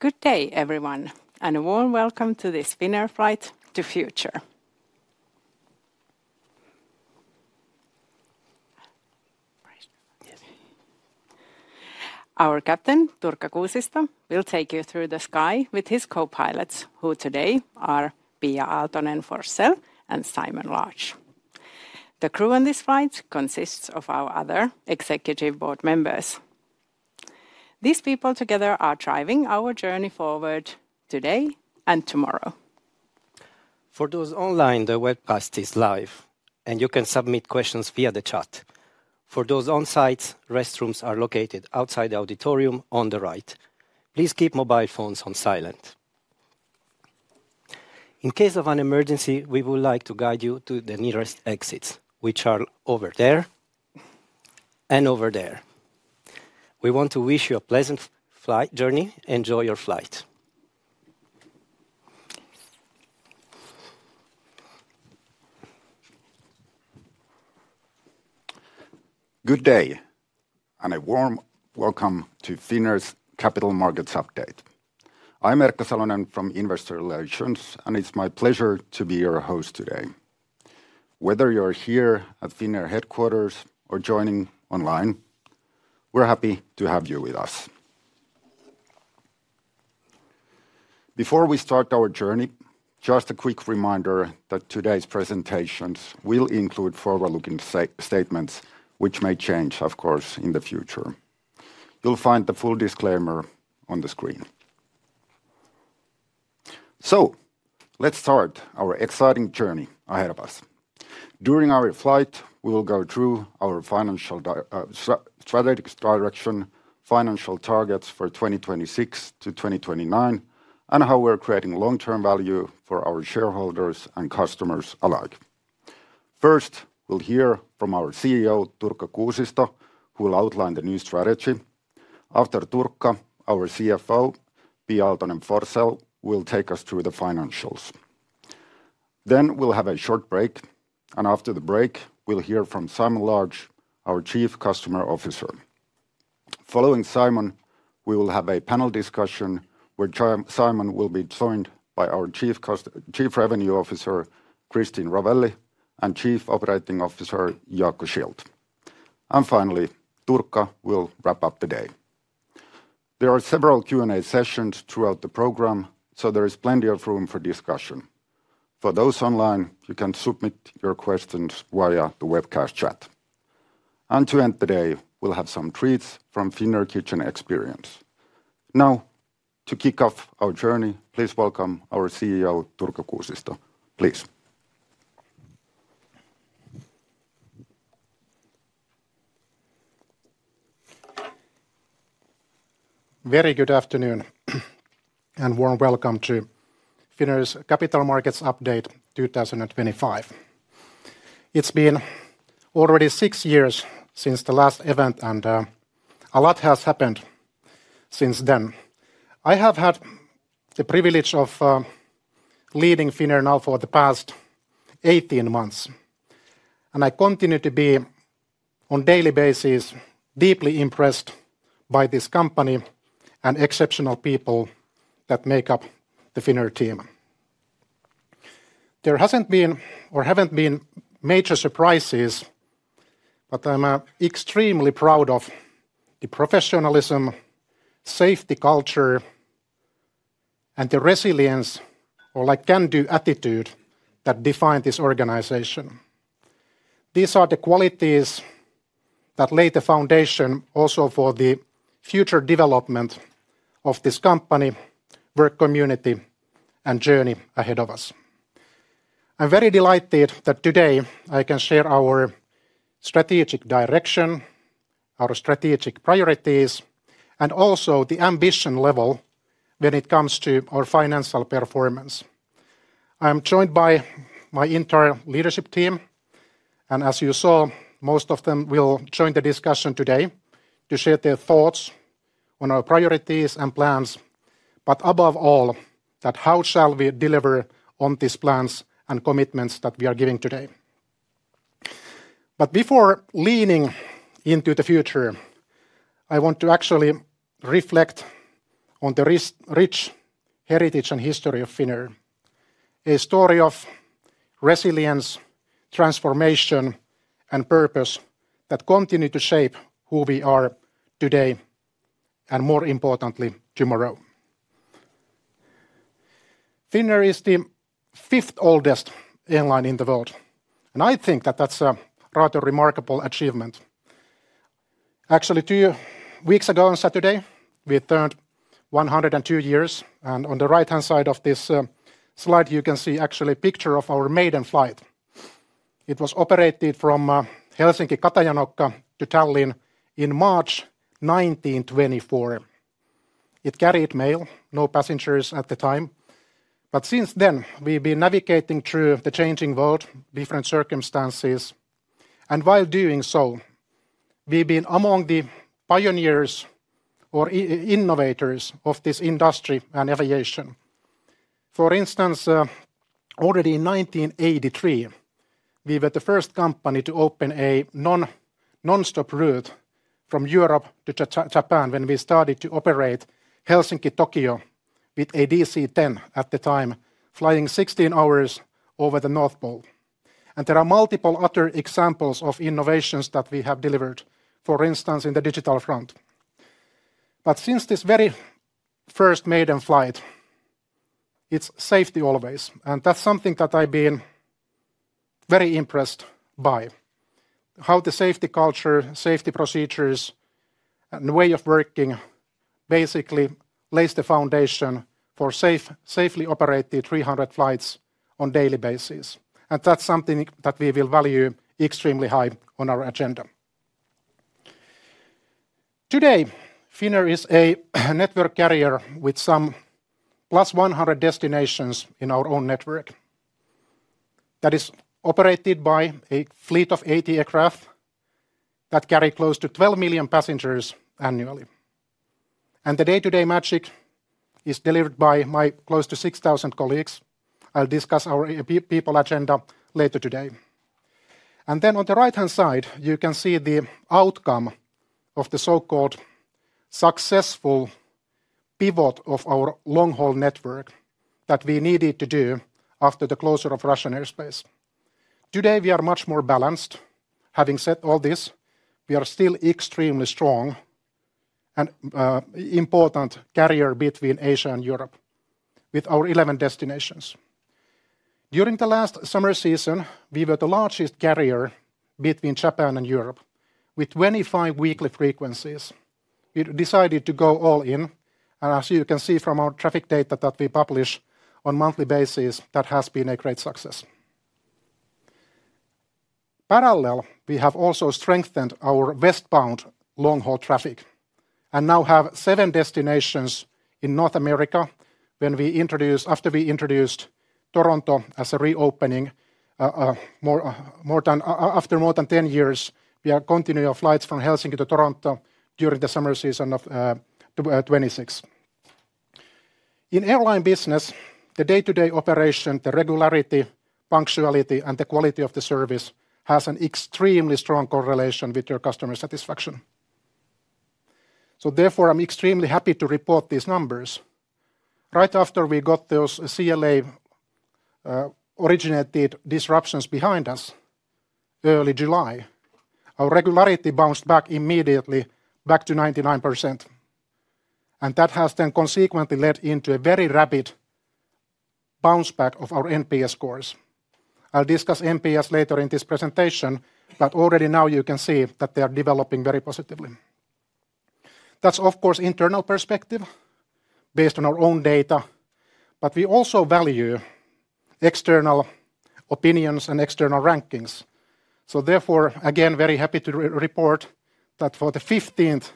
Good day, everyone, and a warm welcome to this Finnair flight to the future. Our captain, Turkka Kuusisto, will take you through the sky with his co-pilots, who today are Pia Aaltonen-Forssell and Simon Large. The crew on this flight consists of our other executive board members. These people together are driving our journey forward today and tomorrow. For those online, the webcast is live, and you can submit questions via the chat. For those on site, restrooms are located outside the auditorium on the right. Please keep mobile phones on silent. In case of an emergency, we would like to guide you to the nearest exits, which are over there and over there. We want to wish you a pleasant flight journey. Enjoy your flight. Good day, and a warm welcome to Finnair's Capital Markets Update. I'm Erkka Salonen from Investor Relations, and it's my pleasure to be your host today. Whether you're here at Finnair headquarters or joining online, we're happy to have you with us. Before we start our journey, just a quick reminder that today's presentations will include forward-looking statements, which may change, of course, in the future. You'll find the full disclaimer on the screen. Let's start our exciting journey ahead of us. During our flight, we will go through our strategic direction, financial targets for 2026 to 2029, and how we're creating long-term value for our shareholders and customers alike. First, we'll hear from our CEO, Turkka Kuusisto, who will outline the new strategy. After Turkka, our CFO, Pia Aaltonen-Forssell, will take us through the financials. We'll have a short break, and after the break, we'll hear from Simon Large, our Chief Customer Officer. Following Simon, we will have a panel discussion where Simon will be joined by our Chief Revenue Officer, Christine Rovelli, and Chief Operating Officer, Jaakko Schildt. Finally, Turkka will wrap up the day. There are several Q&A sessions throughout the program, so there is plenty of room for discussion. For those online, you can submit your questions via the webcast chat. To end the day, we'll have some treats from the Finnair Kitchen experience. Now, to kick off our journey, please welcome our CEO, Turkka Kuusisto. Please. Very good afternoon and warm welcome to Finnair's Capital Markets Update 2025. It's been already six years since the last event, and a lot has happened since then. I have had the privilege of leading Finnair now for the past 18 months, and I continue to be on a daily basis deeply impressed by this company and exceptional people that make up the Finnair team. There haven't been major surprises, but I'm extremely proud of the professionalism, safety culture, and the resilience or can-do attitude that define this organization. These are the qualities that lay the foundation also for the future development of this company, work community, and journey ahead of us. I'm very delighted that today I can share our strategic direction, our strategic priorities, and also the ambition level when it comes to our financial performance. I'm joined by my entire leadership team, and as you saw, most of them will join the discussion today to share their thoughts on our priorities and plans, but above all, how shall we deliver on these plans and commitments that we are giving today. Before leaning into the future, I want to actually reflect on the rich heritage and history of Finnair, a story of resilience, transformation, and purpose that continue to shape who we are today and, more importantly, tomorrow. Finnair is the fifth oldest airline in the world, and I think that that's a rather remarkable achievement. Actually, two weeks ago on Saturday, we turned 102 years, and on the right-hand side of this slide, you can see actually a picture of our maiden flight. It was operated from Helsinki, Katajanokka to Tallinn in March 1924. It carried mail, no passengers at the time, but since then, we've been navigating through the changing world, different circumstances, and while doing so, we've been among the pioneers or innovators of this industry and aviation. For instance, already in 1983, we were the first company to open a non-stop route from Europe to Japan when we started to operate Helsinki-Tokyo with a DC-10 at the time, flying 16 hours over the North Pole. There are multiple other examples of innovations that we have delivered, for instance, in the digital front. Since this very first maiden flight, it's safety always, and that's something that I've been very impressed by, how the safety culture, safety procedures, and way of working basically lays the foundation for safely operated 300 flights on a daily basis. That's something that we will value extremely high on our agenda. Today, Finnair is a network carrier with some +100 destinations in our own network. That is operated by a fleet of 80 aircraft that carry close to 12 million passengers annually. The day-to-day magic is delivered by my close to 6,000 colleagues. I'll discuss our people agenda later today. On the right-hand side, you can see the outcome of the so-called successful pivot of our long-haul network that we needed to do after the closure of Russian airspace. Today, we are much more balanced. Having said all this, we are still extremely strong and important carrier between Asia and Europe with our 11 destinations. During the last summer season, we were the largest carrier between Japan and Europe with 25 weekly frequencies. We decided to go all in, and as you can see from our traffic data that we publish on a monthly basis, that has been a great success. Parallel, we have also strengthened our westbound long-haul traffic and now have seven destinations in North America after we introduced Toronto as a reopening. After more than 10 years, we are continuing our flights from Helsinki to Toronto during the summer season of 2026. In airline business, the day-to-day operation, the regularity, punctuality, and the quality of the service has an extremely strong correlation with your customer satisfaction. Therefore, I'm extremely happy to report these numbers. Right after we got those CLA-originated disruptions behind us, early July, our regularity bounced back immediately back to 99%. That has then consequently led into a very rapid bounce back of our NPS scores. I'll discuss NPS later in this presentation, but already now you can see that they are developing very positively. That's, of course, an internal perspective based on our own data, but we also value external opinions and external rankings. Therefore, again, very happy to report that for the 15th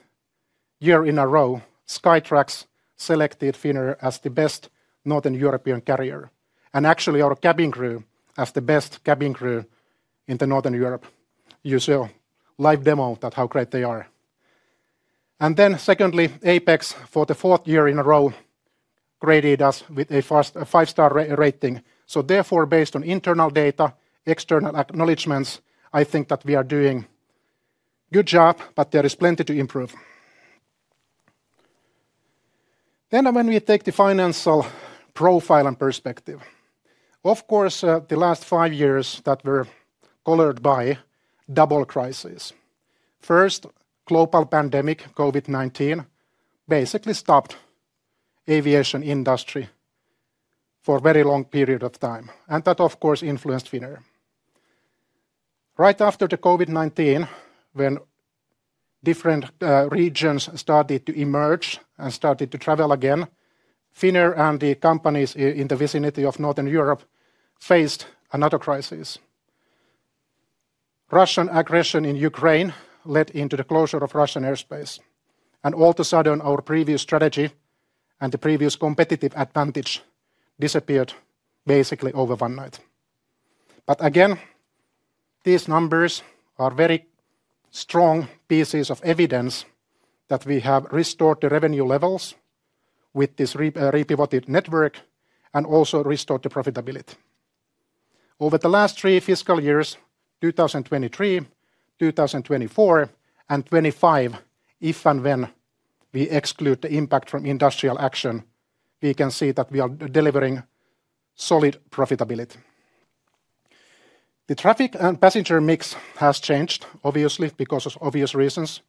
year in a row, Skytrax selected Finnair as the best Northern European carrier and actually our cabin crew as the best cabin crew in Northern Europe. You saw a live demo of how great they are. Secondly, Apex for the fourth year in a row graded us with a five-star rating. Therefore, based on internal data, external acknowledgments, I think that we are doing a good job, but there is plenty to improve. When we take the financial profile and perspective, of course, the last five years that were colored by double crises. First, the global pandemic, COVID-19, basically stopped the aviation industry for a very long period of time, and that, of course, influenced Finnair. Right after the COVID-19, when different regions started to emerge and started to travel again, Finnair and the companies in the vicinity of Northern Europe faced another crisis. Russian aggression in Ukraine led to the closure of Russian airspace, and all of a sudden, our previous strategy and the previous competitive advantage disappeared basically over one night. Again, these numbers are very strong pieces of evidence that we have restored the revenue levels with this repivoted network and also restored the profitability. Over the last three fiscal years, 2023, 2024, and 2025, if and when we exclude the impact from industrial action, we can see that we are delivering solid profitability. The traffic and passenger mix has changed, obviously, because of obvious reasons,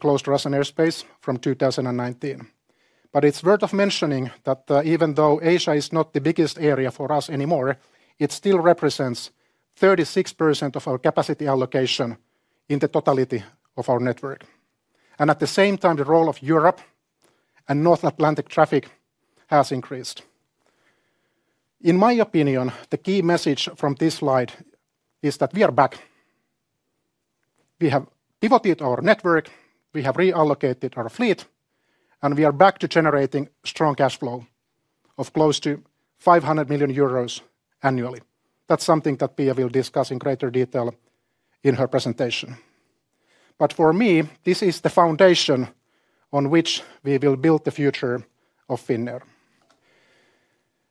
closed Russian airspace from 2019. It is worth mentioning that even though Asia is not the biggest area for us anymore, it still represents 36% of our capacity allocation in the totality of our network. At the same time, the role of Europe and North Atlantic traffic has increased. In my opinion, the key message from this slide is that we are back. We have pivoted our network, we have reallocated our fleet, and we are back to generating strong cash flow of close to 500 million euros annually. That is something that Pia will discuss in greater detail in her presentation. For me, this is the foundation on which we will build the future of Finnair.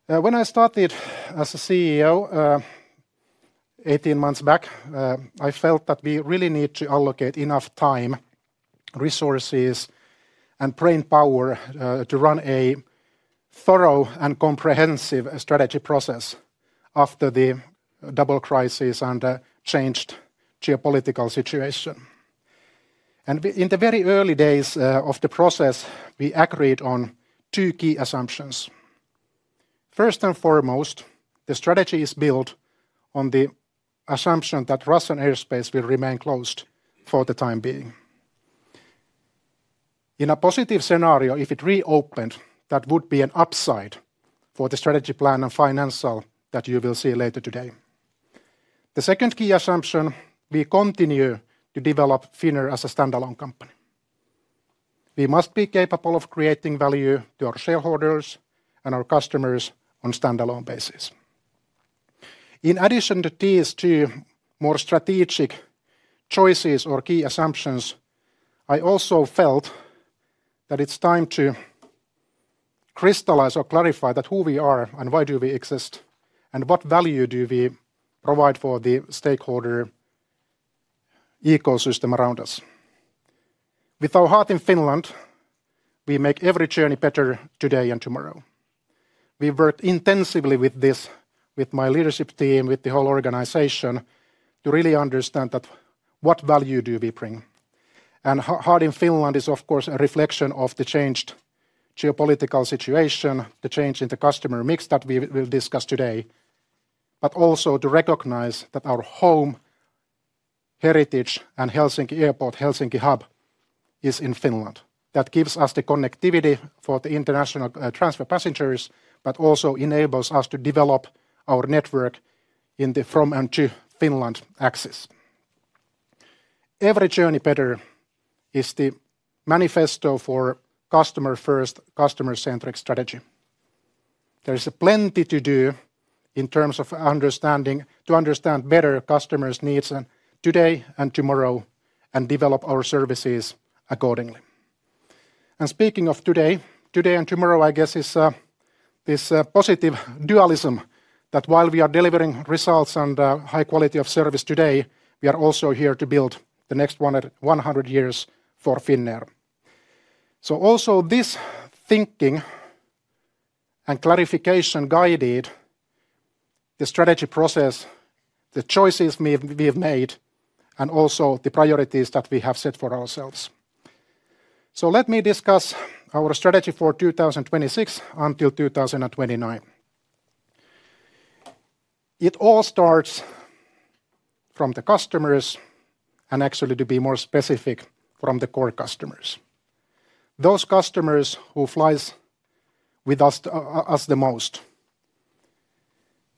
When I started as CEO 18 months back, I felt that we really need to allocate enough time, resources, and brain power to run a thorough and comprehensive strategy process after the double crisis and the changed geopolitical situation. In the very early days of the process, we agreed on two key assumptions. First and foremost, the strategy is built on the assumption that Russian airspace will remain closed for the time being. In a positive scenario, if it reopened, that would be an upside for the strategy plan and financial that you will see later today. The second key assumption, we continue to develop Finnair as a standalone company. We must be capable of creating value to our shareholders and our customers on a standalone basis. In addition to these two more strategic choices or key assumptions, I also felt that it's time to crystallize or clarify who we are and why do we exist, and what value do we provide for the stakeholder ecosystem around us. With our heart in Finland, we make every journey better today and tomorrow. We've worked intensively with this, with my leadership team, with the whole organization to really understand what value do we bring. Heart in Finland is, of course, a reflection of the changed geopolitical situation, the change in the customer mix that we will discuss today, but also to recognize that our home heritage and Helsinki Airport, Helsinki hub, is in Finland. That gives us the connectivity for the international transfer passengers, but also enables us to develop our network in the from and to Finland axis. Every journey better is the manifesto for a customer-first, customer-centric strategy. There is plenty to do in terms of understanding customers' needs today and tomorrow and develop our services accordingly. Speaking of today, today and tomorrow, I guess, is this positive dualism that while we are delivering results and high quality of service today, we are also here to build the next 100 years for Finnair. This thinking and clarification guided the strategy process, the choices we've made, and also the priorities that we have set for ourselves. Let me discuss our strategy for 2026 until 2029. It all starts from the customers and actually, to be more specific, from the core customers. Those customers who fly with us the most.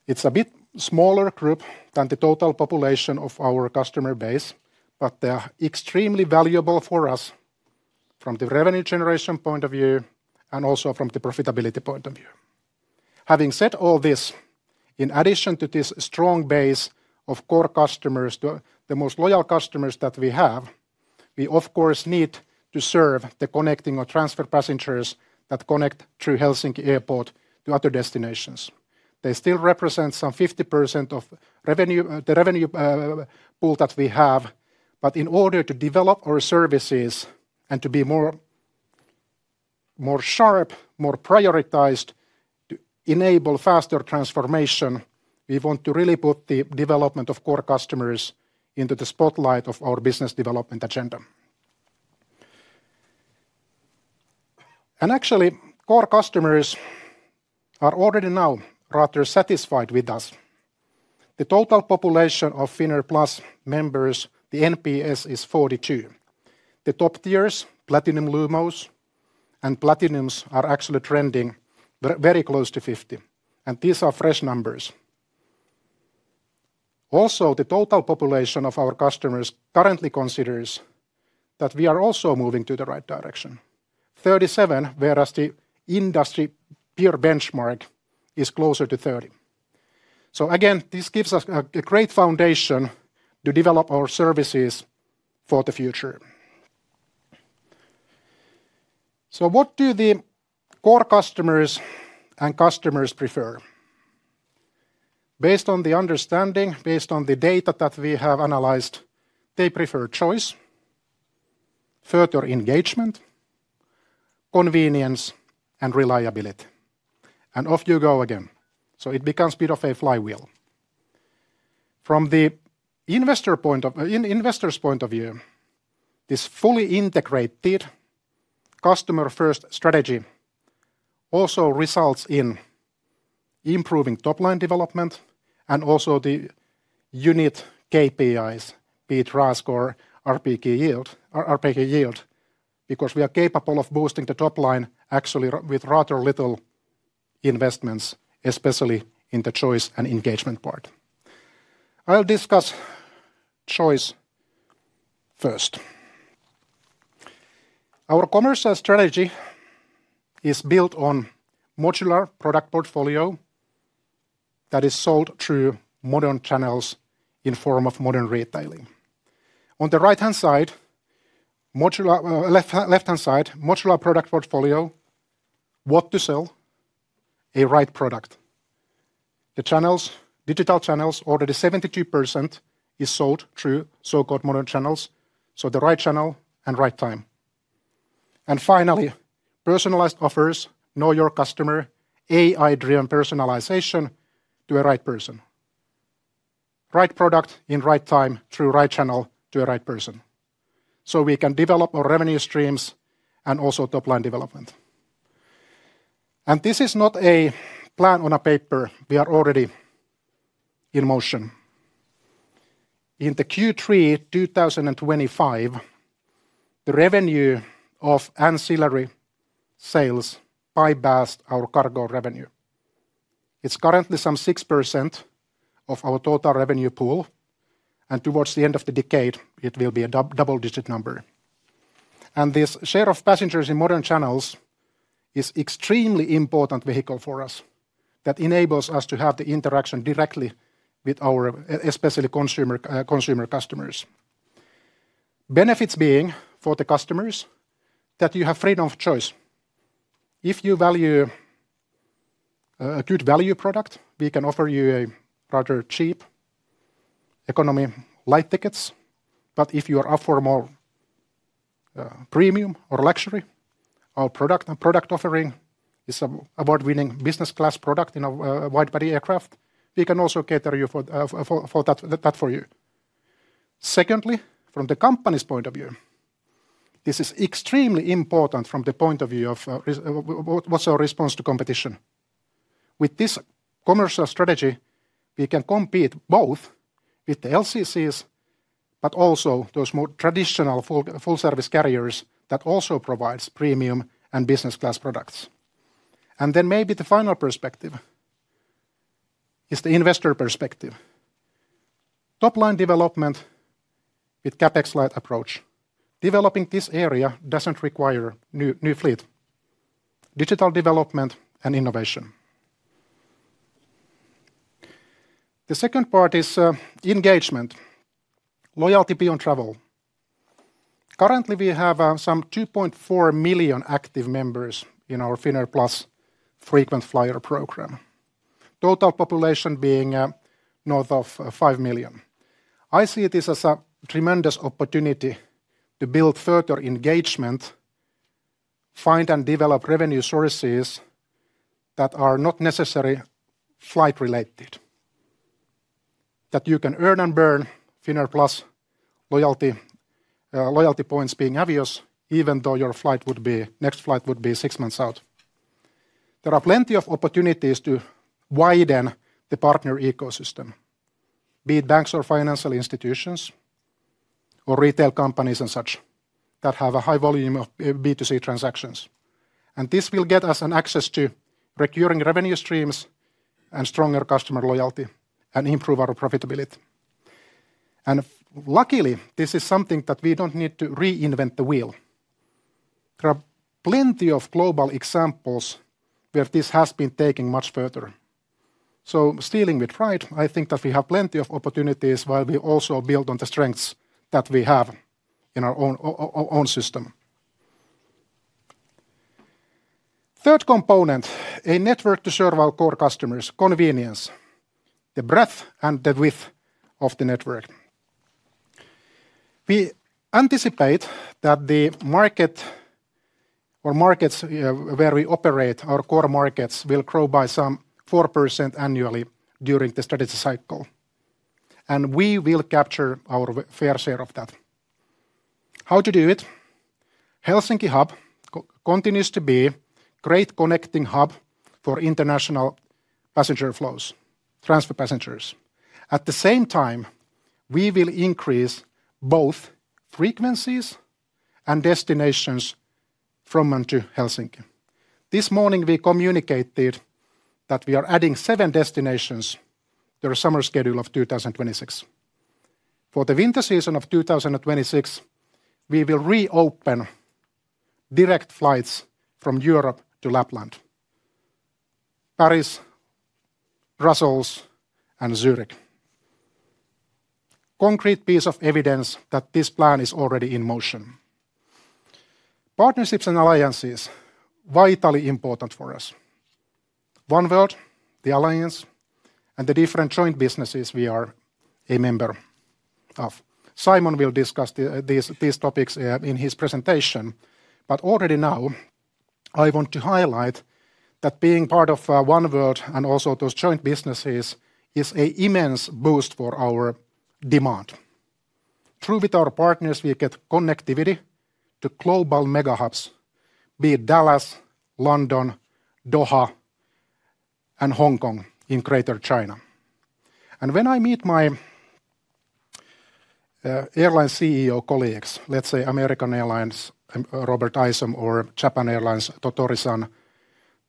It's a bit smaller group than the total population of our customer base, but they are extremely valuable for us from the revenue generation point of view and also from the profitability point of view. Having said all this, in addition to this strong base of core customers, the most loyal customers that we have, we, of course, need to serve the connecting or transfer passengers that connect through Helsinki Airport to other destinations. They still represent some 50% of the revenue pool that we have, but in order to develop our services and to be more sharp, more prioritized to enable faster transformation, we want to really put the development of core customers into the spotlight of our business development agenda. Actually, core customers are already now rather satisfied with us. The total population of Finnair Plus members, the NPS is 42. The top tiers, Platinum, Lumos, and Platinums are actually trending very close to 50, and these are fresh numbers. Also, the total population of our customers currently considers that we are also moving to the right direction. Thirty-seven, whereas the industry peer benchmark is closer to 30. This gives us a great foundation to develop our services for the future. What do the core customers and customers prefer? Based on the understanding, based on the data that we have analyzed, they prefer choice, further engagement, convenience, and reliability. Off you go again. It becomes a bit of a flywheel. From the investor's point of view, this fully integrated customer-first strategy also results in improving top-line development and also the unit KPIs, be it RASK, RPK yield, because we are capable of boosting the top line actually with rather little investments, especially in the Choice and Engagement part. I'll discuss Choice first. Our commercial strategy is built on a modular product portfolio that is sold through modern channels in the form of modern retailing. On the right-hand side, left-hand side, modular product portfolio, what to sell, a right product. The channels, digital channels, already 72% is sold through so-called modern channels, so the right channel and right time. Finally, personalized offers, know your customer, AI-driven personalization to a right person. Right product in right time through right channel to a right person. We can develop our revenue streams and also top-line development. This is not a plan on a paper. We are already in motion. In Q3 2025, the revenue of ancillary sales bypassed our cargo revenue. It is currently some 6% of our total revenue pool, and towards the end of the decade, it will be a double-digit number. This share of passengers in modern channels is an extremely important vehicle for us that enables us to have the interaction directly with our especially consumer customers. Benefits being for the customers that you have freedom of choice. If you value a good value product, we can offer you a rather cheap economy light tickets, but if you are up for more premium or luxury, our product offering is an award-winning business-class product in a wide-body aircraft. We can also cater for that for you. Secondly, from the company's point of view, this is extremely important from the point of view of what's our response to competition. With this commercial strategy, we can compete both with the LCCs, but also those more traditional full-service carriers that also provide premium and business-class products. Maybe the final perspective is the investor perspective. Top-line development with CapEx Light approach. Developing this area does not require new fleet. Digital development and innovation. The second part is engagement, loyalty beyond travel. Currently, we have some 2.4 million active members in our Finnair Plus frequent flyer program. Total population being north of 5 million. I see this as a tremendous opportunity to build further engagement, find and develop revenue sources that are not necessarily flight-related, that you can earn and burn Finnair Plus loyalty points being obvious, even though your flight would be, next flight would be six months out. There are plenty of opportunities to widen the partner ecosystem, be it banks or financial institutions or retail companies and such that have a high volume of B2C transactions. This will get us access to recurring revenue streams and stronger customer loyalty and improve our profitability. Luckily, this is something that we do not need to reinvent the wheel. There are plenty of global examples where this has been taken much further. Stealing with pride, I think that we have plenty of opportunities while we also build on the strengths that we have in our own system. Third component, a network to serve our core customers, convenience, the breadth and the width of the network. We anticipate that the market or markets where we operate, our core markets, will grow by some 4% annually during the strategy cycle. We will capture our fair share of that. How to do it? Helsinki hub continues to be a great connecting hub for international passenger flows, transfer passengers. At the same time, we will increase both frequencies and destinations from and to Helsinki. This morning, we communicated that we are adding seven destinations to our summer schedule of 2026. For the winter season of 2026, we will reopen direct flights from Europe to Lapland, Paris, Brussels, and Zurich. Concrete piece of evidence that this plan is already in motion. Partnerships and alliances are vitally important for us. Oneworld, the alliance, and the different joint businesses we are a member of. Simon will discuss these topics in his presentation, but already now, I want to highlight that being part of Oneworld and also those joint businesses is an immense boost for our demand. Through with our partners, we get connectivity to global mega hubs, be it Dallas, London, Doha, and Hong Kong in Greater China. When I meet my airline CEO colleagues, let's say American Airlines, Robert Isom, or Japan Airlines, Tottori-san,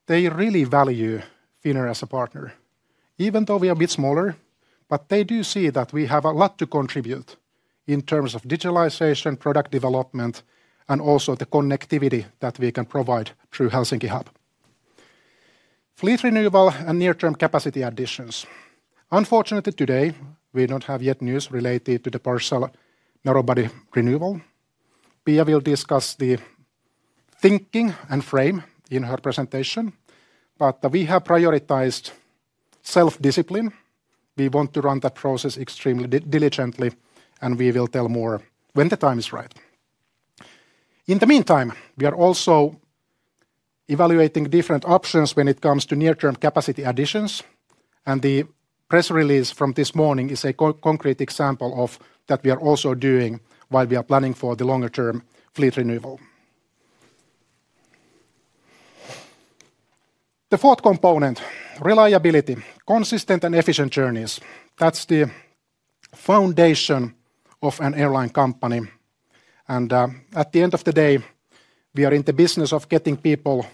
they really value Finnair as a partner. Even though we are a bit smaller, they do see that we have a lot to contribute in terms of digitalization, product development, and also the connectivity that we can provide through Helsinki hub. Fleet renewal and near-term capacity additions. Unfortunately, today, we don't have yet news related to the partial narrow-body renewal. Pia will discuss the thinking and frame in her presentation. We have prioritized self-discipline. We want to run that process extremely diligently, and we will tell more when the time is right. In the meantime, we are also evaluating different options when it comes to near-term capacity additions, and the press release from this morning is a concrete example of that we are also doing while we are planning for the longer-term fleet renewal. The fourth component, reliability, consistent and efficient journeys. That is the foundation of an airline company. At the end of the day, we are in the business of getting people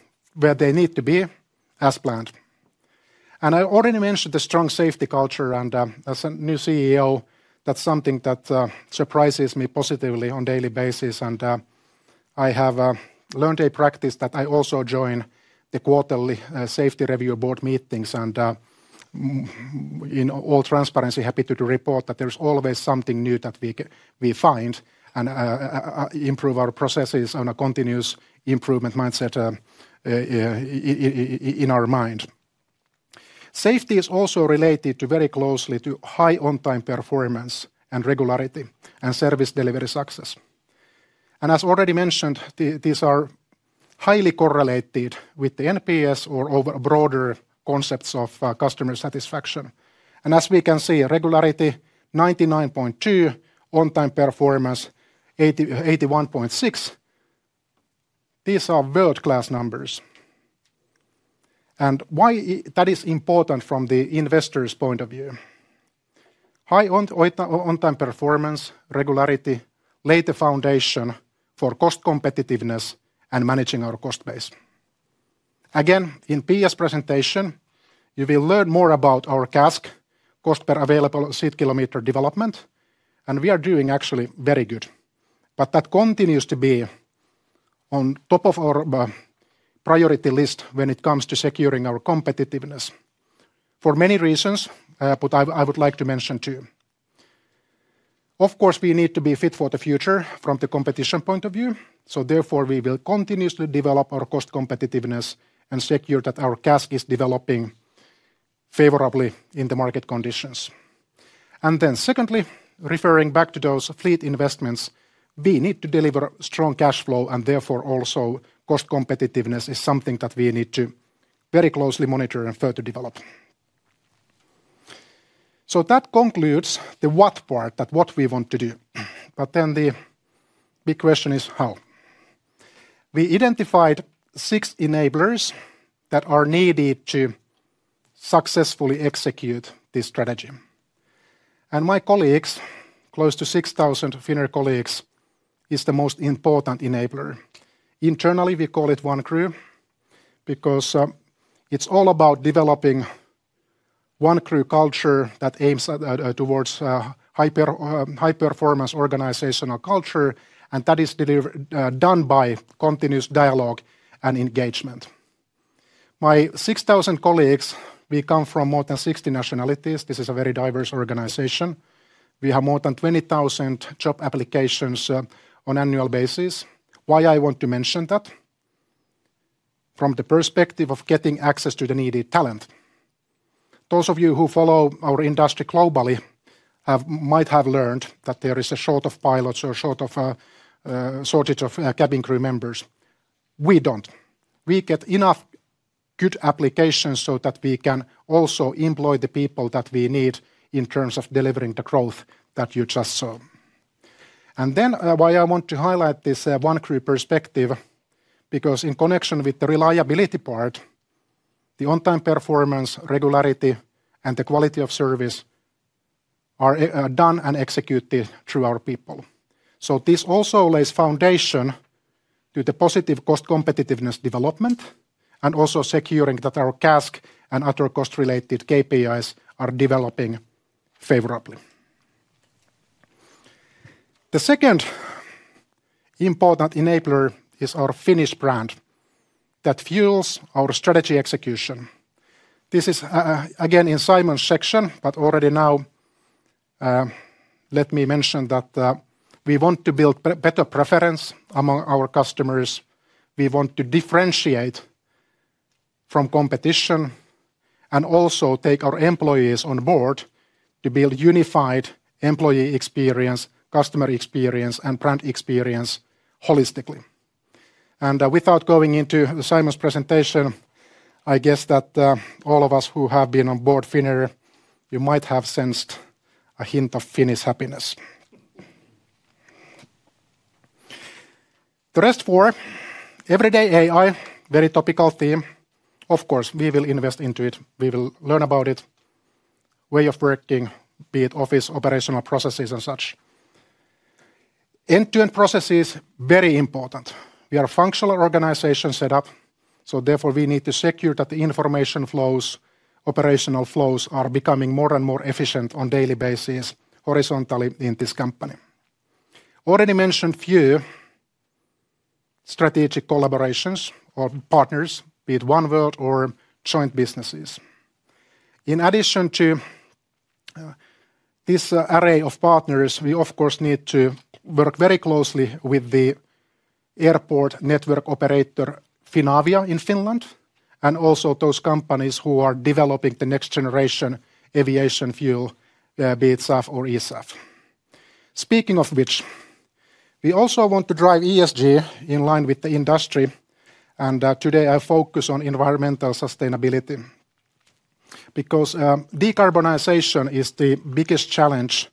where they need to be as planned. I already mentioned the strong safety culture, and as a new CEO, that is something that surprises me positively on a daily basis. I have learned a practice that I also join the quarterly safety review board meetings, and in all transparency, happy to report that there is always something new that we find and improve our processes on a continuous improvement mindset in our mind. Safety is also related very closely to high on-time performance and regularity and service delivery success. As already mentioned, these are highly correlated with the NPS or broader concepts of customer satisfaction. As we can see, regularity 99.2%, on-time performance 81.6%, these are world-class numbers. Why that is important from the investor's point of view? High on-time performance, regularity, lay the foundation for cost competitiveness and managing our cost base. Again, in Pia's presentation, you will learn more about our CASK, Cost per Available Seat Kilometer Development, and we are doing actually very good. That continues to be on top of our priority list when it comes to securing our competitiveness for many reasons, but I would like to mention two. Of course, we need to be fit for the future from the competition point of view, so therefore we will continuously develop our cost competitiveness and secure that our CASK is developing favorably in the market conditions. Referring back to those fleet investments, we need to deliver strong cash flow, and therefore also cost competitiveness is something that we need to very closely monitor and further develop. That concludes the what part, that what we want to do. The big question is how. We identified six enablers that are needed to successfully execute this strategy. My colleagues, close to 6,000 Finnair colleagues, is the most important enabler. Internally, we call it one crew because it's all about developing one crew culture that aims towards high-performance organizational culture, and that is done by continuous dialogue and engagement. My 6,000 colleagues, we come from more than 60 nationalities. This is a very diverse organization. We have more than 20,000 job applications on an annual basis. Why I want to mention that? From the perspective of getting access to the needed talent. Those of you who follow our industry globally might have learned that there is a short of pilots or short of shortage of cabin crew members. We do not. We get enough good applications so that we can also employ the people that we need in terms of delivering the growth that you just saw. Why I want to highlight this one crew perspective? Because in connection with the reliability part, the on-time performance, regularity, and the quality of service are done and executed through our people. This also lays foundation to the positive cost competitiveness development and also securing that our CASK and other cost-related KPIs are developing favorably. The second important enabler is our Finnish brand that fuels our strategy execution. This is again in Simon's section, but already now let me mention that we want to build better preference among our customers. We want to differentiate from competition and also take our employees on board to build unified employee experience, customer experience, and brand experience holistically. Without going into Simon's presentation, I guess that all of us who have been on board Finnair, you might have sensed a hint of Finnish happiness. The rest for everyday AI, very topical theme. Of course, we will invest into it. We will learn about it. Way of working, be it office operational processes and such. End-to-end processes, very important. We are a functional organization set up, so therefore we need to secure that the information flows, operational flows are becoming more and more efficient on a daily basis horizontally in this company. Already mentioned few strategic collaborations or partners, be it Oneworld or joint businesses. In addition to this array of partners, we of course need to work very closely with the airport network operator Finavia in Finland and also those companies who are developing the next generation aviation fuel, be it SAF or ESAF. Speaking of which, we also want to drive ESG in line with the industry, and today I focus on environmental sustainability because decarbonization is the biggest challenge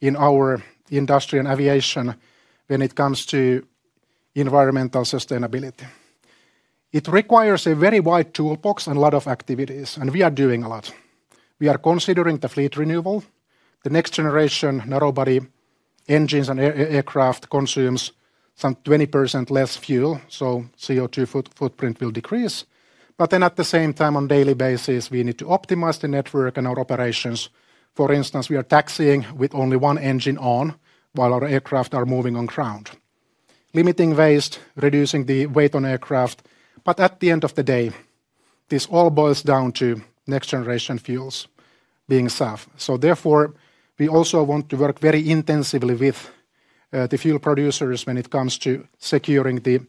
in our industry and aviation when it comes to environmental sustainability. It requires a very wide toolbox and a lot of activities, and we are doing a lot. We are considering the fleet renewal. The next generation narrow-body engines and aircraft consume some 20% less fuel, so CO2 footprint will decrease. At the same time, on a daily basis, we need to optimize the network and our operations. For instance, we are taxiing with only one engine on while our aircraft are moving on ground. Limiting waste, reducing the weight on aircraft, but at the end of the day, this all boils down to next generation fuels being SAF. Therefore, we also want to work very intensively with the fuel producers when it comes to securing the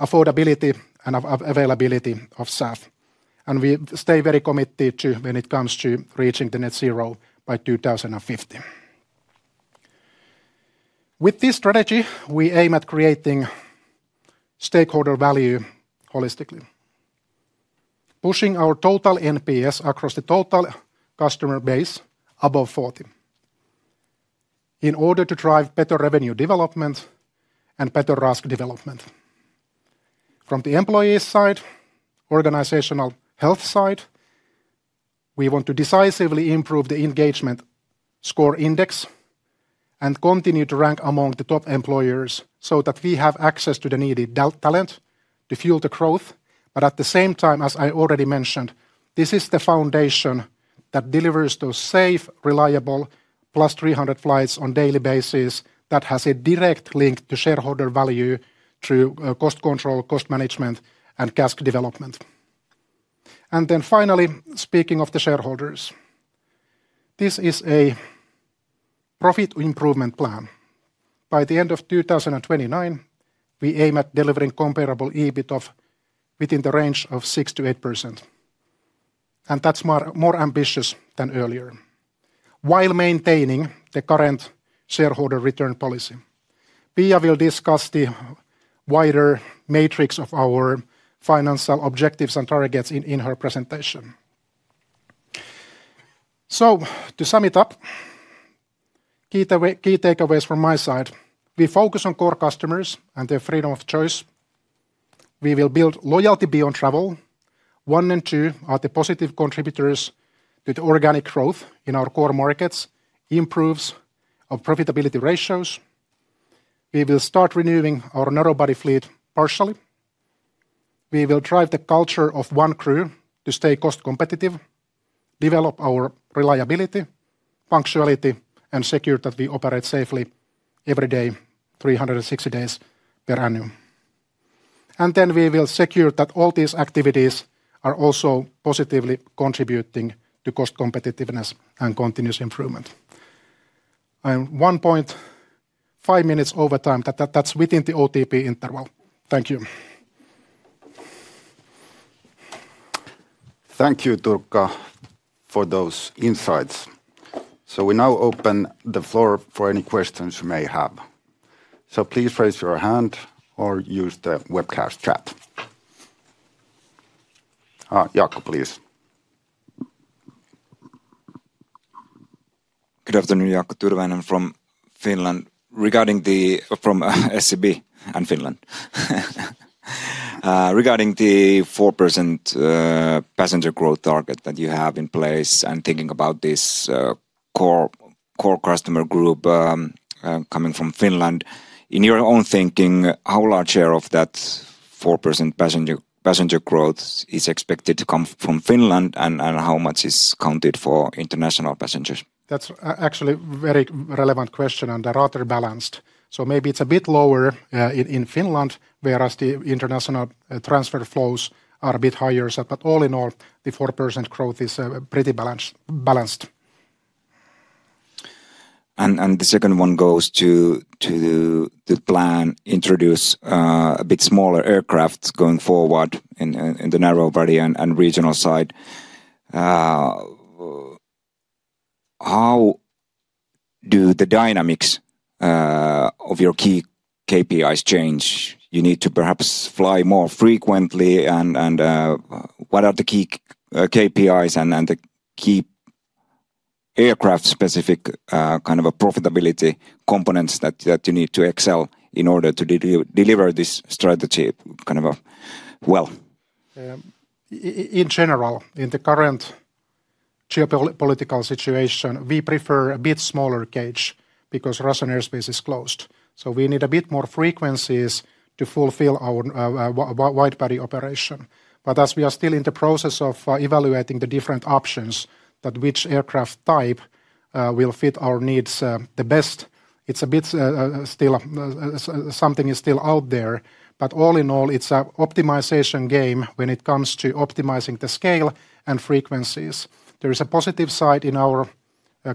affordability and availability of SAF. We stay very committed to when it comes to reaching the net zero by 2050. With this strategy, we aim at creating stakeholder value holistically, pushing our total NPS across the total customer base above 40 in order to drive better revenue development and better RASK development. From the employee side, organizational health side, we want to decisively improve the engagement score index and continue to rank among the top employers so that we have access to the needed talent to fuel the growth. At the same time, as I already mentioned, this is the foundation that delivers those safe, reliable plus 300 flights on a daily basis that has a direct link to shareholder value through cost control, cost management, and CASK development. Finally, speaking of the shareholders, this is a profit improvement plan. By the end of 2029, we aim at delivering comparable EBITDA within the range of 6%-8%. That is more ambitious than earlier, while maintaining the current shareholder return policy. Pia will discuss the wider matrix of our financial objectives and targets in her presentation. To sum it up, key takeaways from my side. We focus on core customers and their freedom of choice. We will build loyalty beyond travel. One and two are the positive contributors to the organic growth in our core markets, improves of profitability ratios. We will start renewing our narrow-body fleet partially. We will drive the culture of one crew to stay cost competitive, develop our reliability, punctuality, and secure that we operate safely every day, 360 days per annum. We will secure that all these activities are also positively contributing to cost competitiveness and continuous improvement. I'm one point, five minutes overtime. That's within the OTP interval. Thank you. Thank you, Turkka, for those insights. We now open the floor for any questions you may have. Please raise your hand or use the webcast chat. Jaakko, please. Good afternoon, Jaakko Tyrväinen from Finland. Regarding the. From SEB and Finland. Regarding the 4% passenger growth target that you have in place and thinking about this core customer group coming from Finland, in your own thinking, how large share of that 4% passenger growth is expected to come from Finland and how much is counted for international passengers? That's actually a very relevant question and rather balanced. Maybe it's a bit lower in Finland, whereas the international transfer flows are a bit higher. All in all, the 4% growth is pretty balanced. The second one goes to the plan, introduce a bit smaller aircraft going forward in the narrow-body and regional side. How do the dynamics of your key KPIs change? You need to perhaps fly more frequently. What are the key KPIs and the key aircraft-specific kind of profitability components that you need to excel in order to deliver this strategy kind of well? In general, in the current geopolitical situation, we prefer a bit smaller gauge because Russian airspace is closed. We need a bit more frequencies to fulfill our wide-body operation. As we are still in the process of evaluating the different options for which aircraft type will fit our needs the best, it's still something that is out there. All in all, it's an optimization game when it comes to optimizing the scale and frequencies. There is a positive side in our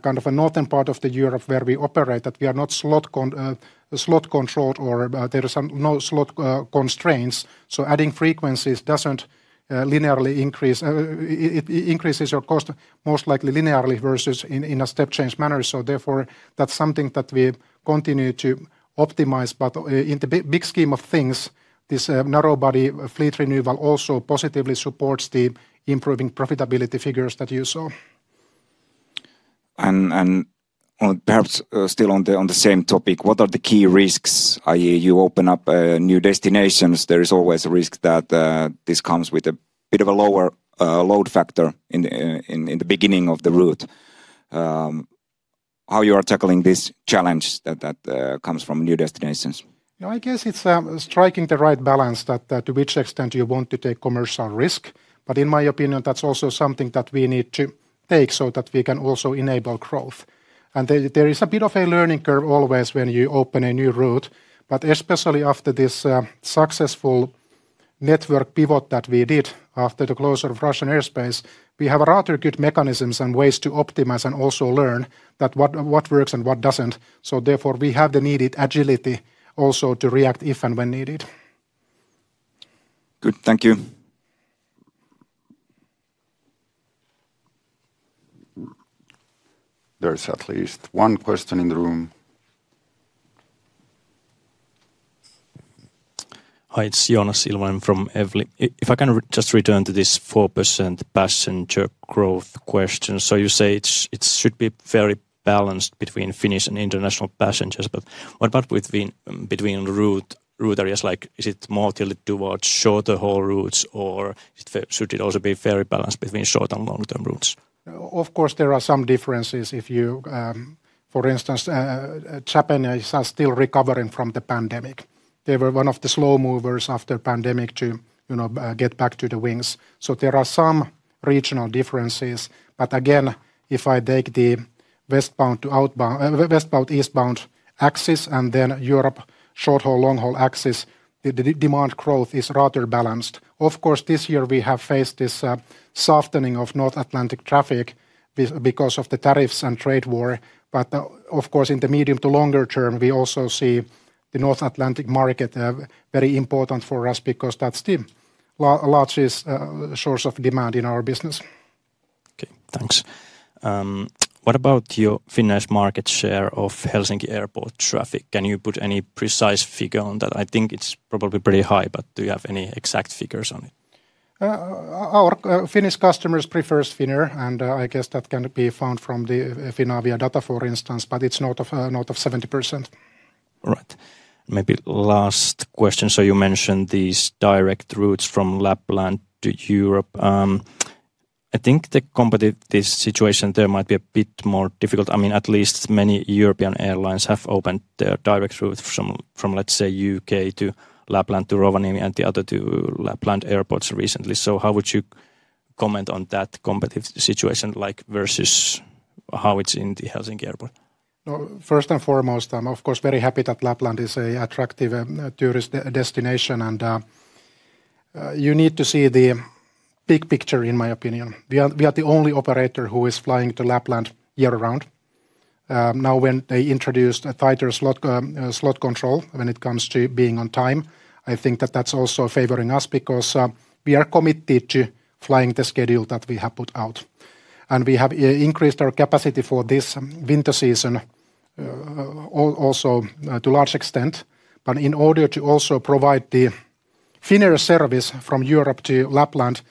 kind of northern part of Europe where we operate, that we are not slot controlled or there are no slot constraints. Adding frequencies does not linearly increase. It increases your cost most likely linearly versus in a step-change manner. Therefore, that's something that we continue to optimize. In the big scheme of things, this narrow-body fleet renewal also positively supports the improving profitability figures that you saw. Perhaps still on the same topic, what are the key risks? You open up new destinations. There is always a risk that this comes with a bit of a lower load factor in the beginning of the route. How are you tackling this challenge that comes from new destinations? I guess it's striking the right balance to which extent you want to take commercial risk. In my opinion, that's also something that we need to take so that we can also enable growth. There is a bit of a learning curve always when you open a new route. But especially after this successful network pivot that we did after the closure of Russian airspace, we have rather good mechanisms and ways to optimize and also learn what works and what does not. Therefore, we have the needed agility also to react if and when needed. Good. Thank you. There is at least one question in the room. Hi, it is Joonas Ilvonen from Evli. If I can just return to this 4% passenger growth question. You say it should be very balanced between Finnish and international passengers. What about between route areas? Is it more towards shorter haul routes, or should it also be very balanced between short and long-term routes? Of course, there are some differences. For instance, Japan is still recovering from the pandemic. They were one of the slow movers after the pandemic to get back to the wings. There are some regional differences. Again, if I take the westbound to eastbound axis and then Europe short-haul, long-haul axis, the demand growth is rather balanced. Of course, this year we have faced this softening of North Atlantic traffic because of the tariffs and trade war. Of course, in the medium to longer term, we also see the North Atlantic market as very important for us because that is the largest source of demand in our business. Okay, thanks. What about your Finnish market share of Helsinki Airport traffic? Can you put any precise figure on that? I think it is probably pretty high, but do you have any exact figures on it? Our Finnish customers prefer Finnair, and I guess that can be found from the Finavia data, for instance, but it is not of 70%. Right. Maybe last question. You mentioned these direct routes from Lapland to Europe. I think the situation there might be a bit more difficult. I mean, at least many European airlines have opened their direct routes from, let's say, U.K. to Lapland to Rovaniemi and the other Lapland airports recently. How would you comment on that competitive situation versus how it is in the Helsinki Airport? First and foremost, I'm of course very happy that Lapland is an attractive tourist destination. You need to see the big picture, in my opinion. We are the only operator who is flying to Lapland year-round. Now, when they introduced a tighter slot control when it comes to being on time, I think that that's also favoring us because we are committed to flying the schedule that we have put out. We have increased our capacity for this winter season also to a large extent. In order to also provide the Finnair service from Europe to Lapland,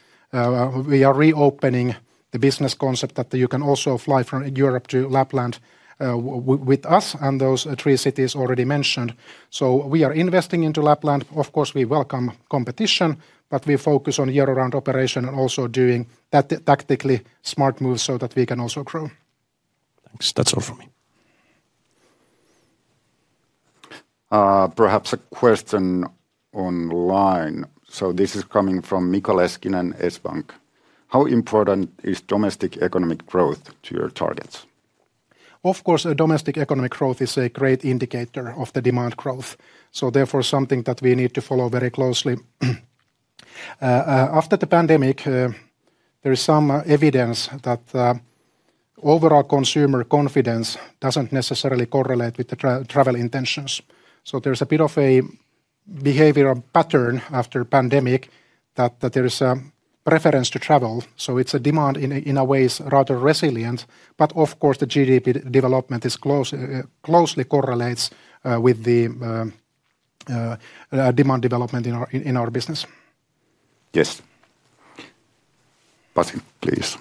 we are reopening the business concept that you can also fly from Europe to Lapland with us and those three cities already mentioned. We are investing into Lapland. Of course, we welcome competition, but we focus on year-round operation and also doing tactically smart moves so that we can also grow. Thanks. That's all from me. Perhaps a question online. This is coming from Mika Leskinen, S-Bank. How important is domestic economic growth to your targets? Of course, domestic economic growth is a great indicator of the demand growth. Therefore, something that we need to follow very closely. After the pandemic, there is some evidence that overall consumer confidence doesn't necessarily correlate with the travel intentions. There's a bit of a behavioral pattern after the pandemic that there is a preference to travel. It's a demand in a way rather resilient. Of course, the GDP development closely correlates with the demand development in our business. Yes. Pasi, please.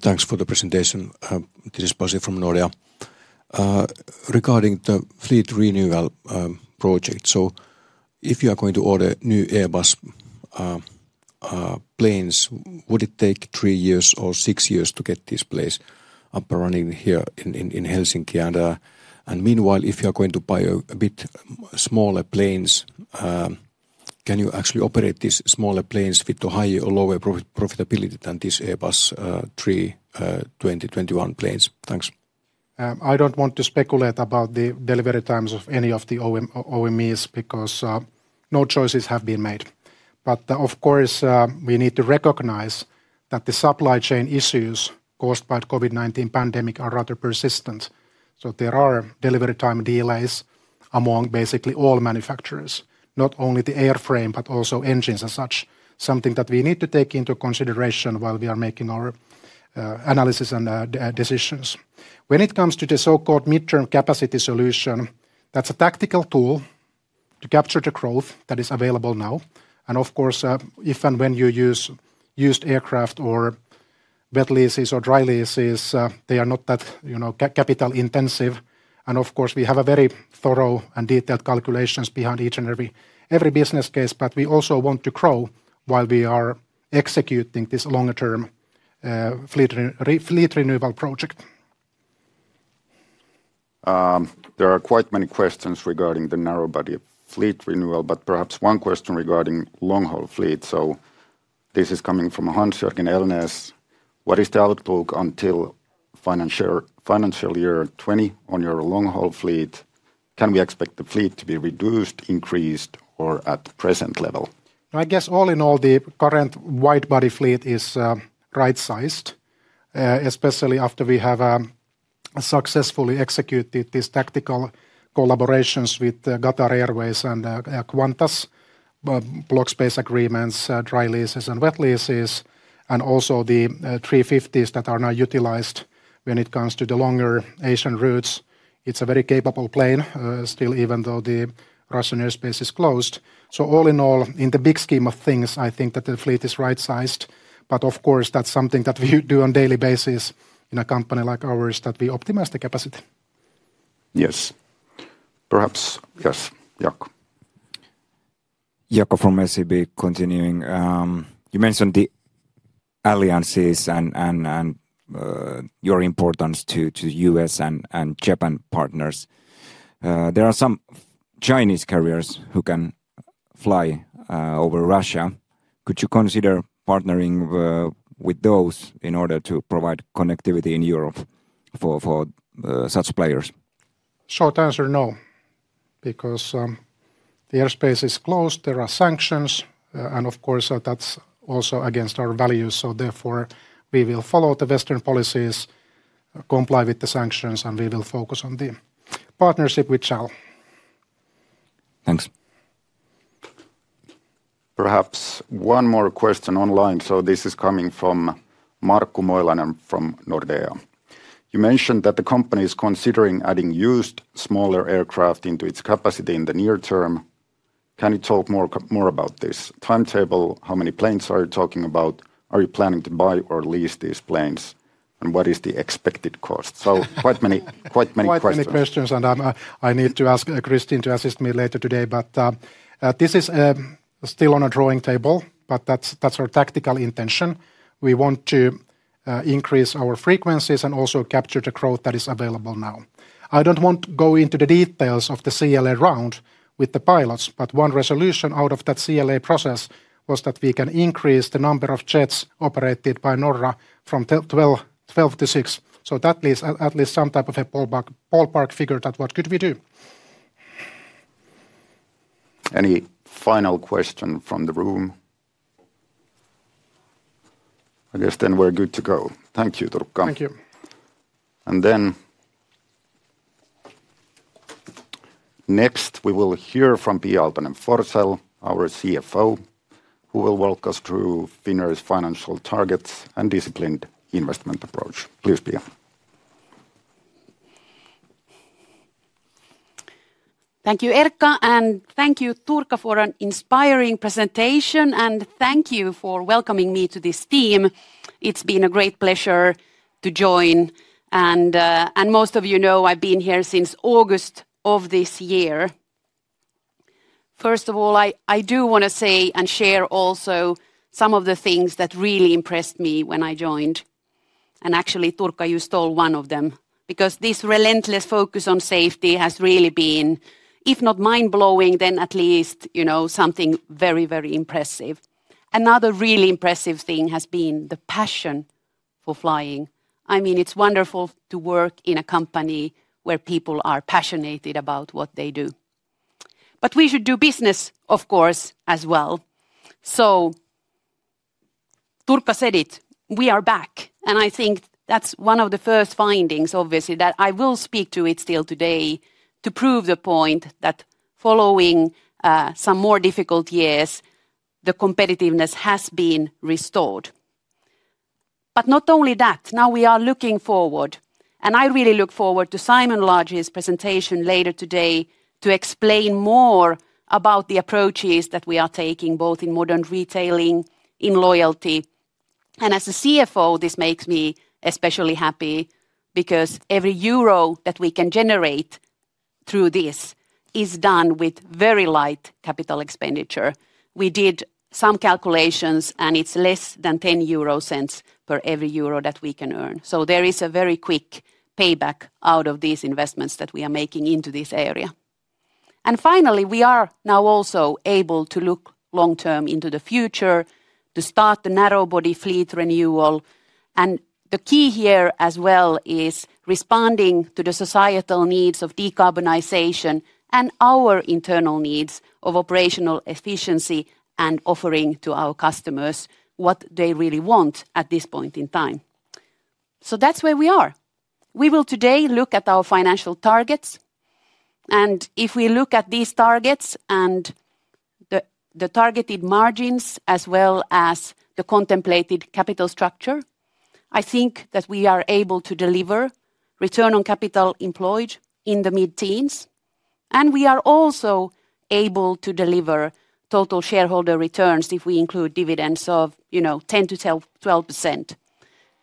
Thanks for the presentation. This is Pasi from Nordea. Regarding the fleet renewal project, if you are going to order new Airbus planes, would it take three years or six years to get this place up and running here in Helsinki? Meanwhile, if you are going to buy a bit smaller planes, can you actually operate these smaller planes with a higher or lower profitability than these Airbus 320-21 planes? Thanks. I don't want to speculate about the delivery times of any of the OEMs because no choices have been made. Of course, we need to recognize that the supply chain issues caused by the COVID-19 pandemic are rather persistent. There are delivery time delays among basically all manufacturers, not only the airframe, but also engines and such. Something that we need to take into consideration while we are making our analysis and decisions. When it comes to the so-called midterm capacity solution, that's a tactical tool to capture the growth that is available now. Of course, if and when you use used aircraft or wet leases or dry leases, they are not that capital intensive. Of course, we have very thorough and detailed calculations behind each and every business case. We also want to grow while we are executing this longer-term fleet renewal project. There are quite many questions regarding the narrow-body fleet renewal, but perhaps one question regarding long-haul fleet. This is coming from Hans-Jørgen Elnäs. What is the outlook until financial year 2020 on your long-haul fleet? Can we expect the fleet to be reduced, increased, or at the present level? I guess all in all, the current wide-body fleet is right-sized, especially after we have successfully executed these tactical collaborations with Qatar Airways and Qantas block space agreements, dry leases and wet leases, and also the 350s that are now utilized when it comes to the longer Asian routes. It is a very capable plane still, even though the Russian airspace is closed. All in all, in the big scheme of things, I think that the fleet is right-sized. Of course, that is something that we do on a daily basis in a company like ours, that we optimize the capacity. Yes. Perhaps yes, Jaakko. Jaakko from SEB continuing. You mentioned the alliances and your importance to U.S. and Japan partners. There are some Chinese carriers who can fly over Russia. Could you consider partnering with those in order to provide connectivity in Europe for such players? Short answer, no. Because the airspace is closed, there are sanctions, and of course, that's also against our values. Therefore, we will follow the Western policies, comply with the sanctions, and we will focus on the partnership with Chal. Thanks. Perhaps one more question online. This is coming from Markku Moilanen from Nordea. You mentioned that the company is considering adding used smaller aircraft into its capacity in the near term. Can you talk more about this timetable? How many planes are you talking about? Are you planning to buy or lease these planes? What is the expected cost? Quite many questions. Quite many questions. I need to ask Christine to assist me later today. This is still on a drawing table, but that's our tactical intention. We want to increase our frequencies and also capture the growth that is available now. I don't want to go into the details of the CLA round with the pilots, but one resolution out of that CLA process was that we can increase the number of jets operated by Norra from 12 to 16. So that leaves at least some type of a ballpark figure that what could we do. Any final question from the room? I guess then we're good to go. Thank you, Turkka. Thank you. Next, we will hear from Pia Aaltonen-Forssell, our CFO, who will walk us through Finnair's financial targets and disciplined investment approach. Please, Pia. Thank you, Erkka, and thank you, Turkka, for an inspiring presentation. Thank you for welcoming me to this team. It's been a great pleasure to join. Most of you know I've been here since August of this year. First of all, I do want to say and share also some of the things that really impressed me when I joined. Actually, Turkka just told one of them. This relentless focus on safety has really been, if not mind-blowing, then at least something very, very impressive. Another really impressive thing has been the passion for flying. I mean, it's wonderful to work in a company where people are passionate about what they do. We should do business, of course, as well. Turkka said it, we are back. I think that's one of the first findings, obviously, that I will speak to still today to prove the point that following some more difficult years, the competitiveness has been restored. Not only that, now we are looking forward. I really look forward to Simon Large's presentation later today to explain more about the approaches that we are taking both in modern retailing, in loyalty. As a CFO, this makes me especially happy because every EUR 1 that we can generate through this is done with very light capital expenditure. We did some calculations, and it is less than 0.10 per every EUR 1 that we can earn. There is a very quick payback out of these investments that we are making into this area. Finally, we are now also able to look long-term into the future to start the narrow-body fleet renewal. The key here as well is responding to the societal needs of decarbonization and our internal needs of operational efficiency and offering to our customers what they really want at this point in time. That is where we are. We will today look at our financial targets. If we look at these targets and the targeted margins as well as the contemplated capital structure, I think that we are able to deliver return on capital employed in the mid-teens. We are also able to deliver total shareholder returns if we include dividends of 10%-12%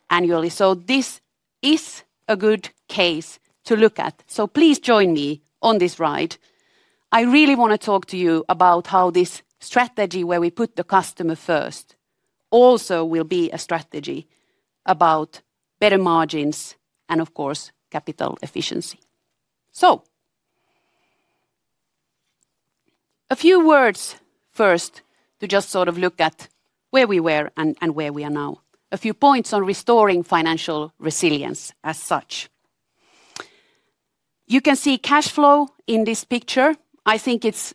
annually. This is a good case to look at. Please join me on this ride. I really want to talk to you about how this strategy where we put the customer first also will be a strategy about better margins and, of course, capital efficiency. A few words first to just sort of look at where we were and where we are now. A few points on restoring financial resilience as such. You can see cash flow in this picture. I think it's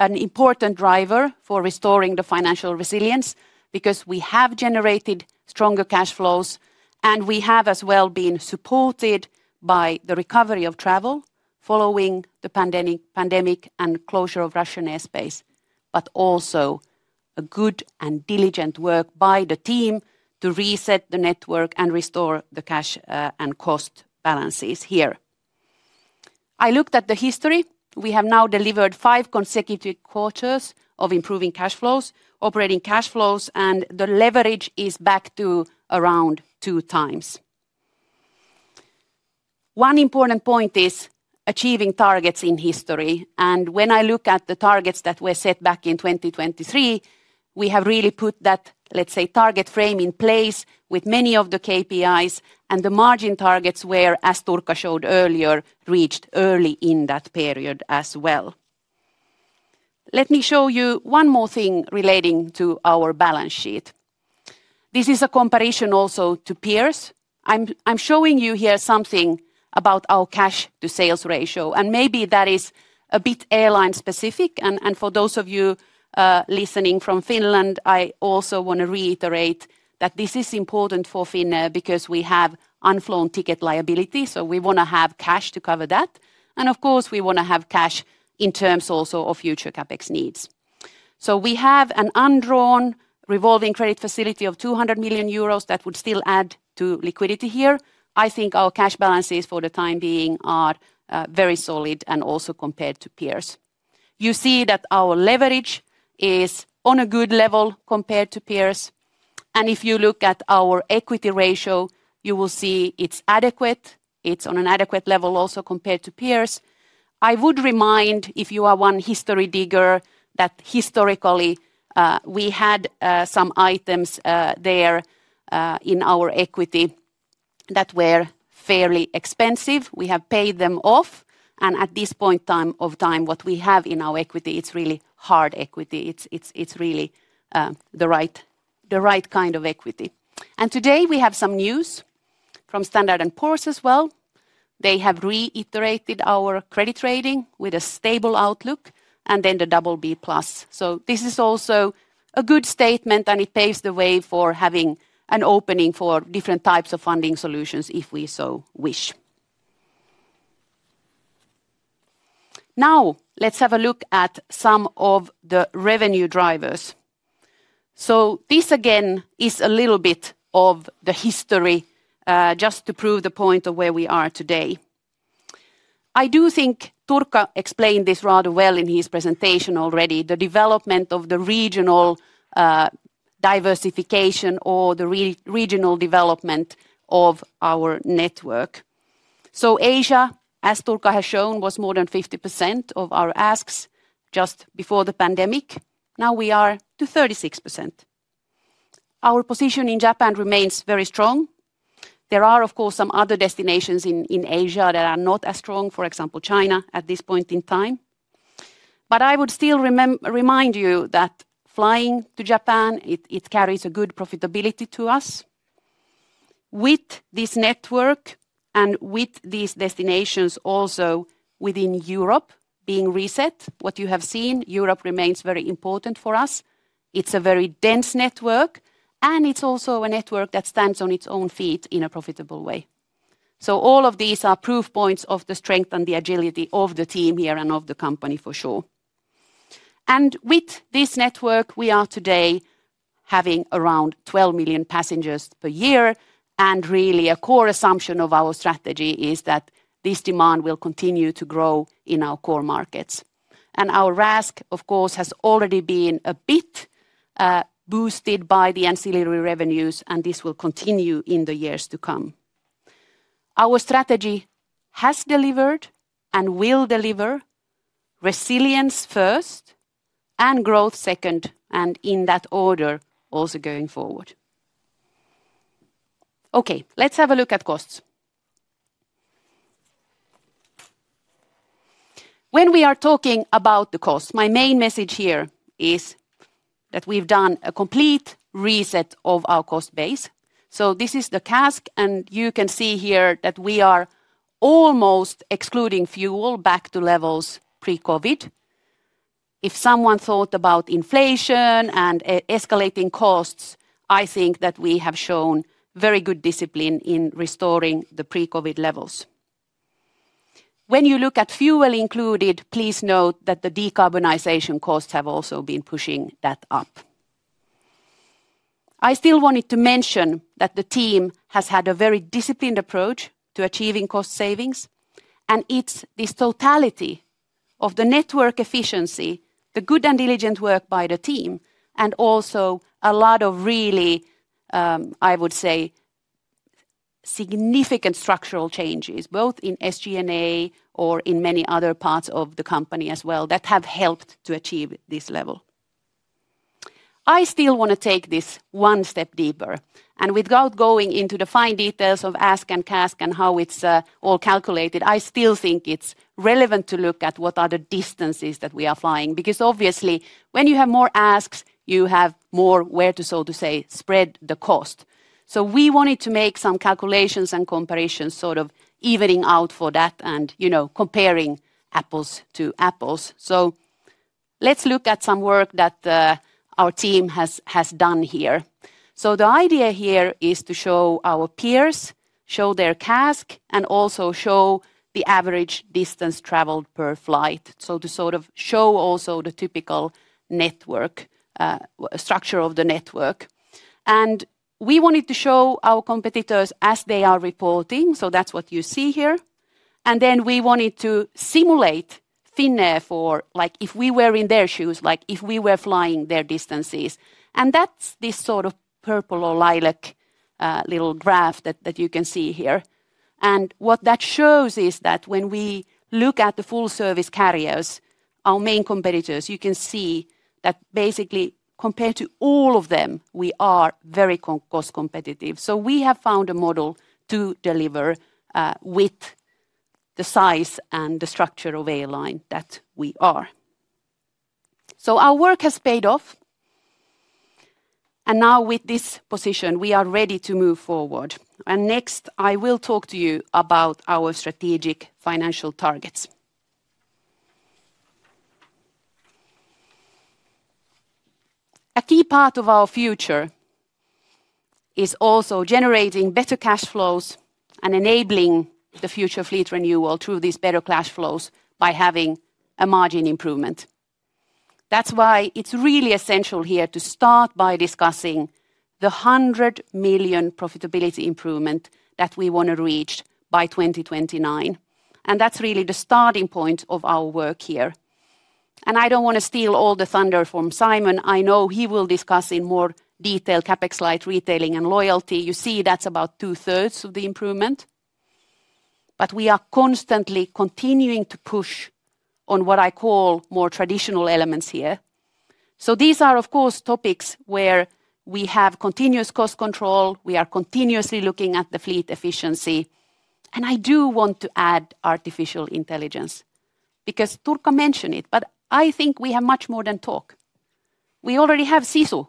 an important driver for restoring the financial resilience because we have generated stronger cash flows and we have as well been supported by the recovery of travel following the pandemic and closure of Russian airspace, but also a good and diligent work by the team to reset the network and restore the cash and cost balances here. I looked at the history. We have now delivered five consecutive quarters of improving cash flows, operating cash flows, and the leverage is back to around two times. One important point is achieving targets in history. When I look at the targets that were set back in 2023, we have really put that, let's say, target frame in place with many of the KPIs and the margin targets where, as Turkka showed earlier, reached early in that period as well. Let me show you one more thing relating to our balance sheet. This is a comparison also to peers. I'm showing you here something about our cash-to-sales ratio, and maybe that is a bit airline specific. For those of you listening from Finland, I also want to reiterate that this is important for Finnair because we have unflown ticket liability. We want to have cash to cover that. Of course, we want to have cash in terms also of future CapEx needs. We have an undrawn revolving credit facility of 200 million euros that would still add to liquidity here. I think our cash balances for the time being are very solid and also compared to peers. You see that our leverage is on a good level compared to peers. If you look at our equity ratio, you will see it's adequate. It's on an adequate level also compared to peers. I would remind, if you are one history digger, that historically we had some items there in our equity that were fairly expensive. We have paid them off. At this point in time, what we have in our equity, it's really hard equity. It's really the right kind of equity. Today we have some news from Standard and Poor's as well. They have reiterated our credit rating with a stable outlook and the double B plus. This is also a good statement and it paves the way for having an opening for different types of funding solutions if we so wish. Now let's have a look at some of the revenue drivers. This again is a little bit of the history just to prove the point of where we are today. I do think Turkka explained this rather well in his presentation already, the development of the regional diversification or the regional development of our network. Asia, as Turkka has shown, was more than 50% of our ASKs just before the pandemic. Now we are to 36%. Our position in Japan remains very strong. There are, of course, some other destinations in Asia that are not as strong, for example, China at this point in time. I would still remind you that flying to Japan, it carries a good profitability to us. With this network and with these destinations also within Europe being reset, what you have seen, Europe remains very important for us. It is a very dense network and it is also a network that stands on its own feet in a profitable way. All of these are proof points of the strength and the agility of the team here and of the company for sure. With this network, we are today having around 12 million passengers per year. Really a core assumption of our strategy is that this demand will continue to grow in our core markets. Our RASK, of course, has already been a bit boosted by the ancillary revenues, and this will continue in the years to come. Our strategy has delivered and will deliver resilience first and growth second, and in that order also going forward. Okay, let's have a look at costs. When we are talking about the costs, my main message here is that we've done a complete reset of our cost base. This is the CASK, and you can see here that we are almost excluding fuel back to levels pre-COVID. If someone thought about inflation and escalating costs, I think that we have shown very good discipline in restoring the pre-COVID levels. When you look at fuel included, please note that the decarbonization costs have also been pushing that up. I still wanted to mention that the team has had a very disciplined approach to achieving cost savings. It is this totality of the network efficiency, the good and diligent work by the team, and also a lot of really, I would say, significant structural changes, both in SG&A or in many other parts of the company as well that have helped to achieve this level. I still want to take this one step deeper. Without going into the fine details of ASK and CASK and how it is all calculated, I still think it is relevant to look at what are the distances that we are flying. Because obviously, when you have more ASKs, you have more where to, so to say, spread the cost. We wanted to make some calculations and comparisons sort of evening out for that and comparing apples to apples. Let's look at some work that our team has done here. The idea here is to show our peers, show their CASK, and also show the average distance traveled per flight. To sort of show also the typical network structure of the network. We wanted to show our competitors as they are reporting. That's what you see here. We wanted to simulate Finnair for like if we were in their shoes, like if we were flying their distances. That's this sort of purple or lilac little graph that you can see here. What that shows is that when we look at the full service carriers, our main competitors, you can see that basically compared to all of them, we are very cost competitive. We have found a model to deliver with the size and the structure of airline that we are. Our work has paid off. Now with this position, we are ready to move forward. Next, I will talk to you about our strategic financial targets. A key part of our future is also generating better cash flows and enabling the future fleet renewal through these better cash flows by having a margin improvement. That's why it's really essential here to start by discussing the 100 million profitability improvement that we want to reach by 2029. That's really the starting point of our work here. I do not want to steal all the thunder from Simon. I know he will discuss in more detail CapEx-like retailing and loyalty. You see that is about 2/3 of the improvement. We are constantly continuing to push on what I call more traditional elements here. These are, of course, topics where we have continuous cost control. We are continuously looking at the fleet efficiency. I do want to add artificial intelligence because Turkka mentioned it, but I think we have much more than talk. We already have Sisu.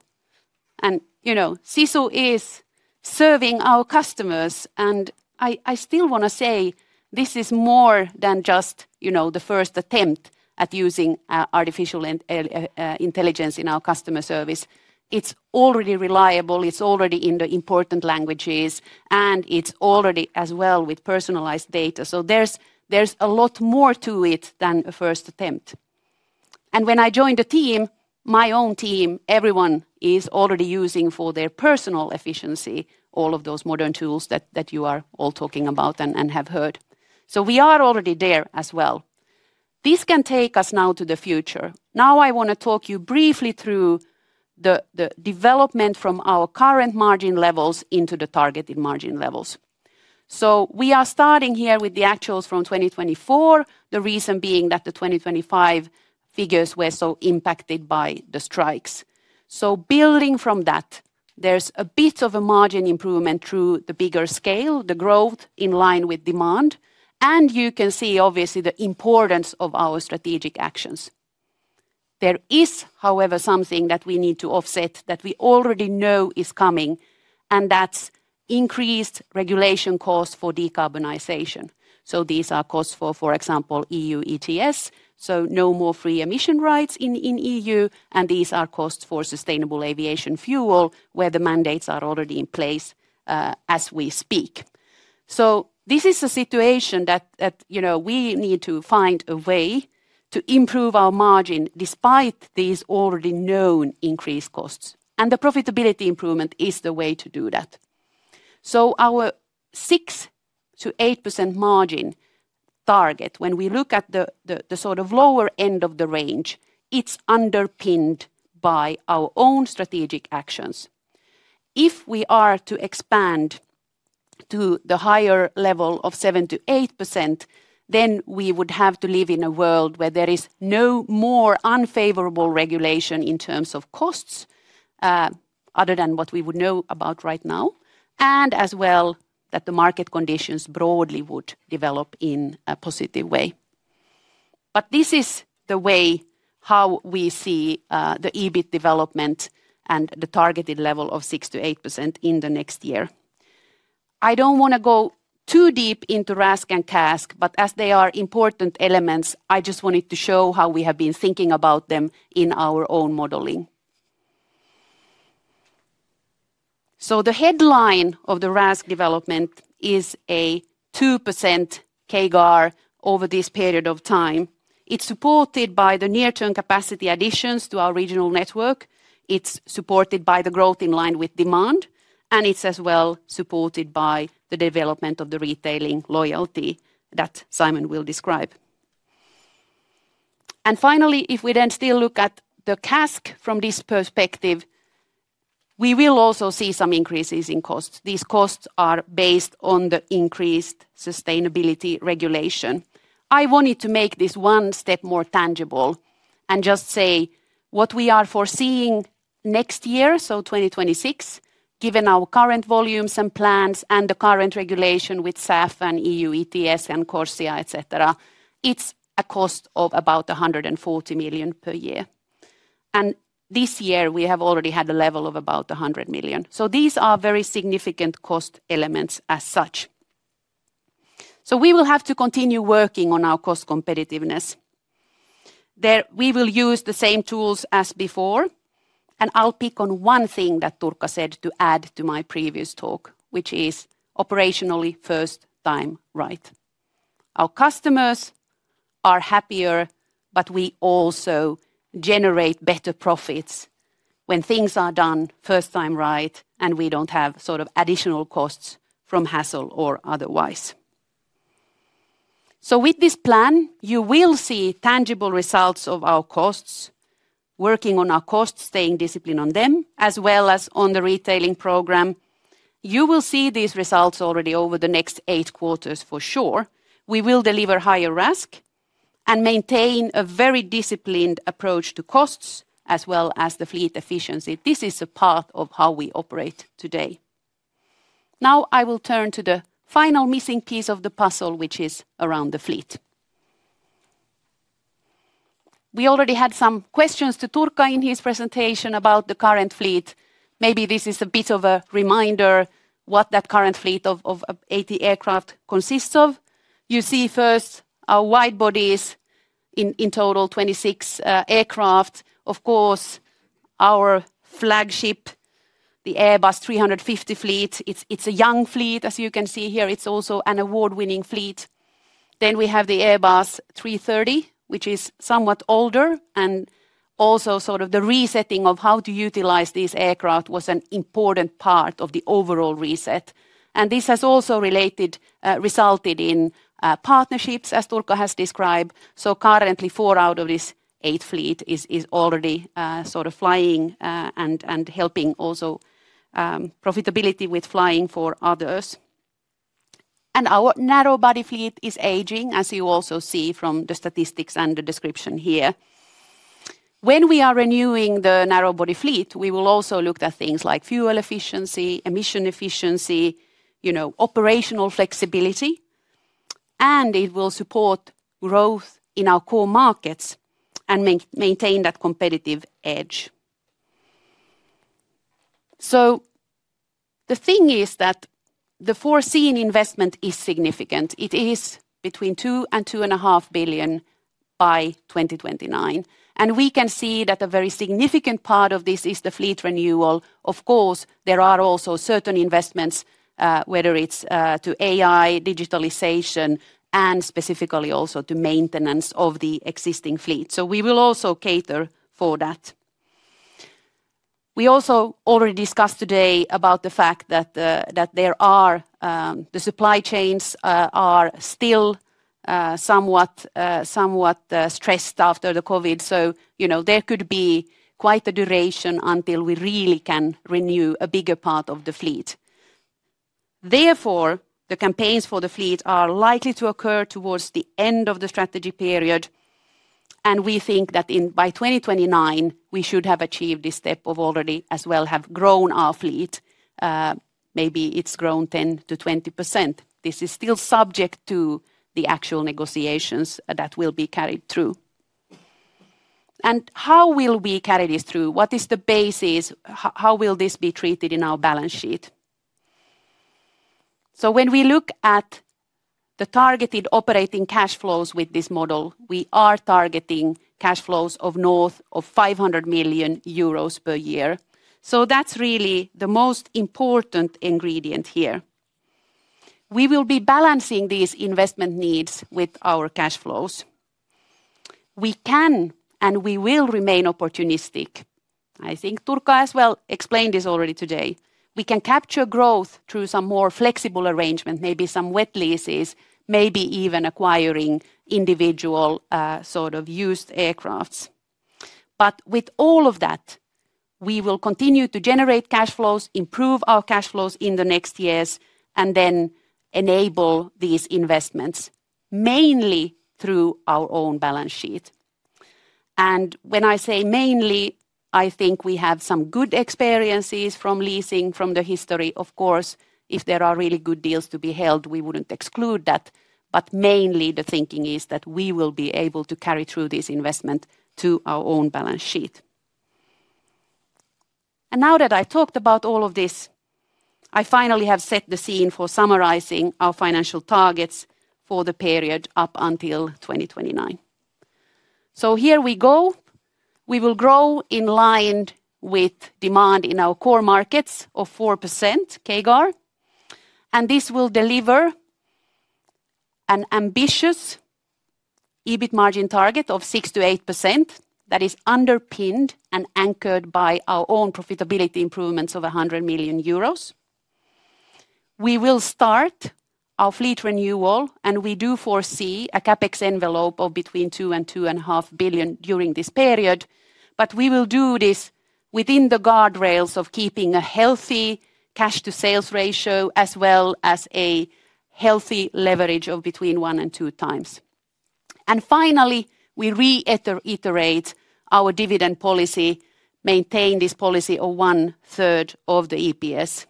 Sisu is serving our customers. I still want to say this is more than just the first attempt at using artificial intelligence in our customer service. It is already reliable. It is already in the important languages. It is already as well with personalized data. There is a lot more to it than a first attempt. When I joined the team, my own team, everyone is already using for their personal efficiency all of those modern tools that you are all talking about and have heard. We are already there as well. This can take us now to the future. I want to talk you briefly through the development from our current margin levels into the targeted margin levels. We are starting here with the actuals from 2024, the reason being that the 2025 figures were so impacted by the strikes. Building from that, there's a bit of a margin improvement through the bigger scale, the growth in line with demand. You can see obviously the importance of our strategic actions. There is, however, something that we need to offset that we already know is coming, and that's increased regulation costs for decarbonization. These are costs for, for example, EU ETS, so no more free emission rights in EU. These are costs for sustainable aviation fuel where the mandates are already in place as we speak. This is a situation that we need to find a way to improve our margin despite these already known increased costs. The profitability improvement is the way to do that. Our 6%-8% margin target, when we look at the sort of lower end of the range, is underpinned by our own strategic actions. If we are to expand to the higher level of 7%-8%, then we would have to live in a world where there is no more unfavorable regulation in terms of costs other than what we would know about right now. As well, the market conditions broadly would develop in a positive way. This is the way how we see the EBIT development and the targeted level of 6%-8% in the next year. I do not want to go too deep into RASK and CASK, but as they are important elements, I just wanted to show how we have been thinking about them in our own modeling. The headline of the RASK development is a 2% CAGR over this period of time. It is supported by the near-term capacity additions to our regional network. It is supported by the growth in line with demand. It is as well supported by the development of the retailing loyalty that Simon will describe. Finally, if we then still look at the CASK from this perspective, we will also see some increases in costs. These costs are based on the increased sustainability regulation. I wanted to make this one step more tangible and just say what we are foreseeing next year, so 2026, given our current volumes and plans and the current regulation with SAF and EU ETS and CORSIA, etc., it's a cost of about 140 million per year. This year we have already had a level of about 100 million. These are very significant cost elements as such. We will have to continue working on our cost competitiveness. We will use the same tools as before. I'll pick on one thing that Turkka said to add to my previous talk, which is operationally first time right. Our customers are happier, but we also generate better profits when things are done first time right and we do not have sort of additional costs from hassle or otherwise. With this plan, you will see tangible results of our costs, working on our costs, staying disciplined on them, as well as on the retailing program. You will see these results already over the next eight quarters for sure. We will deliver higher RASK and maintain a very disciplined approach to costs as well as the fleet efficiency. This is a part of how we operate today. Now I will turn to the final missing piece of the puzzle, which is around the fleet. We already had some questions to Turkka in his presentation about the current fleet. Maybe this is a bit of a reminder what that current fleet of 80 aircraft consists of. You see first our wide bodies, in total 26 aircraft. Of course, our flagship, the Airbus A350 fleet, it's a young fleet, as you can see here. It's also an award-winning fleet. We have the Airbus A330, which is somewhat older. Also, sort of the resetting of how to utilize these aircraft was an important part of the overall reset. This has also resulted in partnerships, as Turkka has described. Currently, four out of this eight fleet is already sort of flying and helping also profitability with flying for others. Our narrow-body fleet is aging, as you also see from the statistics and the description here. When we are renewing the narrow-body fleet, we will also look at things like fuel efficiency, emission efficiency, operational flexibility. It will support growth in our core markets and maintain that competitive edge. The thing is that the foreseen investment is significant. It is between 2 billion-2.5 billion by 2029. We can see that a very significant part of this is the fleet renewal. Of course, there are also certain investments, whether it's to AI, digitalization, and specifically also to maintenance of the existing fleet. We will also cater for that. We also already discussed today about the fact that the supply chains are still somewhat stressed after the COVID. There could be quite a duration until we really can renew a bigger part of the fleet. Therefore, the campaigns for the fleet are likely to occur towards the end of the strategy period. We think that by 2029, we should have achieved this step of already as well have grown our fleet. Maybe it's grown 10%-20%. This is still subject to the actual negotiations that will be carried through. How will we carry this through? What is the basis? How will this be treated in our balance sheet? When we look at the targeted operating cash flows with this model, we are targeting cash flows of north of 500 million euros per year. That is really the most important ingredient here. We will be balancing these investment needs with our cash flows. We can and we will remain opportunistic. I think Turkka as well explained this already today. We can capture growth through some more flexible arrangement, maybe some wet leases, maybe even acquiring individual sort of used aircraft. With all of that, we will continue to generate cash flows, improve our cash flows in the next years, and then enable these investments mainly through our own balance sheet. When I say mainly, I think we have some good experiences from leasing from the history. Of course, if there are really good deals to be had, we would not exclude that. Mainly, the thinking is that we will be able to carry through this investment to our own balance sheet. Now that I talked about all of this, I finally have set the scene for summarizing our financial targets for the period up until 2029. Here we go. We will grow in line with demand in our core markets of 4% CAGR. This will deliver an ambitious EBIT margin target of 6%-8% that is underpinned and anchored by our own profitability improvements of 100 million euros. We will start our fleet renewal, and we do foresee a CapEx envelope of between 2 billion and 2.5 billion during this period. We will do this within the guardrails of keeping a healthy cash-to-sales ratio as well as a healthy leverage of between 1 and 2 times. Finally, we reiterate our dividend policy, maintain this policy of 1/3 of the EPS.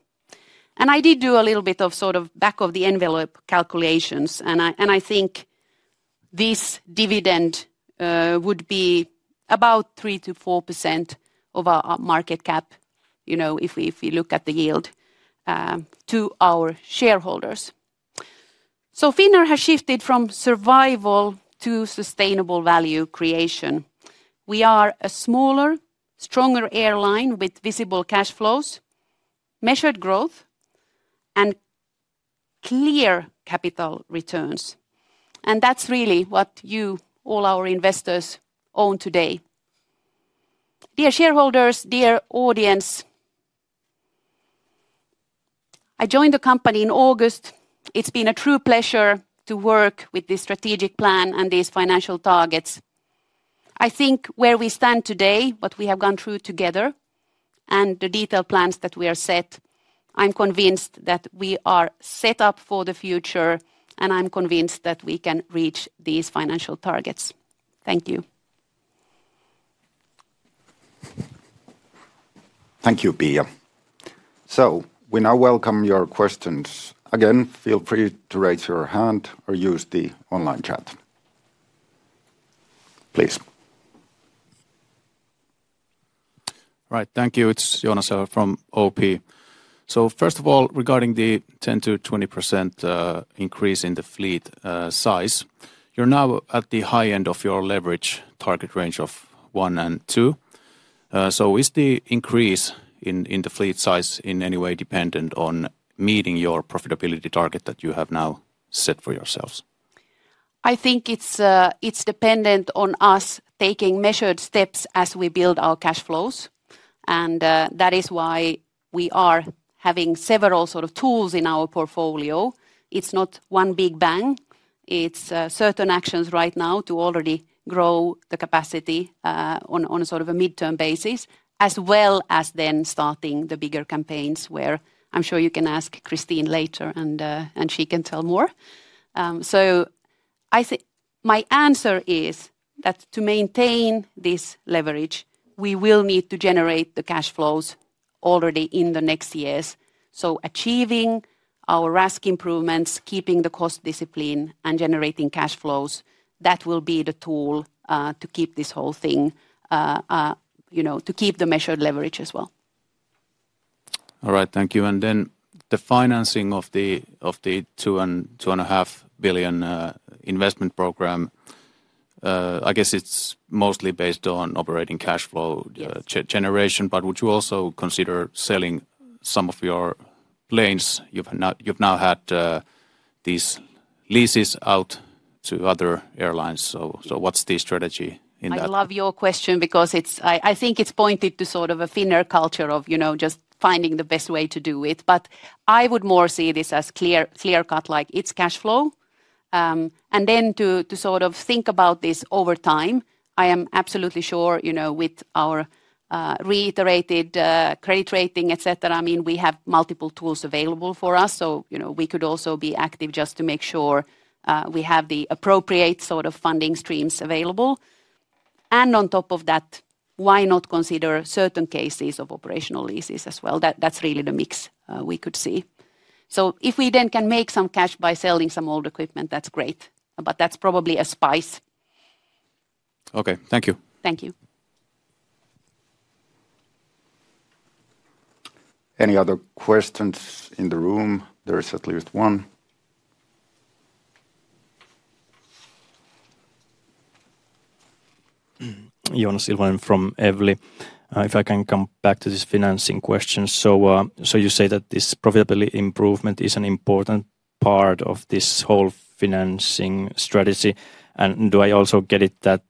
I did do a little bit of sort of back-of-the-envelope calculations. I think this dividend would be about 3%-4% of our market cap, you know, if we look at the yield to our shareholders. Finnair has shifted from survival to sustainable value creation. We are a smaller, stronger airline with visible cash flows, measured growth, and clear capital returns. That is really what you, all our investors, own today. Dear shareholders, dear audience, I joined the company in August. It has been a true pleasure to work with this strategic plan and these financial targets. I think where we stand today, what we have gone through together, and the detailed plans that we have set, I'm convinced that we are set up for the future, and I'm convinced that we can reach these financial targets. Thank you. Thank you, Pia. We now welcome your questions. Again, feel free to raise your hand or use the online chat. Please. All right, thank you. It's Joonas here from OP. First of all, regarding the 10%-20% increase in the fleet size, you're now at the high end of your leverage target range of 1 and 2. Is the increase in the fleet size in any way dependent on meeting your profitability target that you have now set for yourselves? I think it's dependent on us taking measured steps as we build our cash flows. That is why we are having several sort of tools in our portfolio. It's not one big bang. It's certain actions right now to already grow the capacity on a sort of a midterm basis, as well as then starting the bigger campaigns where I'm sure you can ask Christine later and she can tell more. I think my answer is that to maintain this leverage, we will need to generate the cash flows already in the next years. Achieving our RASK improvements, keeping the cost discipline, and generating cash flows, that will be the tool to keep this whole thing, you know, to keep the measured leverage as well. All right, thank you. The financing of the 2 billion-2.5 billion investment program, I guess it's mostly based on operating cash flow generation, but would you also consider selling some of your planes? You've now had these leases out to other airlines. What's the strategy in that? I love your question because I think it's pointed to sort of a thinner culture of, you know, just finding the best way to do it. I would more see this as clear-cut, like it's cash flow. To sort of think about this over time, I am absolutely sure, you know, with our reiterated credit rating, etc., I mean, we have multiple tools available for us. You know, we could also be active just to make sure we have the appropriate sort of funding streams available. On top of that, why not consider certain cases of operational leases as well? That's really the mix we could see. If we then can make some cash by selling some old equipment, that's great. That's probably a spice. Okay, thank you. Thank you. Any other questions in the room? There is at least one. Joonas Ilvonen from Evli. If I can come back to this financing question. You say that this profitability improvement is an important part of this whole financing strategy. Do I also get it that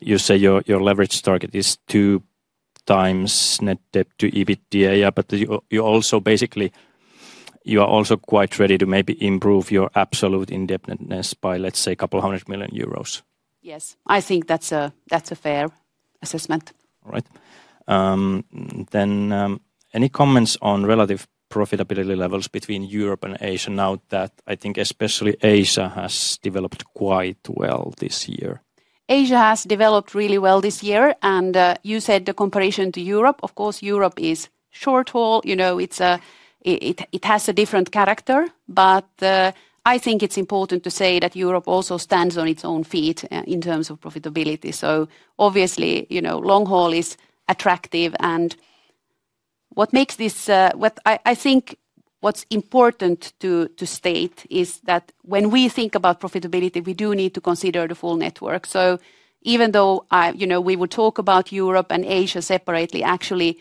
you say your leverage target is two times net debt to EBITDA, but you are also quite ready to maybe improve your absolute indebtedness by, let's say, a couple hundred million EUR? Yes, I think that's a fair assessment. All right. Any comments on relative profitability levels between Europe and Asia now that I think especially Asia has developed quite well this year? Asia has developed really well this year. You said the comparison to Europe. Of course, Europe is short-haul. You know, it has a different character. I think it's important to say that Europe also stands on its own feet in terms of profitability. Obviously, you know, long-haul is attractive. What I think is important to state is that when we think about profitability, we do need to consider the full network. Even though, you know, we would talk about Europe and Asia separately, actually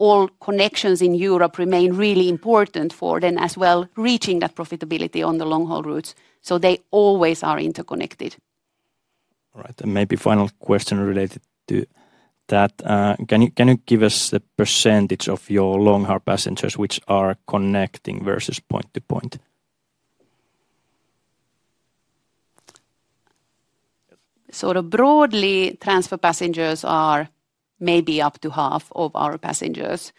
all connections in Europe remain really important for then as well reaching that profitability on the long-haul routes. They always are interconnected. All right. Maybe final question related to that. Can you give us the percentage of your long-haul passengers which are connecting versus point-to-point? Sort of broadly, transfer passengers are maybe up to half of our passengers.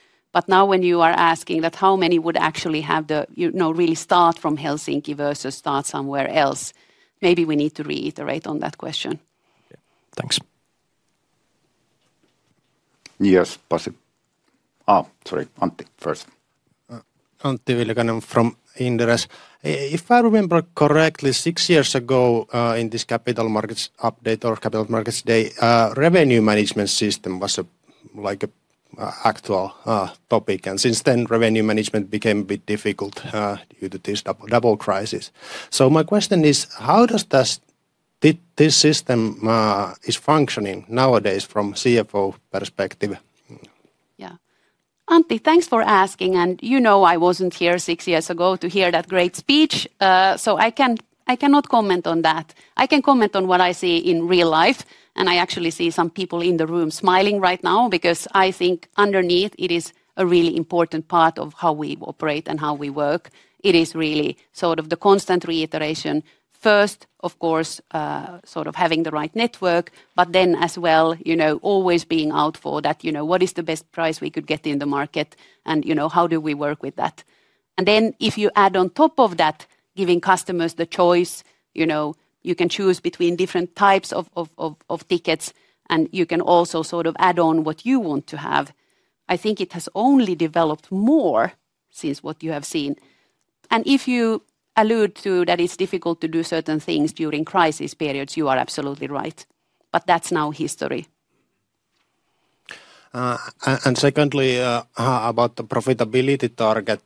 Now, when you are asking how many would actually have the, you know, really start from Helsinki versus start somewhere else, maybe we need to reiterate on that question. Thanks. Yes, Pasi. Sorry, Antti first. Antti Viljakainen from Inderes. If I remember correctly, six years ago in this capital markets update or capital markets day, revenue management system was like an actual topic. And since then, revenue management became a bit difficult due to this double crisis. My question is, how does this system function nowadays from CFO perspective? Yeah. Antti, thanks for asking. You know I wasn't here six years ago to hear that great speech. I cannot comment on that. I can comment on what I see in real life. I actually see some people in the room smiling right now because I think underneath it is a really important part of how we operate and how we work. It is really sort of the constant reiteration. First, of course, sort of having the right network, but then as well, you know, always being out for that, you know, what is the best price we could get in the market and, you know, how do we work with that? If you add on top of that, giving customers the choice, you know, you can choose between different types of tickets and you can also sort of add on what you want to have. I think it has only developed more since what you have seen. If you allude to that it's difficult to do certain things during crisis periods, you are absolutely right. That's now history. Secondly, about the profitability target,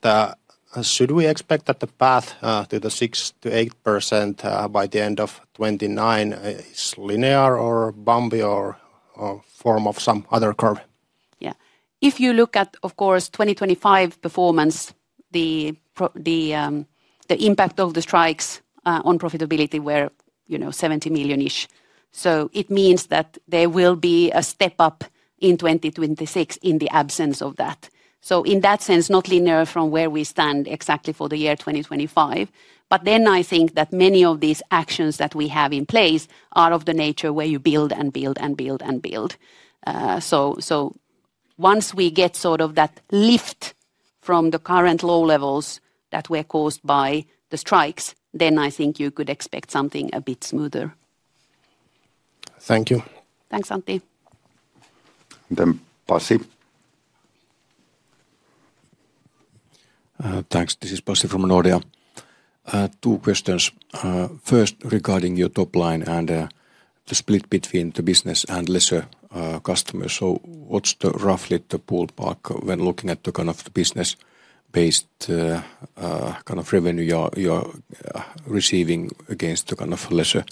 should we expect that the path to the 6%-8% by the end of 2029 is linear or bumpy or a form of some other curve? Yeah. If you look at, of course, 2025 performance, the impact of the strikes on profitability were, you know, 70 million-ish. It means that there will be a step up in 2026 in the absence of that. In that sense, not linear from where we stand exactly for the year 2025. I think that many of these actions that we have in place are of the nature where you build and build and build and build. Once we get sort of that lift from the current low levels that were caused by the strikes, then I think you could expect something a bit smoother. Thank you. Thanks, Antti. Thanks. This is Pasi from Nordea. Two questions. First, regarding your top line and the split between the business and lesser customers. What's roughly the ballpark when looking at the kind of business-based kind of revenue you're receiving against the kind of lesser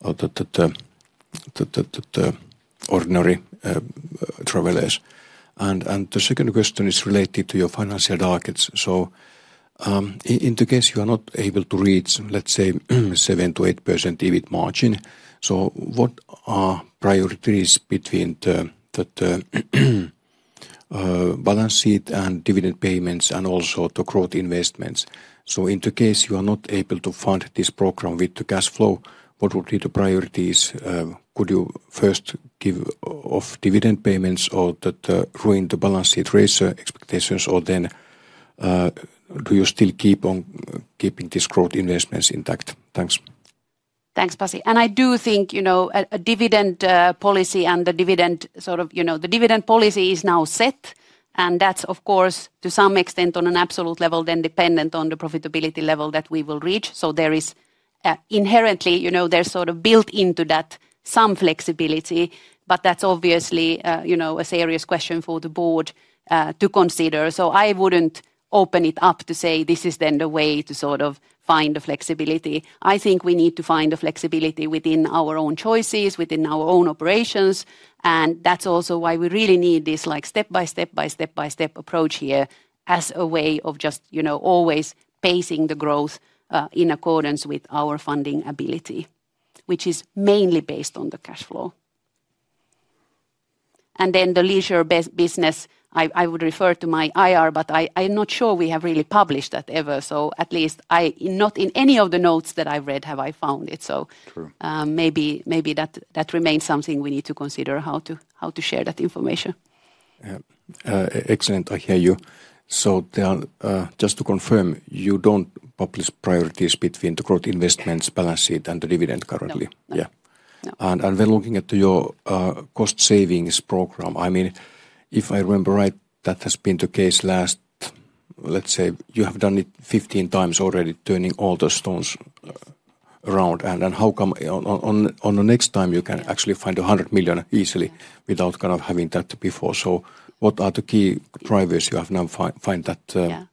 or the ordinary travelers? The second question is related to your financial targets. In the case you are not able to reach, let's say, 7%-8% EBIT margin, what are priorities between the balance sheet and dividend payments and also the growth investments? In the case you are not able to fund this program with the cash flow, what would be the priorities? Could you first give off dividend payments or ruin the balance sheet raiser expectations, or then do you still keep on keeping these growth investments intact? Thanks. Thanks, Pasi. I do think, you know, a dividend policy and the dividend sort of, you know, the dividend policy is now set. That is, of course, to some extent on an absolute level then dependent on the profitability level that we will reach. There is inherently, you know, there's sort of built into that some flexibility. That is obviously, you know, a serious question for the board to consider. I would not open it up to say this is then the way to sort of find the flexibility. I think we need to find the flexibility within our own choices, within our own operations. That is also why we really need this like step by step by step by step approach here as a way of just, you know, always pacing the growth in accordance with our funding ability, which is mainly based on the cash flow. Then the leisure business, I would refer to my IR, but I'm not sure we have really published that ever. At least not in any of the notes that I've read have I found it. Maybe that remains something we need to consider, how to share that information. Excellent. I hear you. Just to confirm, you don't publish priorities between the growth investments, balance sheet, and the dividend currently? Yeah. When looking at your cost savings program, I mean, if I remember right, that has been the case last, let's say, you have done it 15 times already, turning all the stones around. How come on the next time you can actually find 100 million easily without kind of having that before? What are the key drivers you have now found that? Yeah,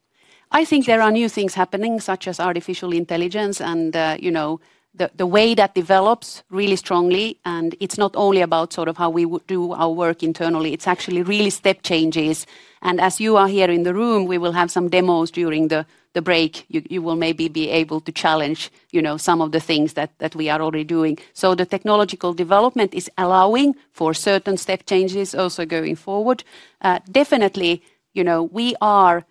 I think there are new things happening, such as artificial intelligence and, you know, the way that develops really strongly. It's not only about sort of how we do our work internally. It's actually really step changes. As you are here in the room, we will have some demos during the break. You will maybe be able to challenge, you know, some of the things that we are already doing. The technological development is allowing for certain step changes also going forward. Definitely, you know, we are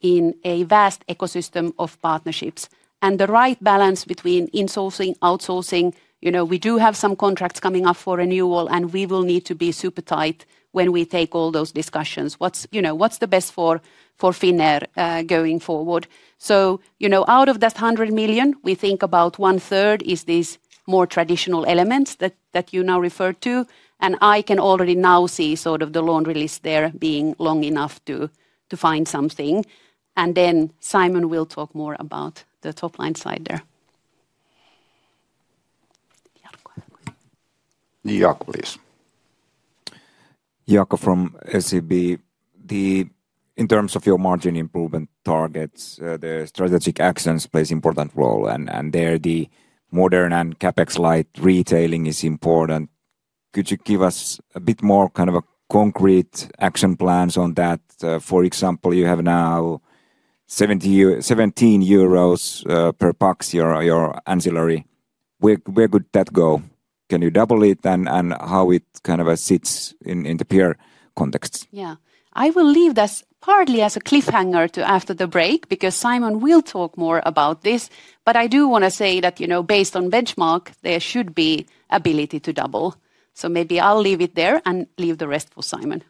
in a vast ecosystem of partnerships. The right balance between insourcing, outsourcing, you know, we do have some contracts coming up for renewal, and we will need to be super tight when we take all those discussions. What's, you know, what's the best for Finnair going forward? You know, out of that 100 million, we think about 1/3 is these more traditional elements that you now referred to. I can already now see sort of the loan release there being long enough to find something. Then Simon will talk more about the top line side there. Jaakko, please. Jaakko from SEB. In terms of your margin improvement targets, the strategic actions play an important role. There the modern and CapEx-light retailing is important. Could you give us a bit more kind of a concrete action plans on that? For example, you have now 17 euros per pax your ancillary. Where could that go? Can you double it? How it kind of sits in the peer context? I will leave that partly as a cliffhanger to after the break because Simon will talk more about this. But I do want to say that, you know, based on benchmark, there should be ability to double. Maybe I'll leave it there and leave the rest for Simon.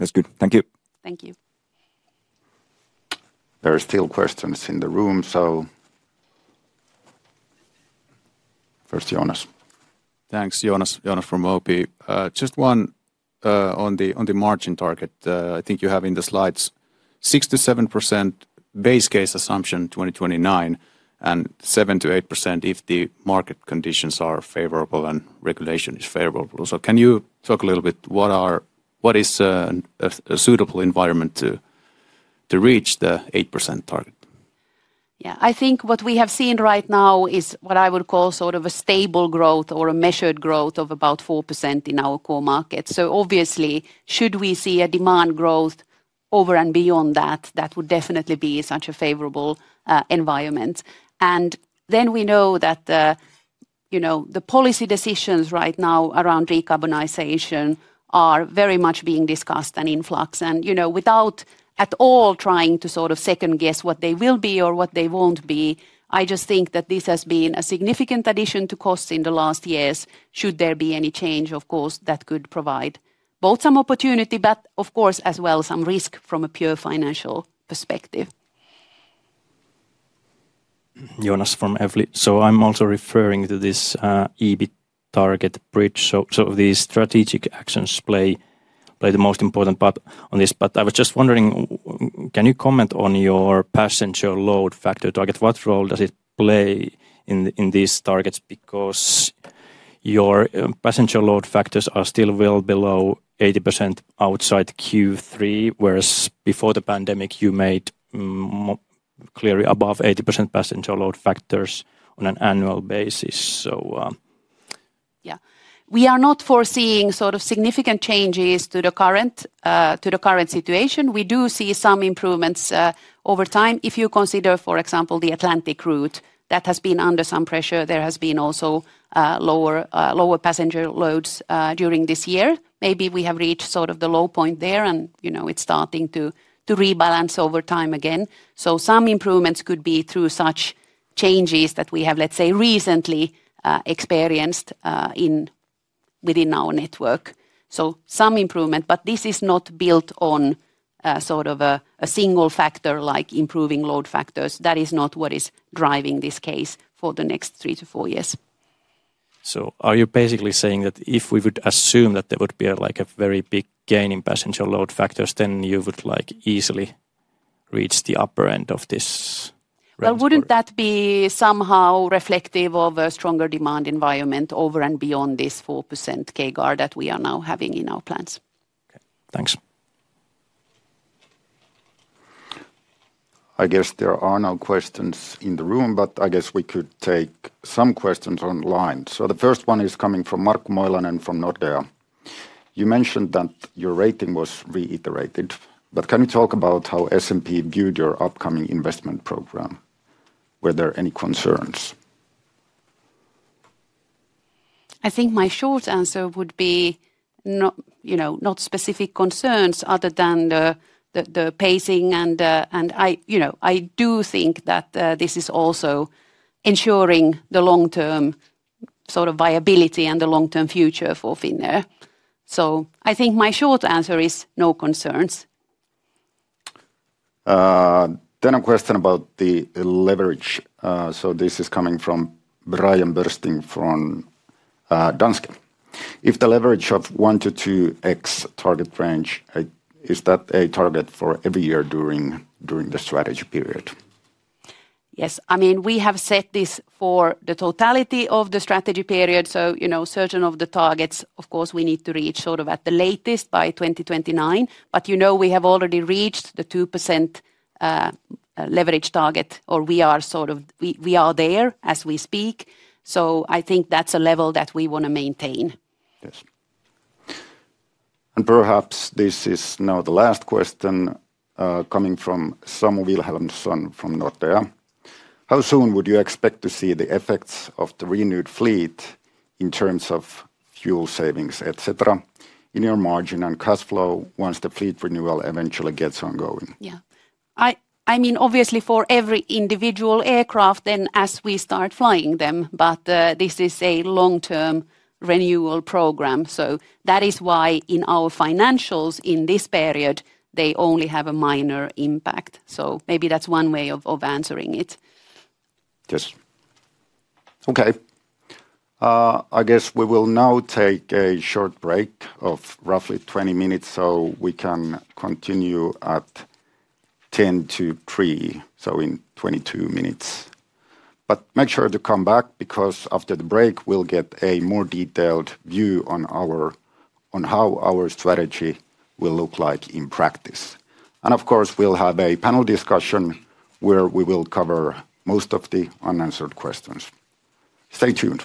That's good. Thank you. Thank you. There are still questions in the room. First, Joonas. Thanks, Joonas from OP. Just one on the margin target. I think you have in the slides 6%-7% base case assumption 2029 and 7%-8% if the market conditions are favorable and regulation is favorable. Can you talk a little bit what is a suitable environment to reach the 8% target? Yeah, I think what we have seen right now is what I would call sort of a stable growth or a measured growth of about 4% in our core market. Obviously, should we see a demand growth over and beyond that, that would definitely be such a favorable environment. You know, the policy decisions right now around decarbonization are very much being discussed and in flux. You know, without at all trying to sort of second guess what they will be or what they won't be, I just think that this has been a significant addition to costs in the last years. Should there be any change, of course, that could provide both some opportunity, but of course as well some risk from a pure financial perspective. Joonas from Evli. I'm also referring to this EBIT target bridge. The strategic actions play the most important part on this. I was just wondering, can you comment on your passenger load factor target? What role does it play in these targets? Because your passenger load factors are still well below 80% outside Q3, whereas before the pandemic you made clearly above 80% passenger load factors on an annual basis. Yeah, we are not foreseeing sort of significant changes to the current situation. We do see some improvements over time. If you consider, for example, the Atlantic route that has been under some pressure, there has been also lower passenger loads during this year. Maybe we have reached sort of the low point there and, you know, it is starting to rebalance over time again. Some improvements could be through such changes that we have, let's say, recently experienced within our network. Some improvement, but this is not built on sort of a single factor like improving load factors. That is not what is driving this case for the next three to four years. Are you basically saying that if we would assume that there would be like a very big gain in passenger load factors, then you would easily reach the upper end of this range? Wouldn't that be somehow reflective of a stronger demand environment over and beyond this 4% CAGR that we are now having in our plans? Okay, thanks. I guess there are no questions in the room, but I guess we could take some questions online. The first one is coming from Mark Moilanen from Nordea. You mentioned that your rating was reiterated, but can you talk about how S&P viewed your upcoming investment program? Were there any concerns? I think my short answer would be not, you know, not specific concerns other than the pacing. I, you know, I do think that this is also ensuring the long-term sort of viability and the long-term future for Finnair. I think my short answer is no concerns. A question about the leverage. This is coming from Brian Børsting from Danske. If the leverage of 1-2x target range, is that a target for every year during the strategy period? Yes, I mean, we have set this for the totality of the strategy period. Certain of the targets, of course, we need to reach sort of at the latest by 2029. We have already reached the 2% leverage target, or we are sort of, we are there as we speak. I think that's a level that we want to maintain. Yes. Perhaps this is now the last question coming from Samu Wilhelmsson from Nordea. How soon would you expect to see the effects of the renewed fleet in terms of fuel savings, etc., in your margin and cash flow once the fleet renewal eventually gets ongoing? Yeah, I mean, obviously for every individual aircraft and as we start flying them, but this is a long-term renewal program. That is why in our financials in this period, they only have a minor impact. Maybe that is one way of answering it. Yes. Okay. I guess we will now take a short break of roughly 20 minutes so we can continue at 2:50 P.M., so in 22 minutes. Make sure to come back because after the break, we will get a more detailed view on how our strategy will look like in practice. Of course, we will have a panel discussion where we will cover most of the unanswered questions. Stay tuned.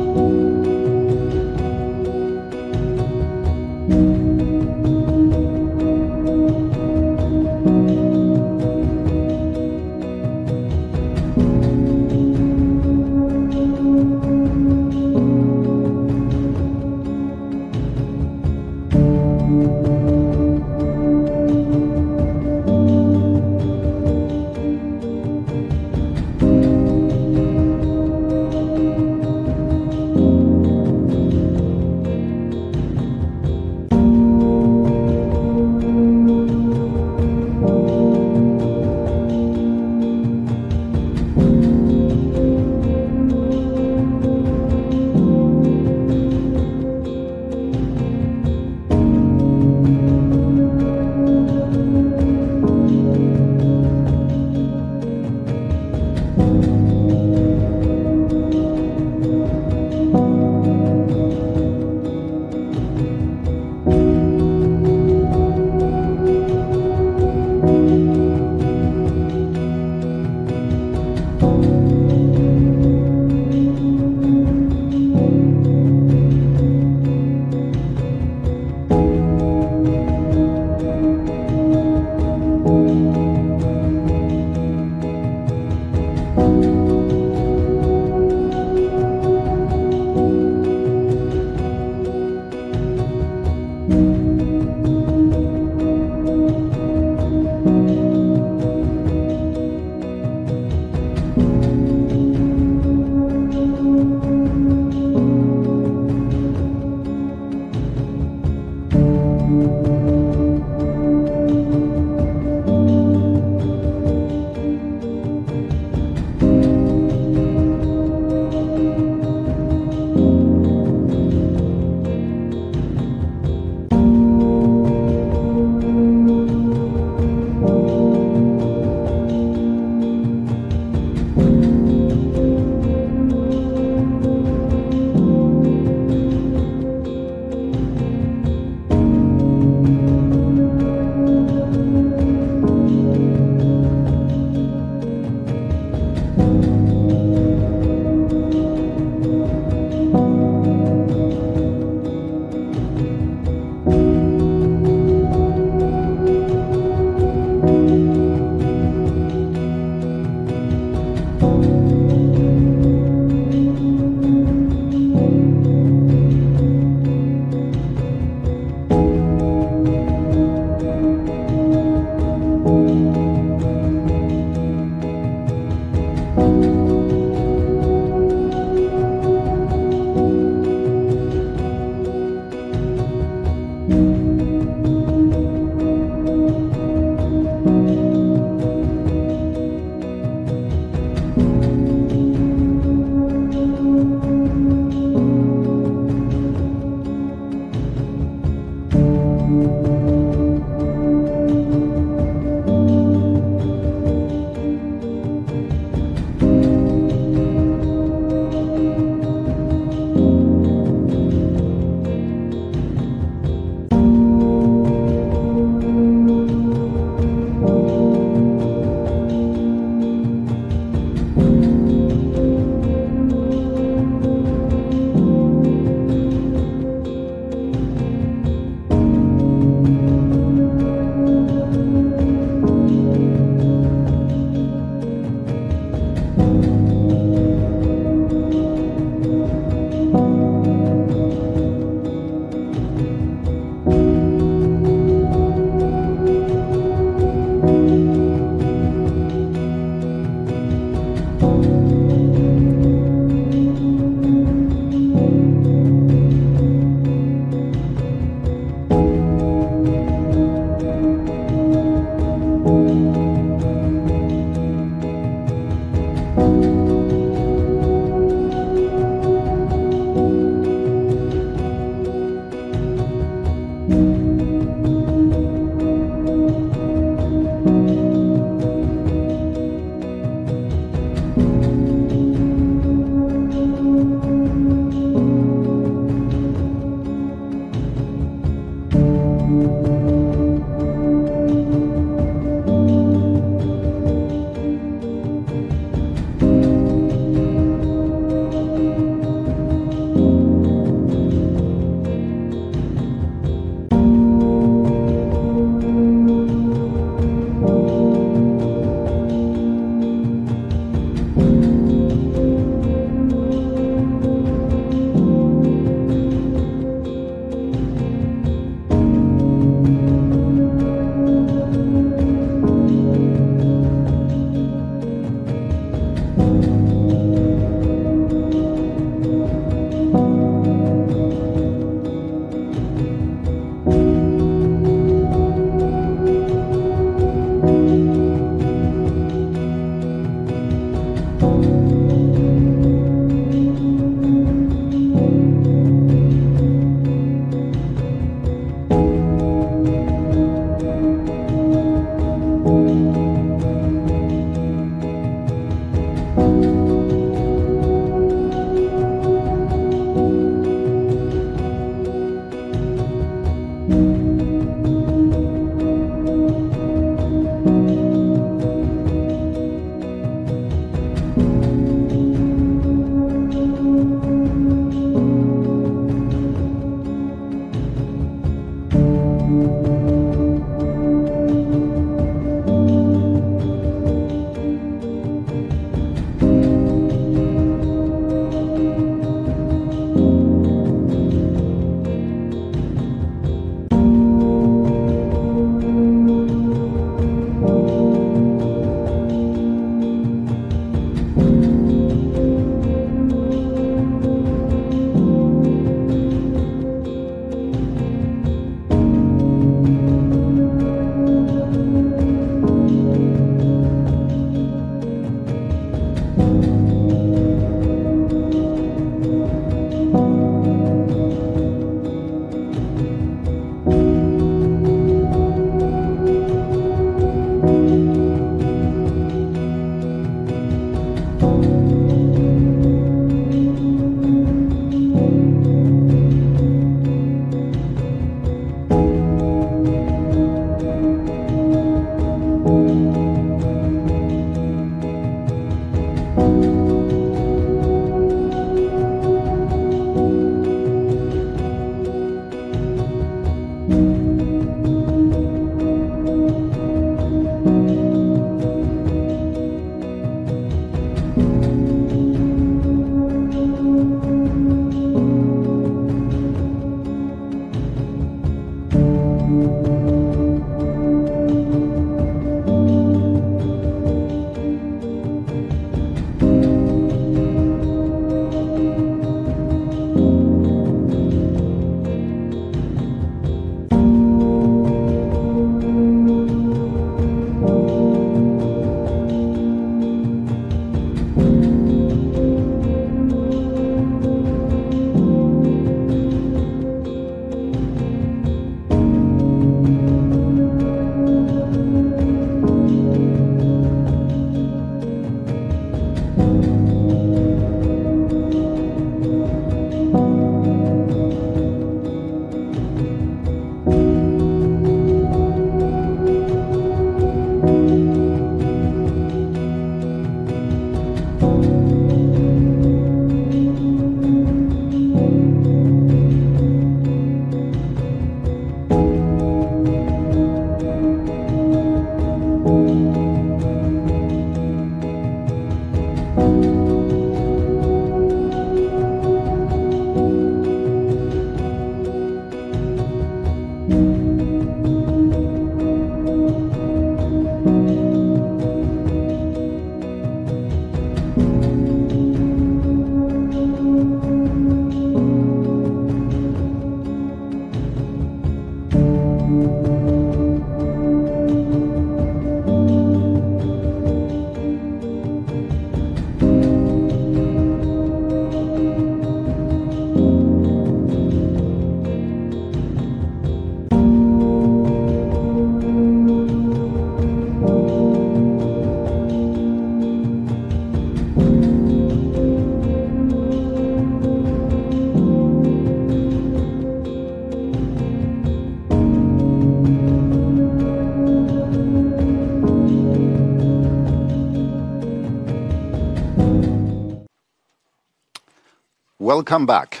Welcome back.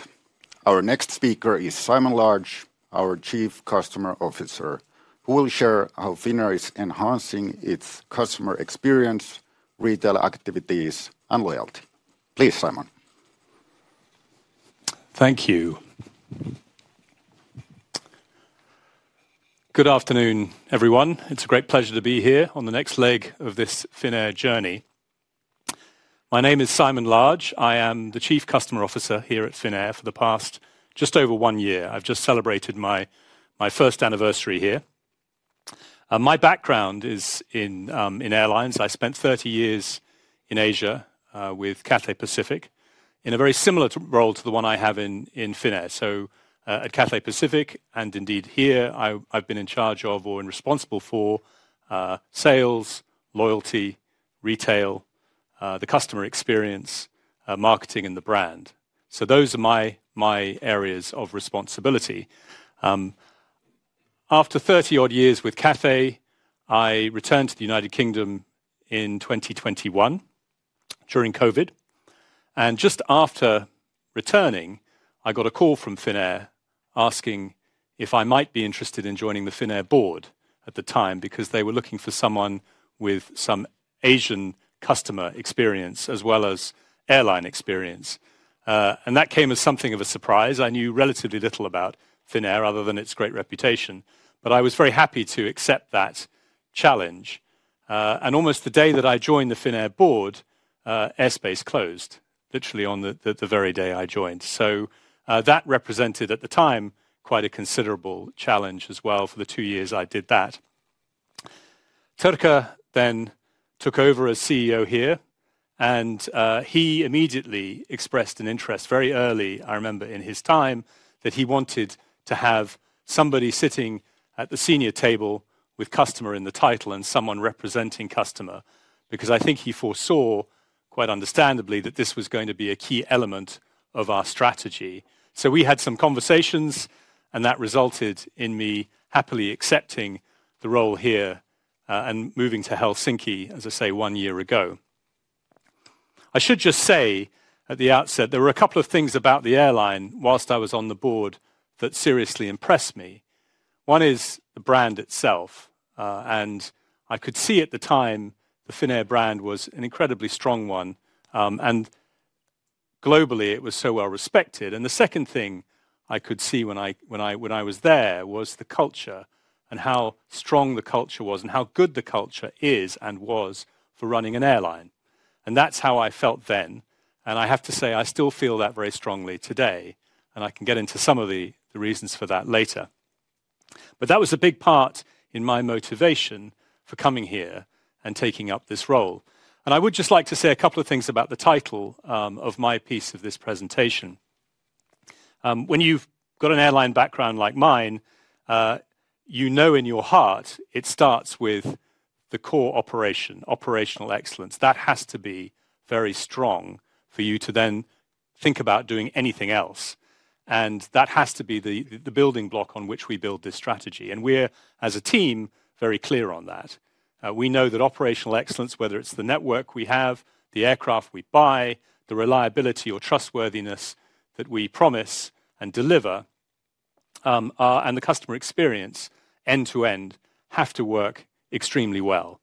Our next speaker is Simon Large, our Chief Customer Officer, who will share how Finnair is enhancing its customer experience, retail activities, and loyalty. Please, Simon. Thank you. Good afternoon, everyone. It's a great pleasure to be here on the next leg of this Finnair journey. My name is Simon Large. I am the Chief Customer Officer here at Finnair for the past just over one year. I've just celebrated my first anniversary here. My background is in airlines. I spent 30 years in Asia with Cathay Pacific in a very similar role to the one I have in Finnair. At Cathay Pacific, and indeed here, I've been in charge of or responsible for sales, loyalty, retail, the customer experience, marketing, and the brand. Those are my areas of responsibility. After 30-odd years with Cathay, I returned to the United Kingdom in 2021 during COVID. Just after returning, I got a call from Finnair asking if I might be interested in joining the Finnair board at the time because they were looking for someone with some Asian customer experience as well as airline experience. That came as something of a surprise. I knew relatively little about Finnair other than its great reputation. I was very happy to accept that challenge. Almost the day that I joined the Finnair board, airspace closed literally on the very day I joined. That represented at the time quite a considerable challenge as well for the two years I did that. Turkka then took over as CEO here. He immediately expressed an interest very early, I remember, in his time that he wanted to have somebody sitting at the senior table with customer in the title and someone representing customer because I think he foresaw, quite understandably, that this was going to be a key element of our strategy. We had some conversations, and that resulted in me happily accepting the role here and moving to Helsinki, as I say, one year ago. I should just say at the outset, there were a couple of things about the airline whilst I was on the board that seriously impressed me. One is the brand itself. I could see at the time the Finnair brand was an incredibly strong one. Globally, it was so well respected. The second thing I could see when I was there was the culture and how strong the culture was and how good the culture is and was for running an airline. That is how I felt then. I have to say, I still feel that very strongly today. I can get into some of the reasons for that later. That was a big part in my motivation for coming here and taking up this role. I would just like to say a couple of things about the title of my piece of this presentation. When you have got an airline background like mine, you know in your heart it starts with the core operation, operational excellence. That has to be very strong for you to then think about doing anything else. That has to be the building block on which we build this strategy. We are, as a team, very clear on that. We know that operational excellence, whether it is the network we have, the aircraft we buy, the reliability or trustworthiness that we promise and deliver, and the customer experience end to end have to work extremely well.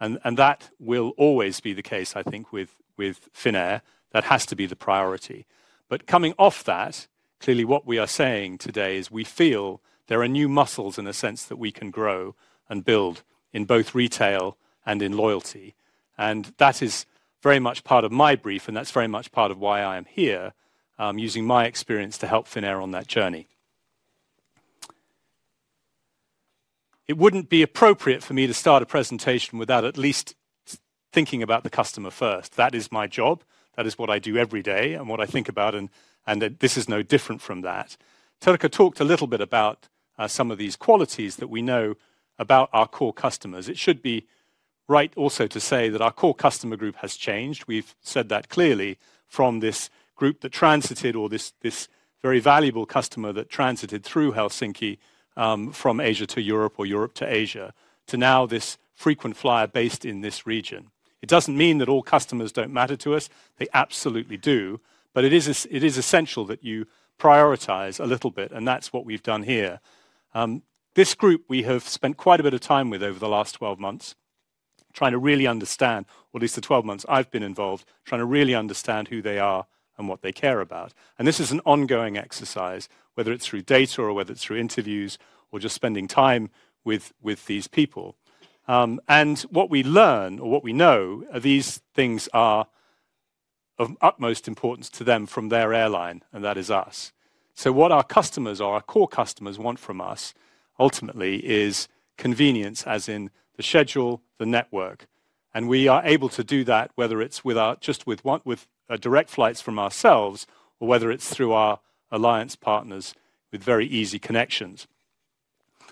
That will always be the case, I think, with Finnair. That has to be the priority. Coming off that, clearly what we are saying today is we feel there are new muscles in a sense that we can grow and build in both retail and in loyalty. That is very much part of my brief, and that is very much part of why I am here using my experience to help Finnair on that journey. It would not be appropriate for me to start a presentation without at least thinking about the customer first. That is my job. That is what I do every day and what I think about. This is no different from that. Turkka talked a little bit about some of these qualities that we know about our core customers. It should be right also to say that our core customer group has changed. We've said that clearly from this group that transited or this very valuable customer that transited through Helsinki from Asia to Europe or Europe to Asia to now this frequent flyer based in this region. It does not mean that all customers do not matter to us. They absolutely do. It is essential that you prioritize a little bit. That is what we have done here. This group, we have spent quite a bit of time with over the last 12 months trying to really understand, or at least the 12 months I've been involved, trying to really understand who they are and what they care about. This is an ongoing exercise, whether it's through data or whether it's through interviews or just spending time with these people. What we learn or what we know are these things are of utmost importance to them from their airline, and that is us. What our customers, our core customers want from us ultimately is convenience, as in the schedule, the network. We are able to do that whether it's just with direct flights from ourselves or whether it's through our alliance partners with very easy connections.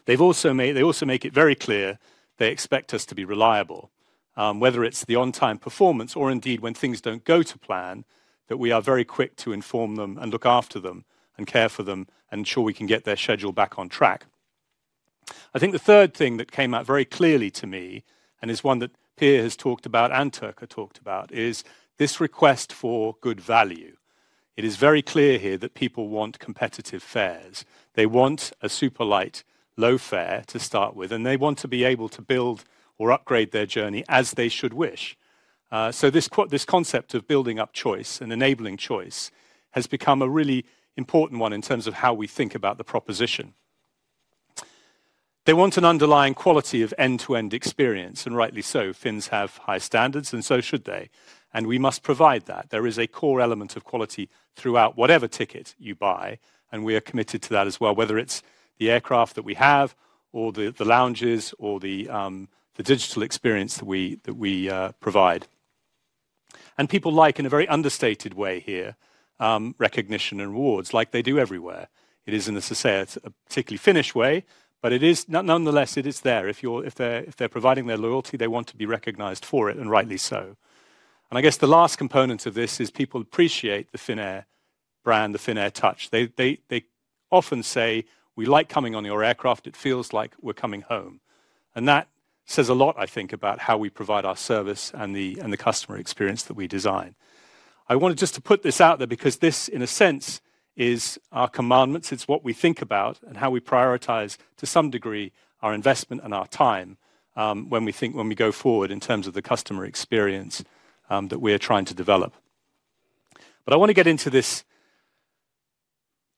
They also make it very clear they expect us to be reliable, whether it is the on-time performance or indeed when things do not go to plan, that we are very quick to inform them and look after them and care for them and ensure we can get their schedule back on track. I think the third thing that came out very clearly to me, and is one that Pia has talked about and Turkka talked about, is this request for good value. It is very clear here that people want competitive fares. They want a super light, low fare to start with, and they want to be able to build or upgrade their journey as they should wish. This concept of building up choice and enabling choice has become a really important one in terms of how we think about the proposition. They want an underlying quality of end-to-end experience. Rightly so, Finns have high standards, and so should they. We must provide that. There is a core element of quality throughout whatever ticket you buy. We are committed to that as well, whether it's the aircraft that we have or the lounges or the digital experience that we provide. People like, in a very understated way here, recognition and rewards, like they do everywhere. It is, as I say, a particularly Finnish way, but nonetheless, it is there. If they're providing their loyalty, they want to be recognized for it, and rightly so. I guess the last component of this is people appreciate the Finnair brand, the Finnair touch. They often say, "We like coming on your aircraft. It feels like we're coming home." That says a lot, I think, about how we provide our service and the customer experience that we design. I wanted just to put this out there because this, in a sense, is our commandments. It's what we think about and how we prioritize, to some degree, our investment and our time when we go forward in terms of the customer experience that we're trying to develop. I want to get into this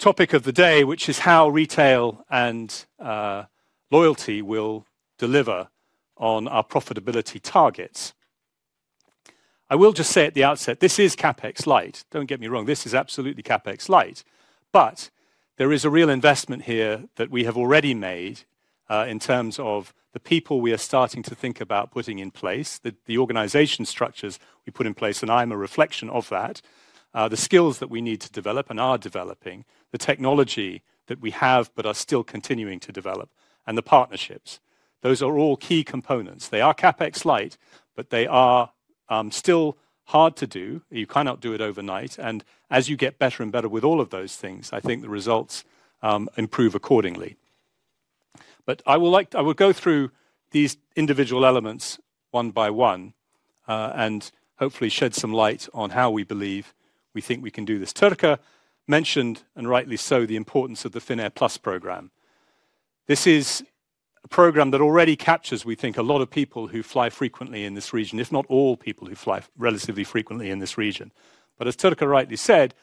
topic of the day, which is how retail and loyalty will deliver on our profitability targets. I will just say at the outset, this is CapEx Light. Don't get me wrong. This is absolutely CapEx Light. There is a real investment here that we have already made in terms of the people we are starting to think about putting in place, the organization structures we put in place, and I'm a reflection of that, the skills that we need to develop and are developing, the technology that we have but are still continuing to develop, and the partnerships. Those are all key components. They are CapEx Light, but they are still hard to do. You cannot do it overnight. As you get better and better with all of those things, I think the results improve accordingly. I will go through these individual elements one by one and hopefully shed some light on how we believe we think we can do this. Turkka mentioned, and rightly so, the importance of the Finnair Plus program. This is a program that already captures, we think, a lot of people who fly frequently in this region, if not all people who fly relatively frequently in this region. As Turkka rightly said,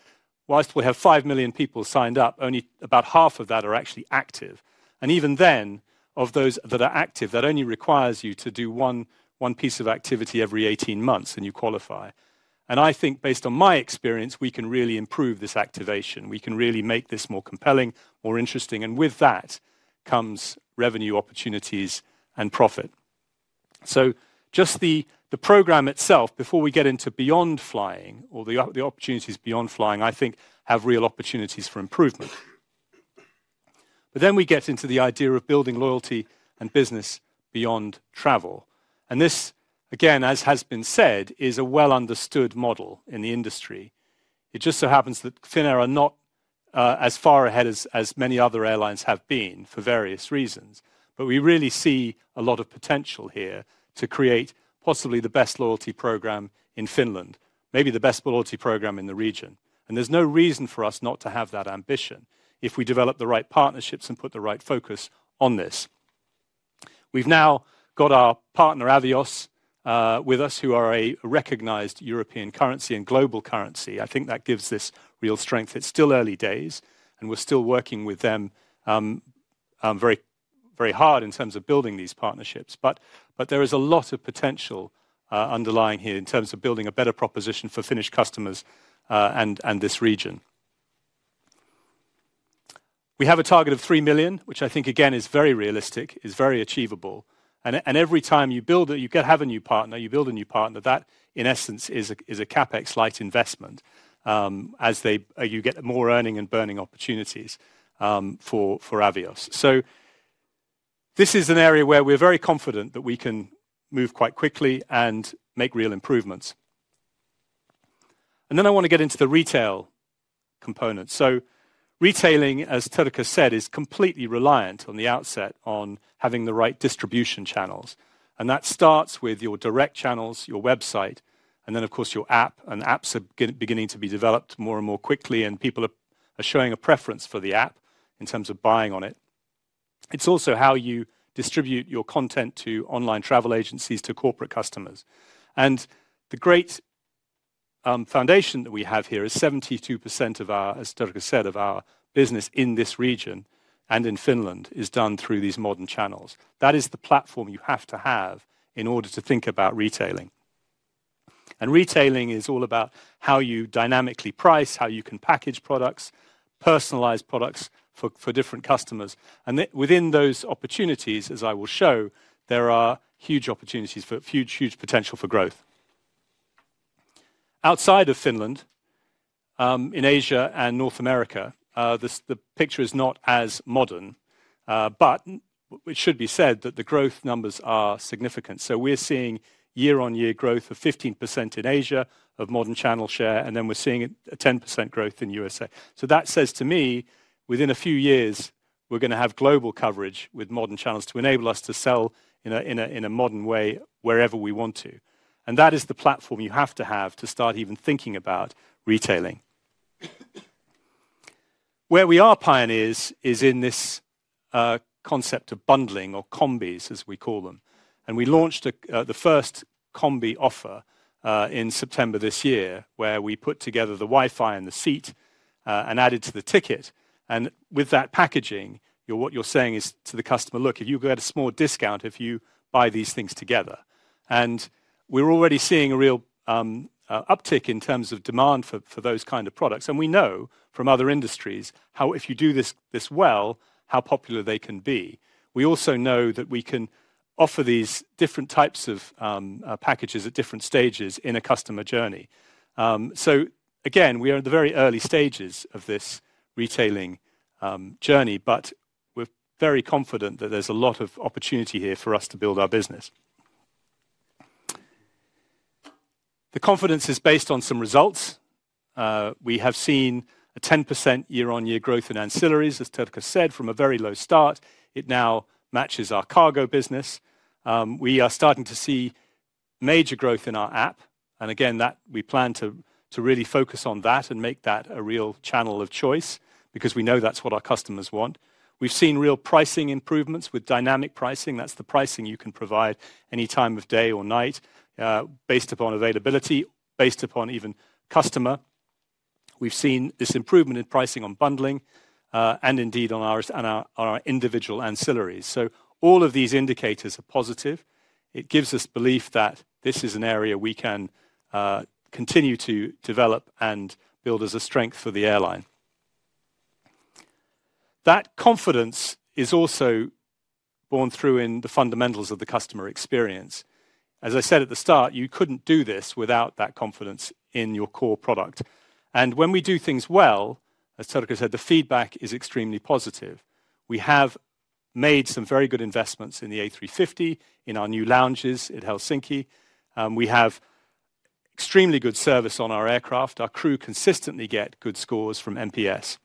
whilst we have 5 million people signed up, only about half of that are actually active. Even then, of those that are active, that only requires you to do one piece of activity every 18 months and you qualify. I think, based on my experience, we can really improve this activation. We can really make this more compelling, more interesting. With that comes revenue opportunities and profit. Just the program itself, before we get into beyond flying or the opportunities beyond flying, I think have real opportunities for improvement. We get into the idea of building loyalty and business beyond travel. This, again, as has been said, is a well-understood model in the industry. It just so happens that Finnair are not as far ahead as many other airlines have been for various reasons. We really see a lot of potential here to create possibly the best loyalty program in Finland, maybe the best loyalty program in the region. There is no reason for us not to have that ambition if we develop the right partnerships and put the right focus on this. We have now got our partner, Avios, with us, who are a recognized European currency and global currency. I think that gives this real strength. It is still early days, and we are still working with them very hard in terms of building these partnerships. There is a lot of potential underlying here in terms of building a better proposition for Finnish customers and this region. We have a target of 3 million, which I think, again, is very realistic, is very achievable. Every time you build it, you have a new partner, you build a new partner. That, in essence, is a CapEx Light investment as you get more earning and burning opportunities for Avios. This is an area where we're very confident that we can move quite quickly and make real improvements. I want to get into the retail component. Retailing, as Turkka said, is completely reliant on the outset on having the right distribution channels. That starts with your direct channels, your website, and, of course, your app. Apps are beginning to be developed more and more quickly, and people are showing a preference for the app in terms of buying on it. It's also how you distribute your content to online travel agencies, to corporate customers. The great foundation that we have here is 72%, as Turkka said, of our business in this region and in Finland is done through these modern channels. That is the platform you have to have in order to think about retailing. Retailing is all about how you dynamically price, how you can package products, personalize products for different customers. Within those opportunities, as I will show, there are huge opportunities for huge potential for growth. Outside of Finland, in Asia and North America, the picture is not as modern. It should be said that the growth numbers are significant. We are seeing year-on-year growth of 15% in Asia of modern channel share, and then we are seeing a 10% growth in the USA. That says to me, within a few years, we're going to have global coverage with modern channels to enable us to sell in a modern way wherever we want to. That is the platform you have to have to start even thinking about retailing. Where we are pioneers is in this concept of bundling or combies, as we call them. We launched the first combi offer in September this year, where we put together the Wi-Fi and the seat and added to the ticket. With that packaging, what you're saying is to the customer, "Look, you get a small discount if you buy these things together." We're already seeing a real uptick in terms of demand for those kinds of products. We know from other industries how, if you do this well, how popular they can be. We also know that we can offer these different types of packages at different stages in a customer journey. Again, we are at the very early stages of this retailing journey, but we're very confident that there's a lot of opportunity here for us to build our business. The confidence is based on some results. We have seen a 10% year-on-year growth in ancillaries, as Turkka said, from a very low start. It now matches our cargo business. We are starting to see major growth in our app. Again, we plan to really focus on that and make that a real channel of choice because we know that's what our customers want. We've seen real pricing improvements with dynamic pricing. That's the pricing you can provide any time of day or night based upon availability, based upon even customer. We've seen this improvement in pricing on bundling and indeed on our individual ancillaries. All of these indicators are positive. It gives us belief that this is an area we can continue to develop and build as a strength for the airline. That confidence is also borne through in the fundamentals of the customer experience. As I said at the start, you couldn't do this without that confidence in your core product. When we do things well, as Turkka said, the feedback is extremely positive. We have made some very good investments in the A350, in our new lounges at Helsinki. We have extremely good service on our aircraft. Our crew consistently get good scores from NPS.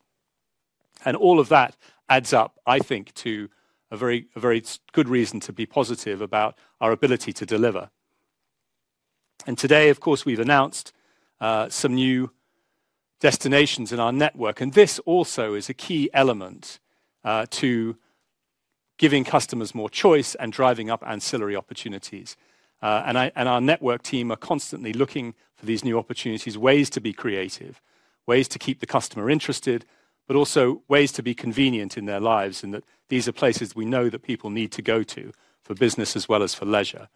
All of that adds up, I think, to a very good reason to be positive about our ability to deliver. Today, of course, we've announced some new destinations in our network. This also is a key element to giving customers more choice and driving up ancillary opportunities. Our network team are constantly looking for these new opportunities, ways to be creative, ways to keep the customer interested, but also ways to be convenient in their lives and that these are places we know that people need to go to for business as well as for leisure.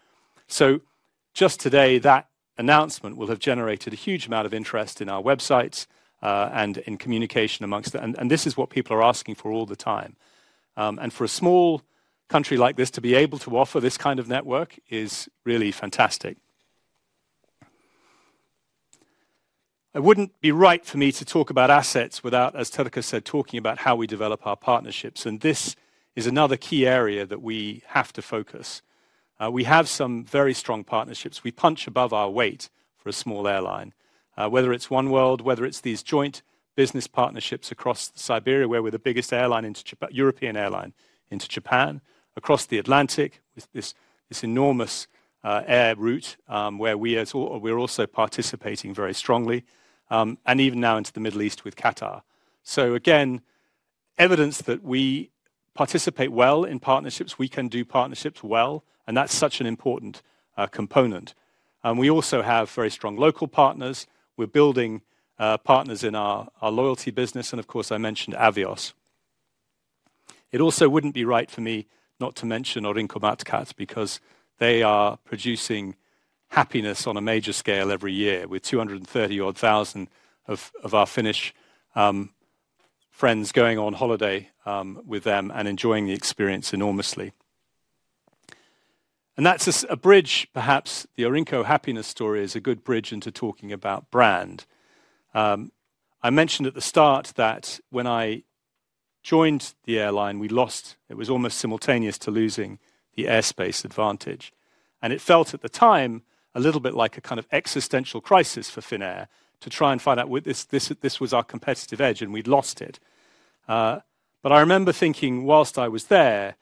Just today, that announcement will have generated a huge amount of interest in our websites and in communication amongst them. This is what people are asking for all the time. For a small country like this to be able to offer this kind of network is really fantastic. It would not be right for me to talk about assets without, as Turkka said, talking about how we develop our partnerships. This is another key area that we have to focus. We have some very strong partnerships. We punch above our weight for a small airline, whether it is Oneworld, whether it is these joint business partnerships across Siberia, where we are the biggest European airline into Japan, across the Atlantic with this enormous air route where we are also participating very strongly, and even now into the Middle East with Qatar. Again, evidence that we participate well in partnerships, we can do partnerships well, and that is such an important component. We also have very strong local partners. We are building partners in our loyalty business. Of course, I mentioned Avios. It also would not be right for me not to mention Aurinkomatkat because they are producing happiness on a major scale every year with 230-odd thousand of our Finnish friends going on holiday with them and enjoying the experience enormously. That is a bridge, perhaps. The Aurinko happiness story is a good bridge into talking about brand. I mentioned at the start that when I joined the airline, we lost. It was almost simultaneous to losing the airspace advantage. It felt at the time a little bit like a kind of existential crisis for Finnair to try and find out this was our competitive edge and we had lost it. I remember thinking, whilst I was there,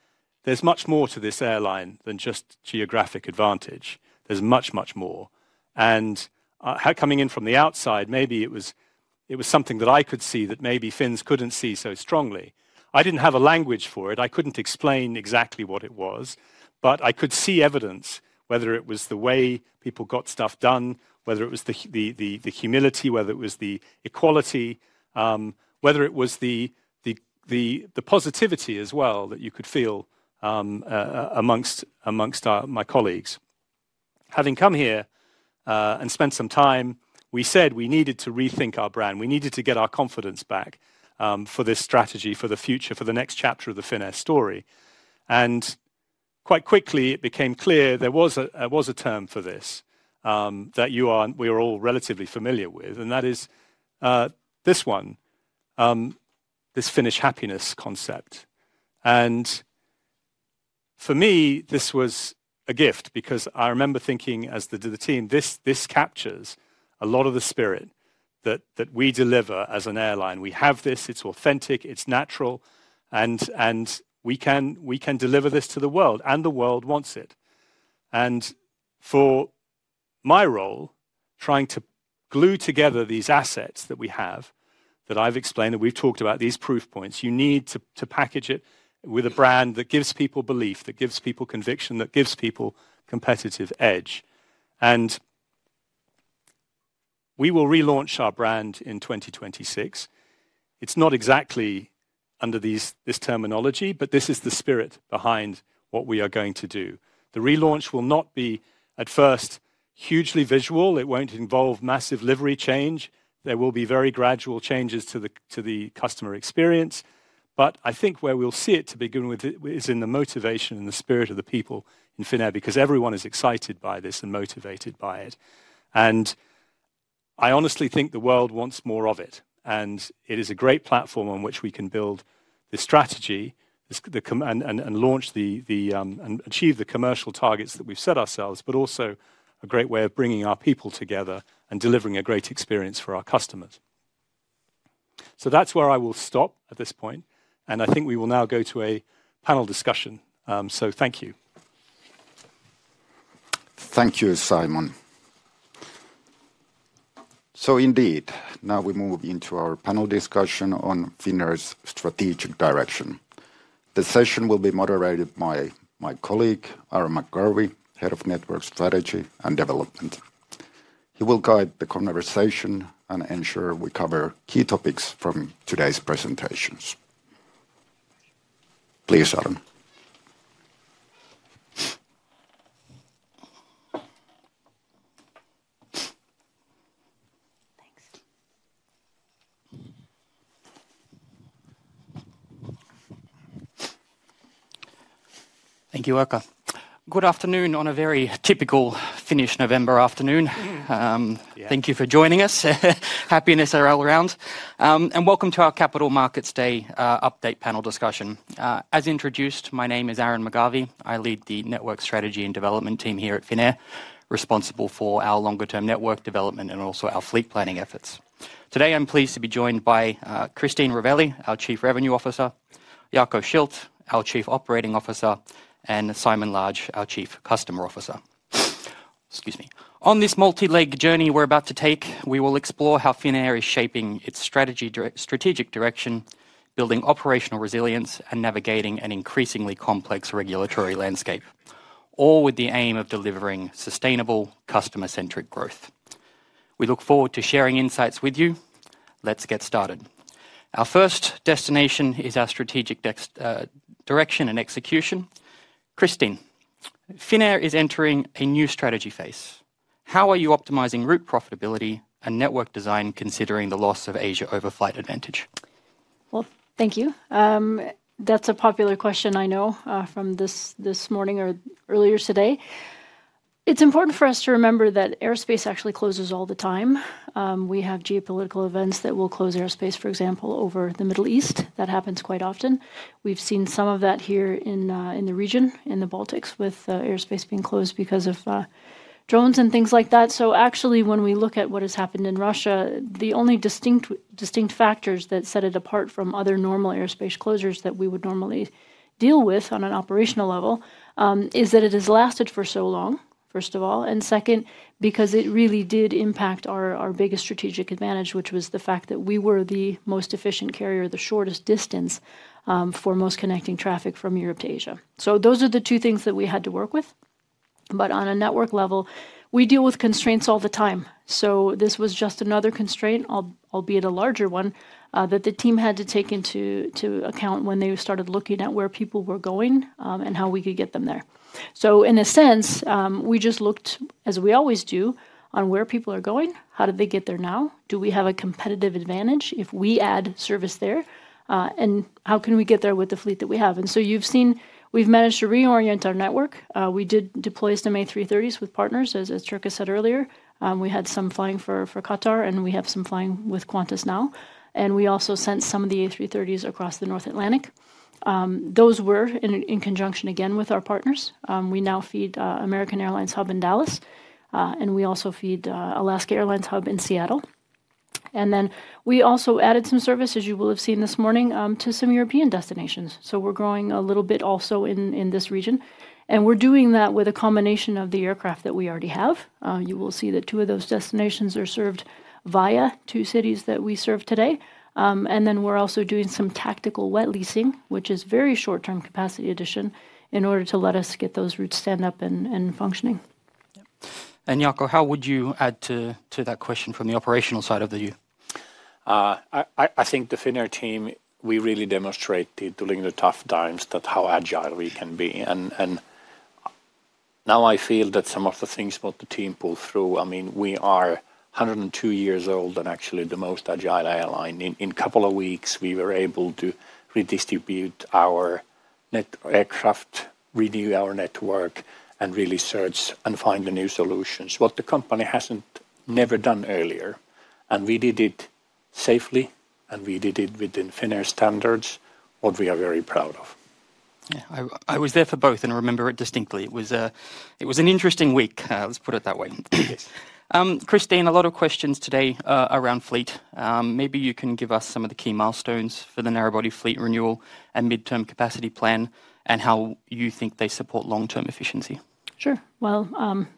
there is much more to this airline than just geographic advantage. There is much, much more. Coming in from the outside, maybe it was something that I could see that maybe Finns could not see so strongly. I did not have a language for it. I could not explain exactly what it was, but I could see evidence, whether it was the way people got stuff done, whether it was the humility, whether it was the equality, whether it was the positivity as well that you could feel amongst my colleagues. Having come here and spent some time, we said we needed to rethink our brand. We needed to get our confidence back for this strategy, for the future, for the next chapter of the Finnair story. Quite quickly, it became clear there was a term for this that we are all relatively familiar with, and that is this one, this Finnish happiness concept. For me, this was a gift because I remember thinking as the team, this captures a lot of the spirit that we deliver as an airline. We have this. It is authentic. It is natural. We can deliver this to the world, and the world wants it. For my role, trying to glue together these assets that we have that I have explained, that we have talked about, these proof points, you need to package it with a brand that gives people belief, that gives people conviction, that gives people competitive edge. We will relaunch our brand in 2026. It is not exactly under this terminology, but this is the spirit behind what we are going to do. The relaunch will not be at first hugely visual. It will not involve massive livery change. There will be very gradual changes to the customer experience. But I think where we'll see it to begin with is in the motivation and the spirit of the people in Finnair because everyone is excited by this and motivated by it. I honestly think the world wants more of it. It is a great platform on which we can build the strategy and achieve the commercial targets that we've set ourselves, but also a great way of bringing our people together and delivering a great experience for our customers. That's where I will stop at this point. I think we will now go to a panel discussion. Thank you. Thank you, Simon. Indeed, now we move into our panel discussion on Finnair's strategic direction. The session will be moderated by my colleague, Aron McGarvey, Head of Network Strategy and Development. He will guide the conversation and ensure we cover key topics from today's presentations. Please, Aron. Thanks. Thank you, Erkka. Good afternoon on a very typical Finnish November afternoon. Thank you for joining us. Happiness around. And welcome to our Capital Markets Day update panel discussion. As introduced, my name is Aron McGarvey. I lead the Network Strategy and Development team here at Finnair, responsible for our longer-term network development and also our fleet planning efforts. Today, I'm pleased to be joined by Christine Rovelli, our Chief Revenue Officer, Jaakko Schildt, our Chief Operating Officer, and Simon Large, our Chief Customer Officer. Excuse me. On this multi-legged journey we're about to take, we will explore how Finnair is shaping its strategic direction, building operational resilience, and navigating an increasingly complex regulatory landscape, all with the aim of delivering sustainable customer-centric growth. We look forward to sharing insights with you. Let's get started. Our first destination is our strategic direction and execution. Christine, Finnair is entering a new strategy phase. How are you optimizing route profitability and network design considering the loss of Asia overflight advantage? Thank you. That's a popular question, I know, from this morning or earlier today. It's important for us to remember that airspace actually closes all the time. We have geopolitical events that will close airspace, for example, over the Middle East. That happens quite often. We've seen some of that here in the region, in the Baltics, with airspace being closed because of drones and things like that. Actually, when we look at what has happened in Russia, the only distinct factors that set it apart from other normal airspace closures that we would normally deal with on an operational level is that it has lasted for so long, first of all. Second, because it really did impact our biggest strategic advantage, which was the fact that we were the most efficient carrier, the shortest distance for most connecting traffic from Europe to Asia. Those are the two things that we had to work with. On a network level, we deal with constraints all the time. This was just another constraint, albeit a larger one, that the team had to take into account when they started looking at where people were going and how we could get them there. In a sense, we just looked, as we always do, at where people are going. How did they get there now? Do we have a competitive advantage if we add service there? How can we get there with the fleet that we have? You have seen we have managed to reorient our network. We did deploy some A330s with partners, as Turkka said earlier. We had some flying for Qatar, and we have some flying with Qantas now. We also sent some of the A330s across the North Atlantic. Those were in conjunction, again, with our partners. We now feed American Airlines hub in Dallas, and we also feed Alaska Airlines hub in Seattle. We also added some service, as you will have seen this morning, to some European destinations. We are growing a little bit also in this region. We are doing that with a combination of the aircraft that we already have. You will see that two of those destinations are served via two cities that we serve today. We are also doing some tactical wet leasing, which is very short-term capacity addition in order to let us get those routes stand up and functioning. Jaakko, how would you add to that question from the operational side of the view? I think the Finnair team, we really demonstrated during the tough times how agile we can be. I feel that some of the things about the team pull through. I mean, we are 102 years old and actually the most agile airline. In a couple of weeks, we were able to redistribute our network, redo our network, and really search and find the new solutions, what the company has never done earlier. We did it safely, and we did it within Finnair standards, what we are very proud of. Yeah, I was there for both and remember it distinctly. It was an interesting week, let's put it that way. Christine, a lot of questions today around fleet. Maybe you can give us some of the key milestones for the narrow-body fleet renewal and midterm capacity plan and how you think they support long-term efficiency. Sure.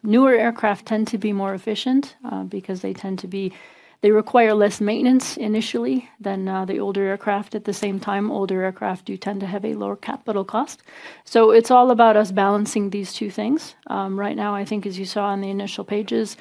Newer aircraft tend to be more efficient because they require less maintenance initially than the older aircraft. At the same time, older aircraft do tend to have a lower capital cost. It is all about us balancing these two things. Right now, I think, as you saw on the initial pages,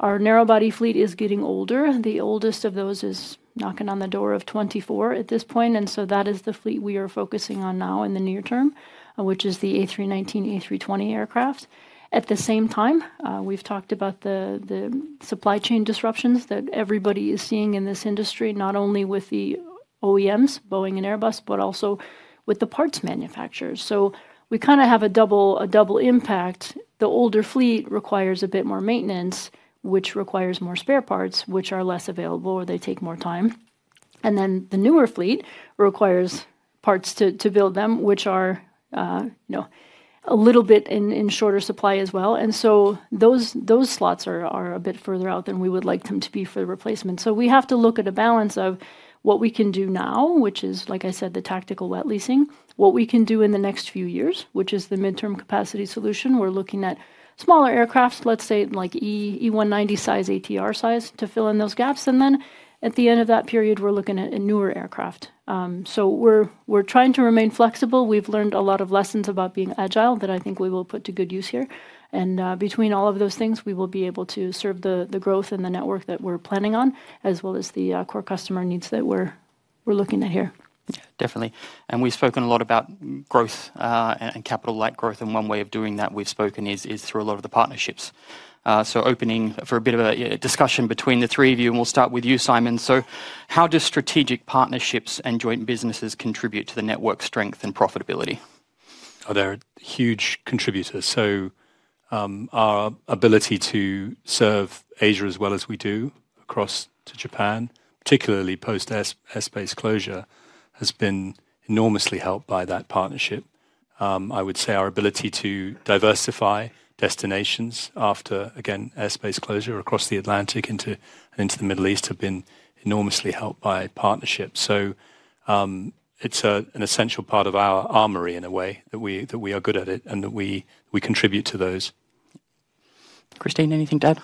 our narrow-body fleet is getting older. The oldest of those is knocking on the door of 24 at this point. That is the fleet we are focusing on now in the near term, which is the A319, A320 aircrafts. At the same time, we've talked about the supply chain disruptions that everybody is seeing in this industry, not only with the OEMs, Boeing and Airbus, but also with the parts manufacturers. We kind of have a double impact. The older fleet requires a bit more maintenance, which requires more spare parts, which are less available or they take more time. The newer fleet requires parts to build them, which are a little bit in shorter supply as well. Those slots are a bit further out than we would like them to be for the replacement. We have to look at a balance of what we can do now, which is, like I said, the tactical wet leasing, what we can do in the next few years, which is the midterm capacity solution. We're looking at smaller aircraft, let's say like E190 size, ATR size to fill in those gaps. At the end of that period, we're looking at a newer aircraft. We're trying to remain flexible. We've learned a lot of lessons about being agile that I think we will put to good use here. Between all of those things, we will be able to serve the growth and the network that we're planning on, as well as the core customer needs that we're looking at here. Definitely. We've spoken a lot about growth and capital-light growth. One way of doing that we've spoken is through a lot of the partnerships. Opening for a bit of a discussion between the three of you, we'll start with you, Simon. How do strategic partnerships and joint businesses contribute to the network strength and profitability? They're huge contributors. Our ability to serve Asia as well as we do across to Japan, particularly post airspace closure, has been enormously helped by that partnership. I would say our ability to diversify destinations after, again, airspace closure across the Atlantic into the Middle East has been enormously helped by partnership. It is an essential part of our armory in a way that we are good at it and that we contribute to those. Christine, anything to add?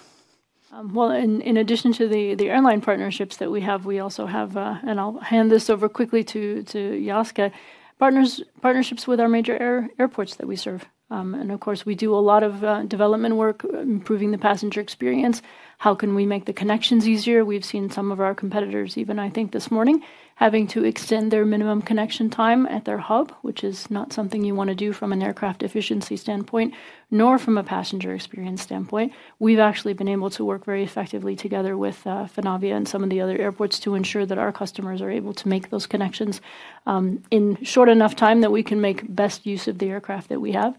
In addition to the airline partnerships that we have, we also have, and I'll hand this over quickly to Jaakko, partnerships with our major airports that we serve. Of course, we do a lot of development work improving the passenger experience. How can we make the connections easier? We've seen some of our competitors, even I think this morning, having to extend their minimum connection time at their hub, which is not something you want to do from an aircraft efficiency standpoint, nor from a passenger experience standpoint. We've actually been able to work very effectively together with Finavia and some of the other airports to ensure that our customers are able to make those connections in short enough time that we can make best use of the aircraft that we have.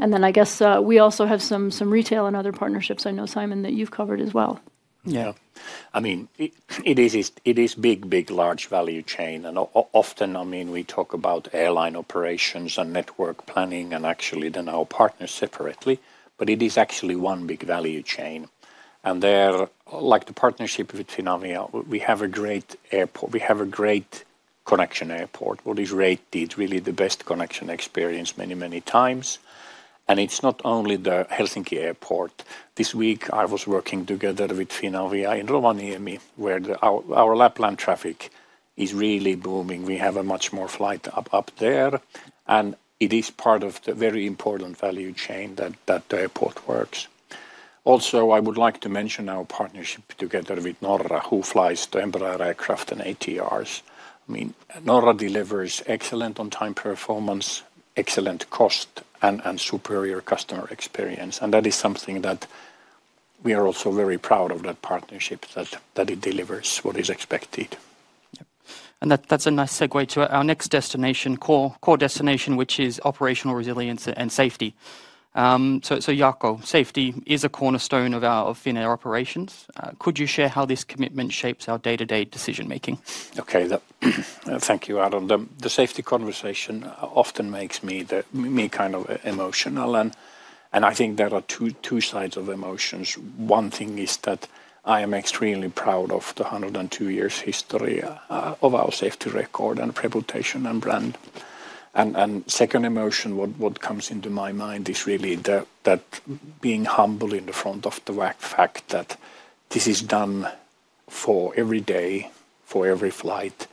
I guess we also have some retail and other partnerships. I know, Simon, that you've covered as well. Yeah. I mean, it is big, big, large value chain. And often, I mean, we talk about airline operations and network planning and actually then our partners separately, but it is actually one big value chain. Like the partnership with Finavia, we have a great airport. We have a great connection airport. What is rated? It is really the best connection experience many, many times. It is not only the Helsinki Airport. This week, I was working together with Finavia in Rovaniemi, where our Lapland traffic is really booming. We have much more flight up there. It is part of the very important value chain that the airport works. Also, I would like to mention our partnership together with Norra, who flies the Embraer aircraft and ATRs. I mean, Norra delivers excellent on-time performance, excellent cost, and superior customer experience. That is something that we are also very proud of, that partnership, that it delivers what is expected. That is a nice segue to our next destination, core destination, which is operational resilience and safety. Jaakko, safety is a cornerstone of Finnair operations. Could you share how this commitment shapes our day-to-day decision-making? Okay. Thank you, Aron. The safety conversation often makes me kind of emotional. I think there are two sides of emotions. One thing is that I am extremely proud of the 102 years history of our safety record and reputation and brand. The second emotion, what comes into my mind is really that being humble in the front of the fact that this is done every day, for every flight,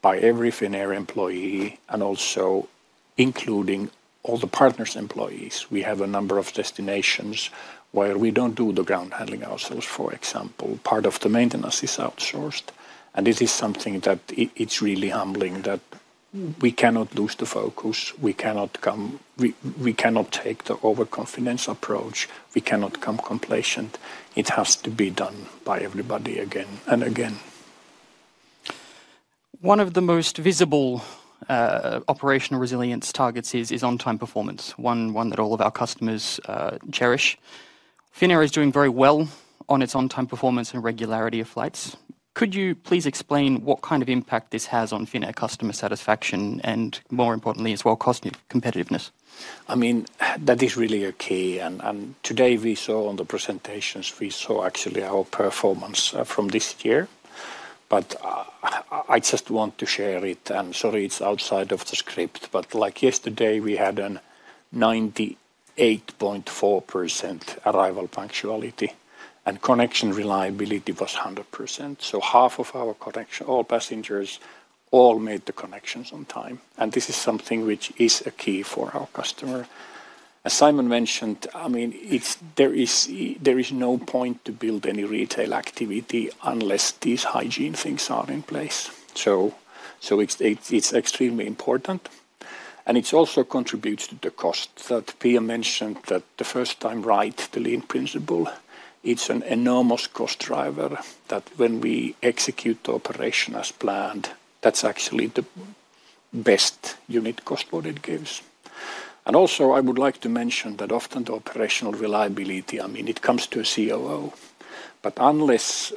by every Finnair employee, and also including all the partners' employees. We have a number of destinations where we do not do the ground handling ourselves, for example. Part of the maintenance is outsourced. It is something that is really humbling that we cannot lose the focus. We cannot take the overconfidence approach. We cannot become complacent. It has to be done by everybody again and again. One of the most visible operational resilience targets is on-time performance, one that all of our customers cherish. Finnair is doing very well on its on-time performance and regularity of flights. Could you please explain what kind of impact this has on Finnair customer satisfaction and, more importantly, as well, cost competitiveness? I mean, that is really a key. Today we saw on the presentations, we saw actually our performance from this year. I just want to share it. Sorry, it's outside of the script, but like yesterday, we had a 98.4% arrival punctuality. Connection reliability was 100%. Half of our connection, all passengers, all made the connections on time. This is something which is a key for our customer. As Simon mentioned, I mean, there is no point to build any retail activity unless these hygiene things are in place. It's extremely important. It also contributes to the cost that Pia mentioned, that the first time right, the lean principle, it's an enormous cost driver that when we execute the operation as planned, that's actually the best unit cost what it gives. Also, I would like to mention that often the operational reliability, I mean, it comes to a COO. Unless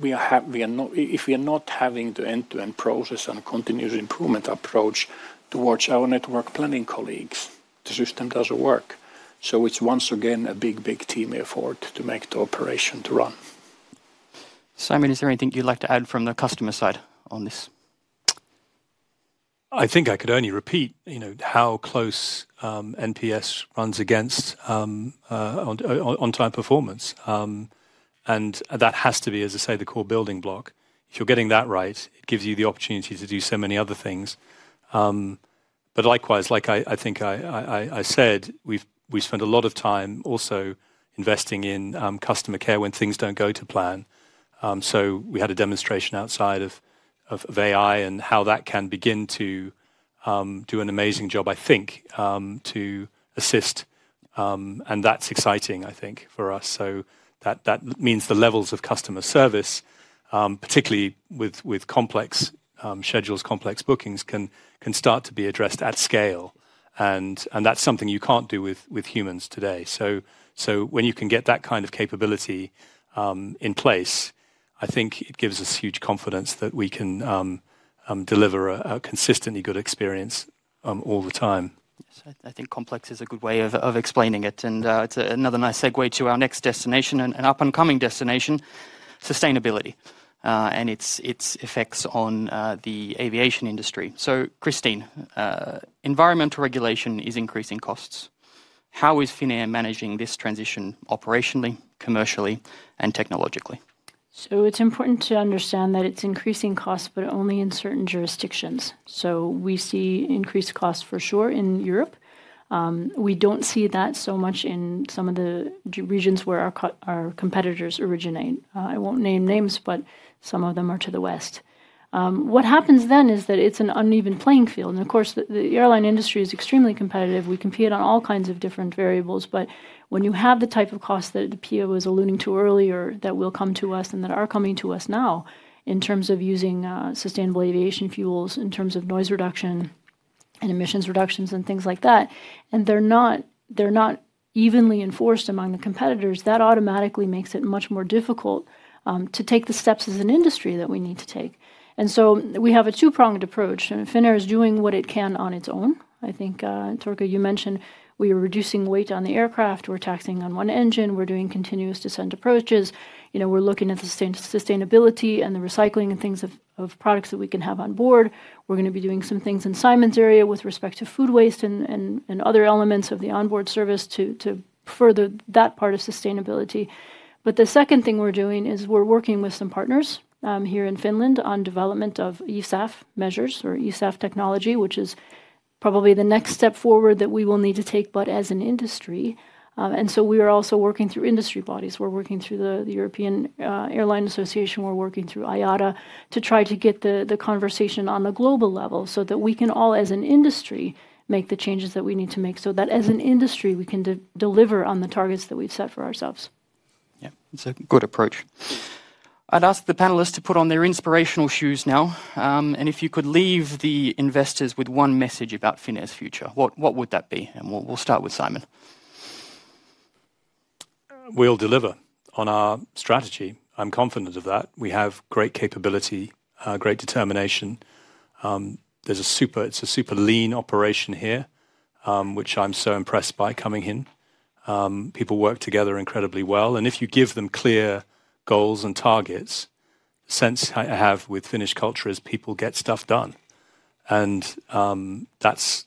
we are not having the end-to-end process and continuous improvement approach towards our network planning colleagues, the system doesn't work. It's once again a big, big team effort to make the operation run. Simon, is there anything you'd like to add from the customer side on this? I think I could only repeat how close NPS runs against on-time performance. That has to be, as I say, the core building block. If you're getting that right, it gives you the opportunity to do so many other things. Likewise, like I think I said, we spend a lot of time also investing in customer care when things don't go to plan. We had a demonstration outside of AI and how that can begin to do an amazing job, I think, to assist. That's exciting, I think, for us. That means the levels of customer service, particularly with complex schedules, complex bookings, can start to be addressed at scale. That's something you can't do with humans today. When you can get that kind of capability in place, I think it gives us huge confidence that we can deliver a consistently good experience all the time. I think complex is a good way of explaining it. It's another nice segue to our next destination and up-and-coming destination, sustainability and its effects on the aviation industry. Christine, environmental regulation is increasing costs. How is Finnair managing this transition operationally, commercially, and technologically? It's important to understand that it's increasing costs, but only in certain jurisdictions. We see increased costs for sure in Europe. We do not see that so much in some of the regions where our competitors originate. I will not name names, but some of them are to the west. What happens then is that it's an uneven playing field. Of course, the airline industry is extremely competitive. We compete on all kinds of different variables. When you have the type of cost that Pia was alluding to earlier that will come to us and that are coming to us now in terms of using sustainable aviation fuels, in terms of noise reduction and emissions reductions and things like that, and they're not evenly enforced among the competitors, that automatically makes it much more difficult to take the steps as an industry that we need to take. We have a two-pronged approach. Finnair is doing what it can on its own. I think, Turkka, you mentioned we are reducing weight on the aircraft. We're taxiing on one engine. We're doing continuous descent approaches. We're looking at the sustainability and the recycling and things of products that we can have on board. We're going to be doing some things in Simon's area with respect to food waste and other elements of the onboard service to further that part of sustainability. The second thing we're doing is we're working with some partners here in Finland on development of eSAF measures or eSAF technology, which is probably the next step forward that we will need to take, as an industry. We are also working through industry bodies. We're working through the European Airline Association. We're working through IATA to try to get the conversation on the global level so that we can all, as an industry, make the changes that we need to make so that as an industry, we can deliver on the targets that we've set for ourselves. Yeah, it's a good approach. I'd ask the panelists to put on their inspirational shoes now. If you could leave the investors with one message about Finnair's future, what would that be? And we'll start with Simon. We'll deliver on our strategy. I'm confident of that. We have great capability, great determination. There's a super lean operation here, which I'm so impressed by coming in. People work together incredibly well. If you give them clear goals and targets, the sense I have with Finnish culture is people get stuff done. That's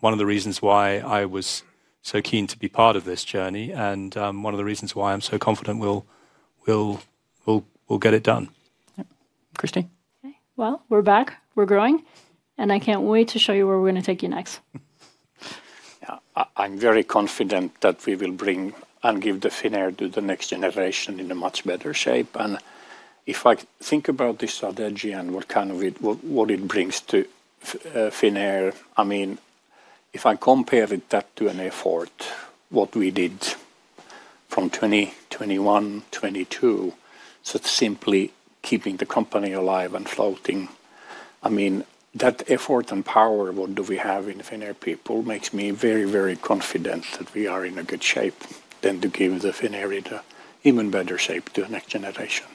one of the reasons why I was so keen to be part of this journey and one of the reasons why I'm so confident we'll get it done. Christine. We're back. We're growing. I can't wait to show you where we're going to take you next. I'm very confident that we will bring and give the Finnair to the next generation in a much better shape. If I think about this strategy and what it brings to Finnair, I mean, if I compare that to an effort, what we did from 2021, 2022, simply keeping the company alive and floating, I mean, that effort and power, what we have in Finnair people, makes me very, very confident that we are in a good shape than to give the Finnair even better shape to the next generation.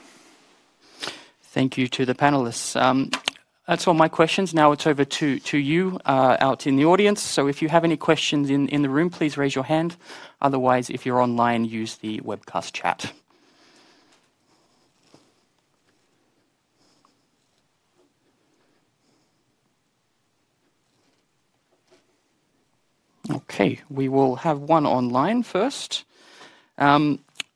Thank you to the panelists. That is all my questions. Now it is over to you out in the audience. If you have any questions in the room, please raise your hand. Otherwise, if you are online, use the webcast chat. Okay, we will have one online first.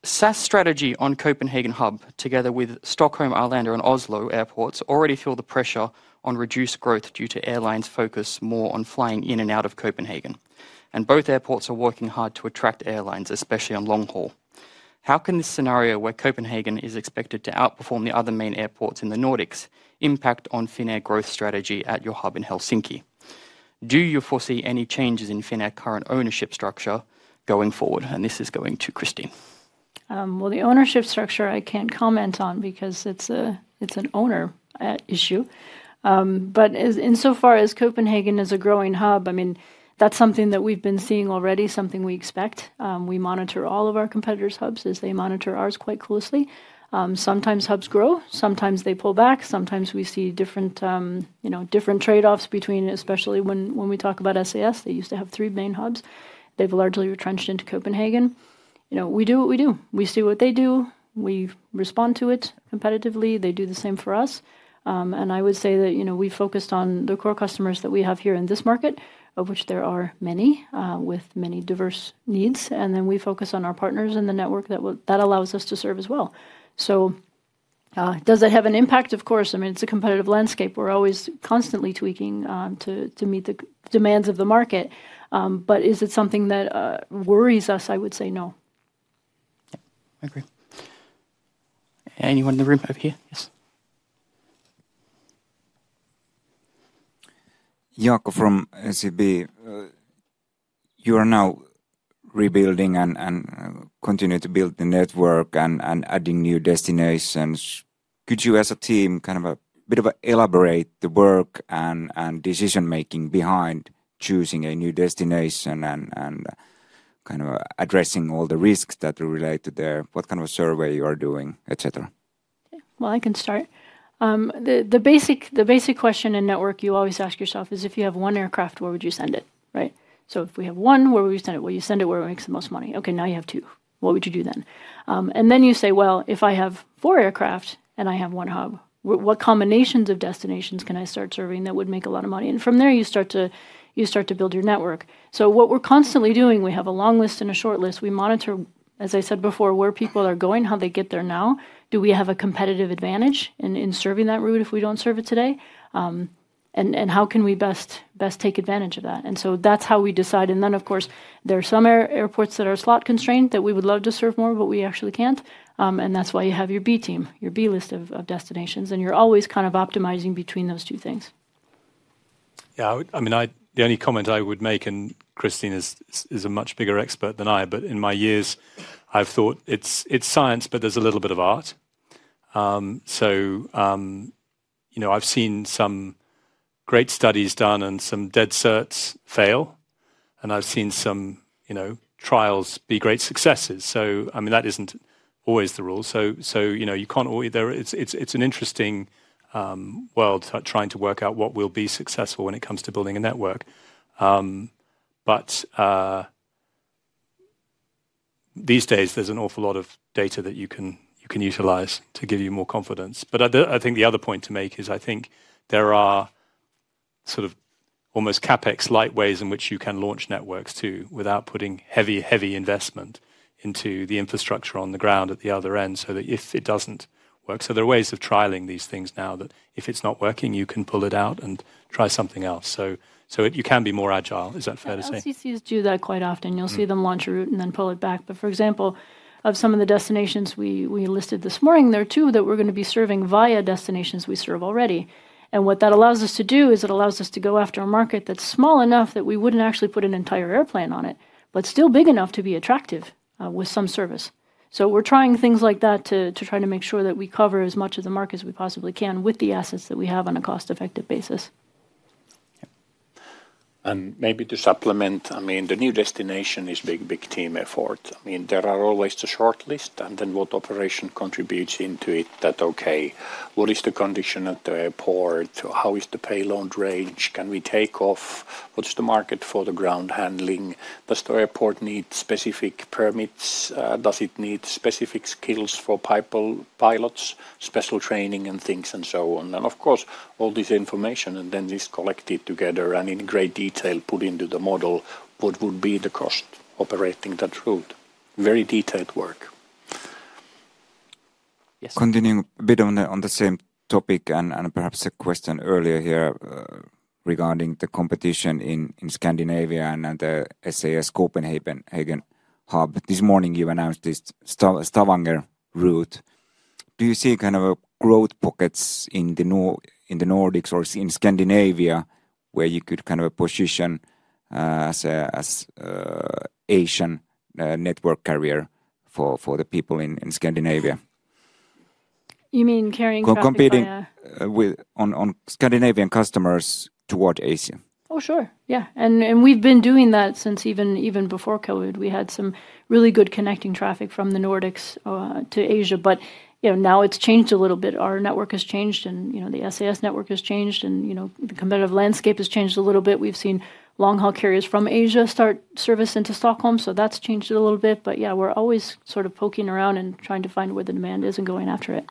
SAS strategy on Copenhagen hub, together with Stockholm, Arlanda, and Oslo airports, already feel the pressure on reduced growth due to airlines' focus more on flying in and out of Copenhagen. Both airports are working hard to attract airlines, especially on long haul. How can this scenario where Copenhagen is expected to outperform the other main airports in the Nordics impact on Finnair growth strategy at your hub in Helsinki? Do you foresee any changes in Finnair's current ownership structure going forward? This is going to Christine. The ownership structure I can't comment on because it's an owner issue. Insofar as Copenhagen is a growing hub, I mean, that's something that we've been seeing already, something we expect. We monitor all of our competitors' hubs as they monitor ours quite closely. Sometimes hubs grow. Sometimes they pull back. Sometimes we see different trade-offs between, especially when we talk about SAS. They used to have three main hubs. They've largely retrenched into Copenhagen. We do what we do. We see what they do. We respond to it competitively. They do the same for us. I would say that we focused on the core customers that we have here in this market, of which there are many with many diverse needs. Then we focus on our partners and the network that allows us to serve as well. Does it have an impact? Of course. I mean, it's a competitive landscape. We're always constantly tweaking to meet the demands of the market. Is it something that worries us? I would say no. I agree. Anyone in the room over here? Yes. Jaakko from SEB. You are now rebuilding and continue to build the network and adding new destinations. Could you, as a team, kind of a bit of elaborate the work and decision-making behind choosing a new destination and kind of addressing all the risks that relate to what kind of a survey you are doing, etc.? I can start. The basic question in network you always ask yourself is if you have one aircraft, where would you send it? Right? If we have one, where would we send it? Will you send it where it makes the most money? Now you have two. What would you do then? You say, if I have four aircraft and I have one hub, what combinations of destinations can I start serving that would make a lot of money? From there, you start to build your network. What we are constantly doing, we have a long list and a short list. We monitor, as I said before, where people are going, how they get there now. Do we have a competitive advantage in serving that route if we do not serve it today? How can we best take advantage of that? That is how we decide. Of course, there are some airports that are slot constrained that we would love to serve more, but we actually cannot. That is why you have your B team, your B list of destinations. You are always kind of optimizing between those two things. Yeah, I mean, the only comment I would make, and Christine is a much bigger expert than I, but in my years, I have thought it is science, but there is a little bit of art. I have seen some great studies done and some dead certs fail. I have seen some trials be great successes. I mean, that isn't always the rule. It's an interesting world trying to work out what will be successful when it comes to building a network. These days, there's an awful lot of data that you can utilize to give you more confidence. I think the other point to make is I think there are sort of almost CapEx light ways in which you can launch networks too without putting heavy investment into the infrastructure on the ground at the other end so that if it doesn't work. There are ways of trialing these things now that if it's not working, you can pull it out and try something else. You can be more agile. Is that fair to say? SECs do that quite often. You'll see them launch a route and then pull it back. For example, of some of the destinations we listed this morning, there are two that we're going to be serving via destinations we serve already. What that allows us to do is it allows us to go after a market that's small enough that we wouldn't actually put an entire airplane on it, but still big enough to be attractive with some service. We're trying things like that to try to make sure that we cover as much of the market as we possibly can with the assets that we have on a cost-effective basis. Maybe to supplement, I mean, the new destination is a big, big team effort. I mean, there are always the short list and then what operation contributes into it that, okay, what is the condition at the airport? How is the payload range? Can we take off? What's the market for the ground handling? Does the airport need specific permits? Does it need specific skills for pilots, special training and things and so on? Of course, all this information and then this collected together and in great detail put into the model, what would be the cost operating that route? Very detailed work. Continuing a bit on the same topic and perhaps a question earlier here regarding the competition in Scandinavia and the SAS Copenhagen hub. This morning, you announced this Stavanger route. Do you see kind of growth pockets in the Nordics or in Scandinavia where you could kind of position as an Asian network carrier for the people in Scandinavia? You mean carrying traffic? Competing on Scandinavian customers toward Asia. Oh, sure. Yeah. We've been doing that since even before COVID. We had some really good connecting traffic from the Nordics to Asia. Now it's changed a little bit. Our network has changed and the SAS network has changed and the competitive landscape has changed a little bit. We've seen long-haul carriers from Asia start service into Stockholm. That's changed a little bit. Yeah, we're always sort of poking around and trying to find where the demand is and going after it.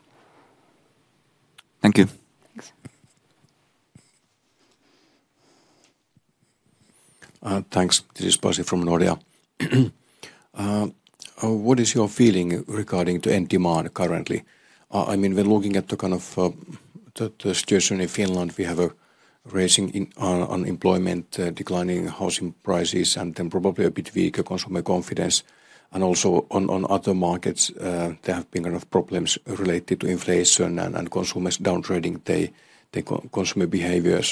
Thank you. Thanks. This is Pasi from Nordea. What is your feeling regarding end demand currently? I mean, we're looking at the kind of the situation in Finland. We have a rising unemployment, declining housing prices, and then probably a bit weaker consumer confidence. Also, on other markets, there have been kind of problems related to inflation and consumers' downtrading, their consumer behavior.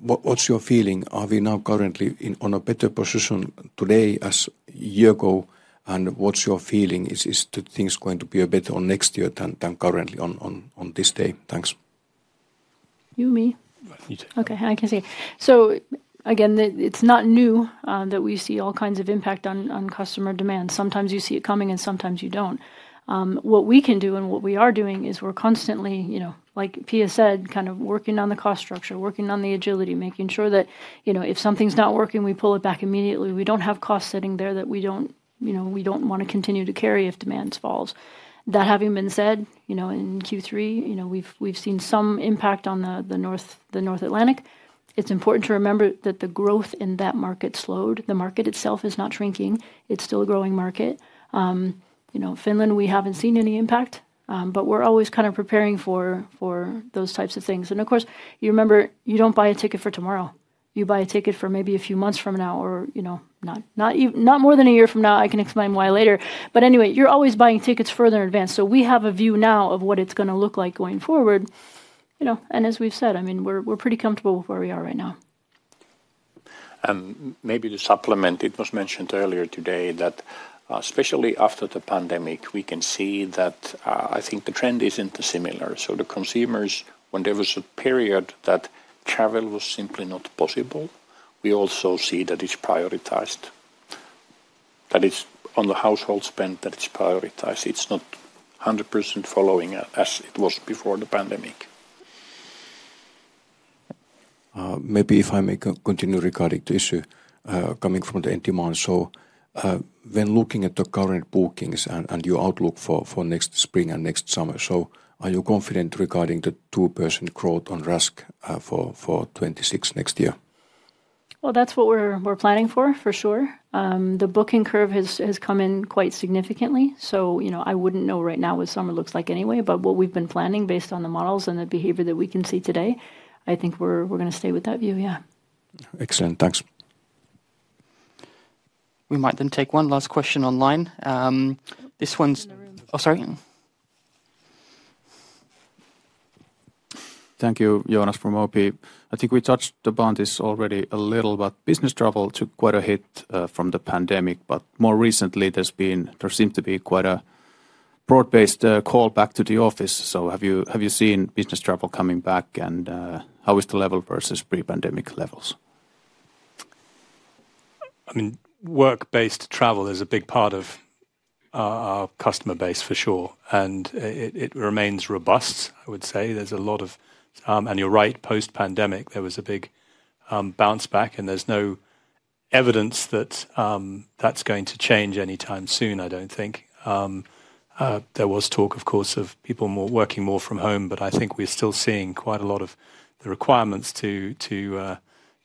What's your feeling? Are we now currently in a better position today as a year ago? What's your feeling? Is that things are going to be a bit better next year than currently on this day? Thanks. You, me. Okay, I can see. Again, it's not new that we see all kinds of impact on customer demand. Sometimes you see it coming and sometimes you don't. What we can do and what we are doing is we're constantly, like Pia said, kind of working on the cost structure, working on the agility, making sure that if something's not working, we pull it back immediately. We don't have cost-setting there that we don't want to continue to carry if demand falls. That having been said, in Q3, we've seen some impact on the North Atlantic. It's important to remember that the growth in that market slowed. The market itself is not shrinking. It's still a growing market. Finland, we haven't seen any impact, but we're always kind of preparing for those types of things. Of course, you remember you don't buy a ticket for tomorrow. You buy a ticket for maybe a few months from now or not more than a year from now. I can explain why later. Anyway, you're always buying tickets further in advance. We have a view now of what it's going to look like going forward. As we've said, I mean, we're pretty comfortable with where we are right now. Maybe to supplement, it was mentioned earlier today that especially after the pandemic, we can see that I think the trend isn't similar. The consumers, when there was a period that travel was simply not possible, we also see that it's prioritized, that it's on the household spend that it's prioritized. It's not 100% following as it was before the pandemic. Maybe if I may continue regarding the issue coming from the end demand. So when looking at the current bookings and your outlook for next spring and next summer, are you confident regarding the 2% growth on RASK for 2026 next year? That is what we're planning for, for sure. The booking curve has come in quite significantly. I wouldn't know right now what summer looks like anyway, but what we've been planning based on the models and the behavior that we can see today, I think we're going to stay with that view, yeah. Excellent. Thanks. We might then take one last question online. This one's, oh, sorry. Thank you, Joonas from OP. I think we touched upon this already a little, but business travel took quite a hit from the pandemic. More recently, there seemed to be quite a broad-based call back to the office. Have you seen business travel coming back? How is the level versus pre-pandemic levels? I mean, work-based travel is a big part of our customer base, for sure. It remains robust, I would say. There is a lot of, and you are right, post-pandemic, there was a big bounce back. There is no evidence that that is going to change anytime soon, I do not think. There was talk, of course, of people working more from home, but I think we are still seeing quite a lot of the requirements to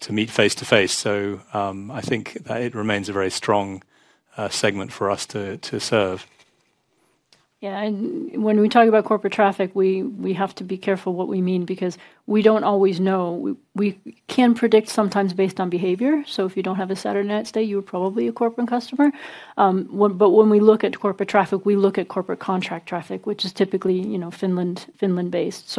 meet face-to-face. I think that it remains a very strong segment for us to serve. Yeah. When we talk about corporate traffic, we have to be careful what we mean because we do not always know. We can predict sometimes based on behavior. If you do not have a Saturday night stay, you are probably a corporate customer. When we look at corporate traffic, we look at corporate contract traffic, which is typically Finland-based.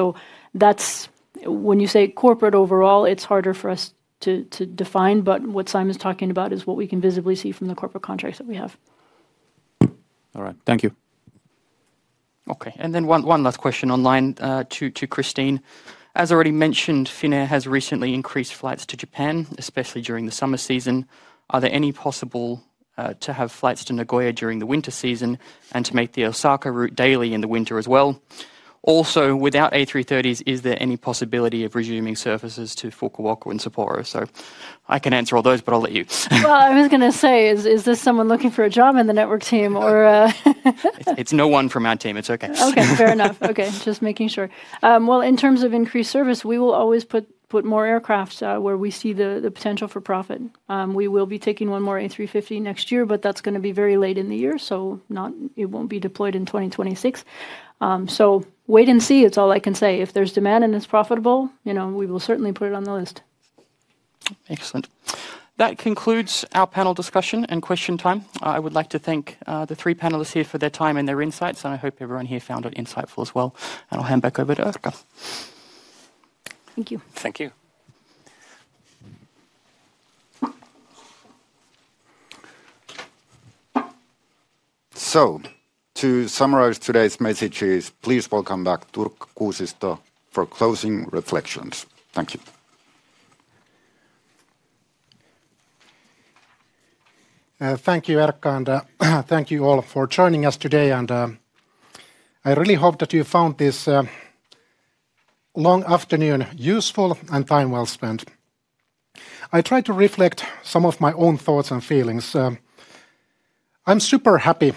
When you say corporate overall, it is harder for us to define, but what Simon is talking about is what we can visibly see from the corporate contracts that we have. All right. Thank you. Okay. One last question online to Christine. As already mentioned, Finnair has recently increased flights to Japan, especially during the summer season. Are there any possible to have flights to Nagoya during the winter season and to make the Osaka route daily in the winter as well? Also, without A330s, is there any possibility of resuming services to Fukuoka and Sapporo? I can answer all those, but I will let you. I was going to say, is this someone looking for a job in the network team or? It's no one from our team. It's okay. Fair enough. Just making sure. In terms of increased service, we will always put more aircraft where we see the potential for profit. We will be taking one more A350 next year, but that's going to be very late in the year. It won't be deployed in 2026. Wait and see. It's all I can say. If there's demand and it's profitable, we will certainly put it on the list. Excellent. That concludes our panel discussion and question time. I would like to thank the three panelists here for their time and their insights. I hope everyone here found it insightful as well. I'll hand back over to Erkka. Thank you. Thank you. To summarize, today's message is, please welcome back Turkka Kuusisto for closing reflections. Thank you. Thank you, Erkka, and thank you all for joining us today. I really hope that you found this long afternoon useful and time well spent. I tried to reflect some of my own thoughts and feelings. I'm super happy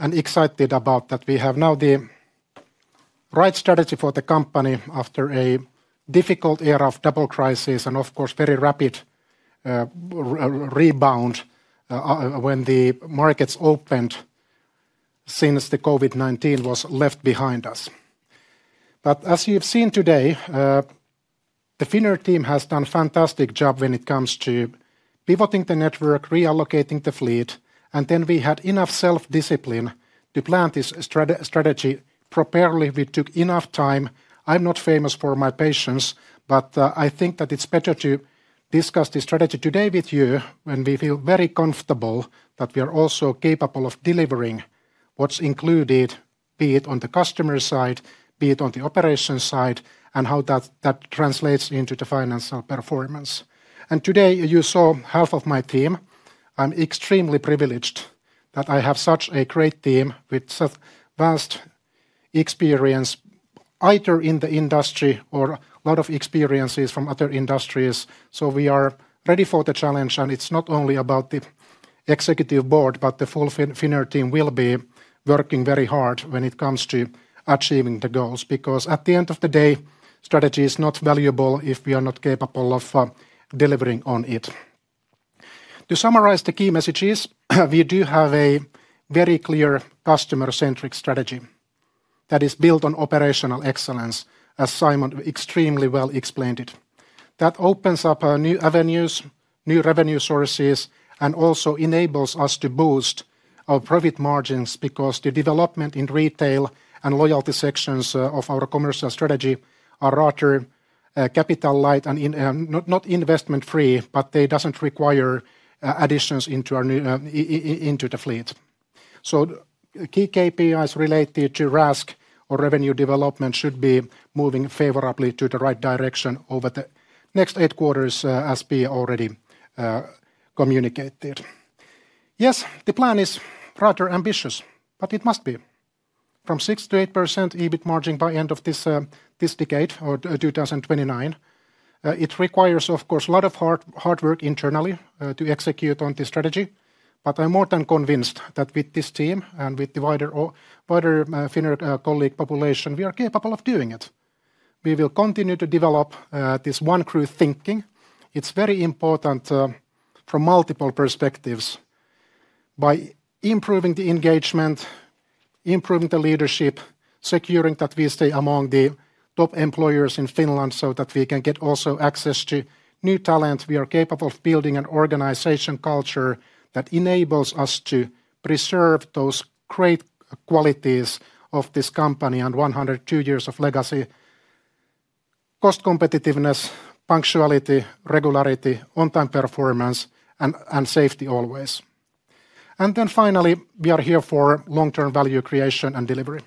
and excited that we have now the right strategy for the company after a difficult era of double crisis and, of course, very rapid rebound when the markets opened since the COVID-19 was left behind us. As you've seen today, the Finnair team has done a fantastic job when it comes to pivoting the network, reallocating the fleet. We had enough self-discipline to plan this strategy properly. We took enough time. I'm not famous for my patience, but I think that it's better to discuss the strategy today with you when we feel very comfortable that we are also capable of delivering what's included, be it on the customer side, be it on the operation side, and how that translates into the financial performance. Today, you saw half of my team. I'm extremely privileged that I have such a great team with such vast experience, either in the industry or a lot of experiences from other industries. We are ready for the challenge. It's not only about the executive board, but the full Finnair team will be working very hard when it comes to achieving the goals. Because at the end of the day, strategy is not valuable if we are not capable of delivering on it. To summarize the key messages, we do have a very clear customer-centric strategy that is built on operational excellence, as Simon extremely well explained it. That opens up new avenues, new revenue sources, and also enables us to boost our profit margins because the development in retail and loyalty sections of our commercial strategy are rather capital-light and not investment-free, but they do not require additions into the fleet. Key KPIs related to RASK or revenue development should be moving favorably to the right direction over the next eight quarters, as Pia already communicated. Yes, the plan is rather ambitious, but it must be. From 6%-8% EBIT margin by the end of this decade or 2029. It requires, of course, a lot of hard work internally to execute on the strategy. I'm more than convinced that with this team and with the wider Finnair colleague population, we are capable of doing it. We will continue to develop this one crew thinking. It's very important from multiple perspectives. By improving the engagement, improving the leadership, securing that we stay among the top employers in Finland so that we can get also access to new talent, we are capable of building an organization culture that enables us to preserve those great qualities of this company and 102 years of legacy: cost competitiveness, punctuality, regularity, on-time performance, and safety always. Finally, we are here for long-term value creation and delivery.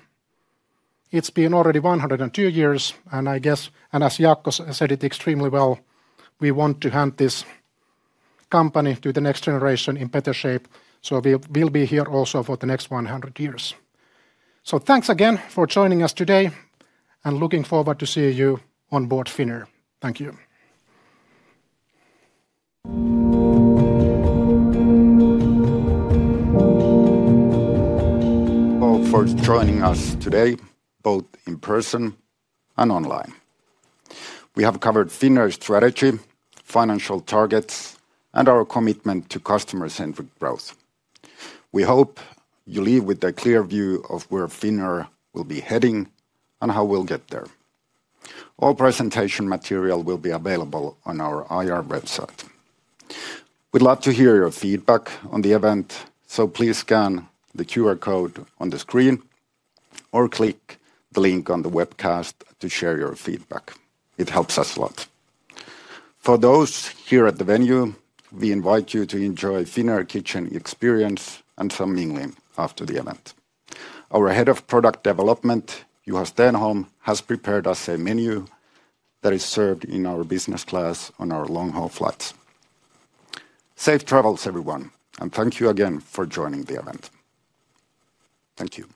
It's been already 102 years, and I guess, and as Jaakko said it extremely well, we want to hand this company to the next generation in better shape. We'll be here also for the next 100 years. Thanks again for joining us today and looking forward to seeing you on board Finnair. Thank you. Thank you for joining us today, both in person and online. We have covered Finnair's strategy, financial targets, and our commitment to customer-centric growth. We hope you leave with a clear view of where Finnair will be heading and how we'll get there. All presentation material will be available on our IR website. We'd love to hear your feedback on the event, so please scan the QR code on the screen or click the link on the webcast to share your feedback. It helps us a lot. For those here at the venue, we invite you to enjoy a Finnair Kitchen experience and some mingling after the event. Our Head of Product Development, Juha Stenholm, has prepared us a menu that is served in our business class on our long-haul flights. Safe travels, everyone, and thank you again for joining the event. Thank you.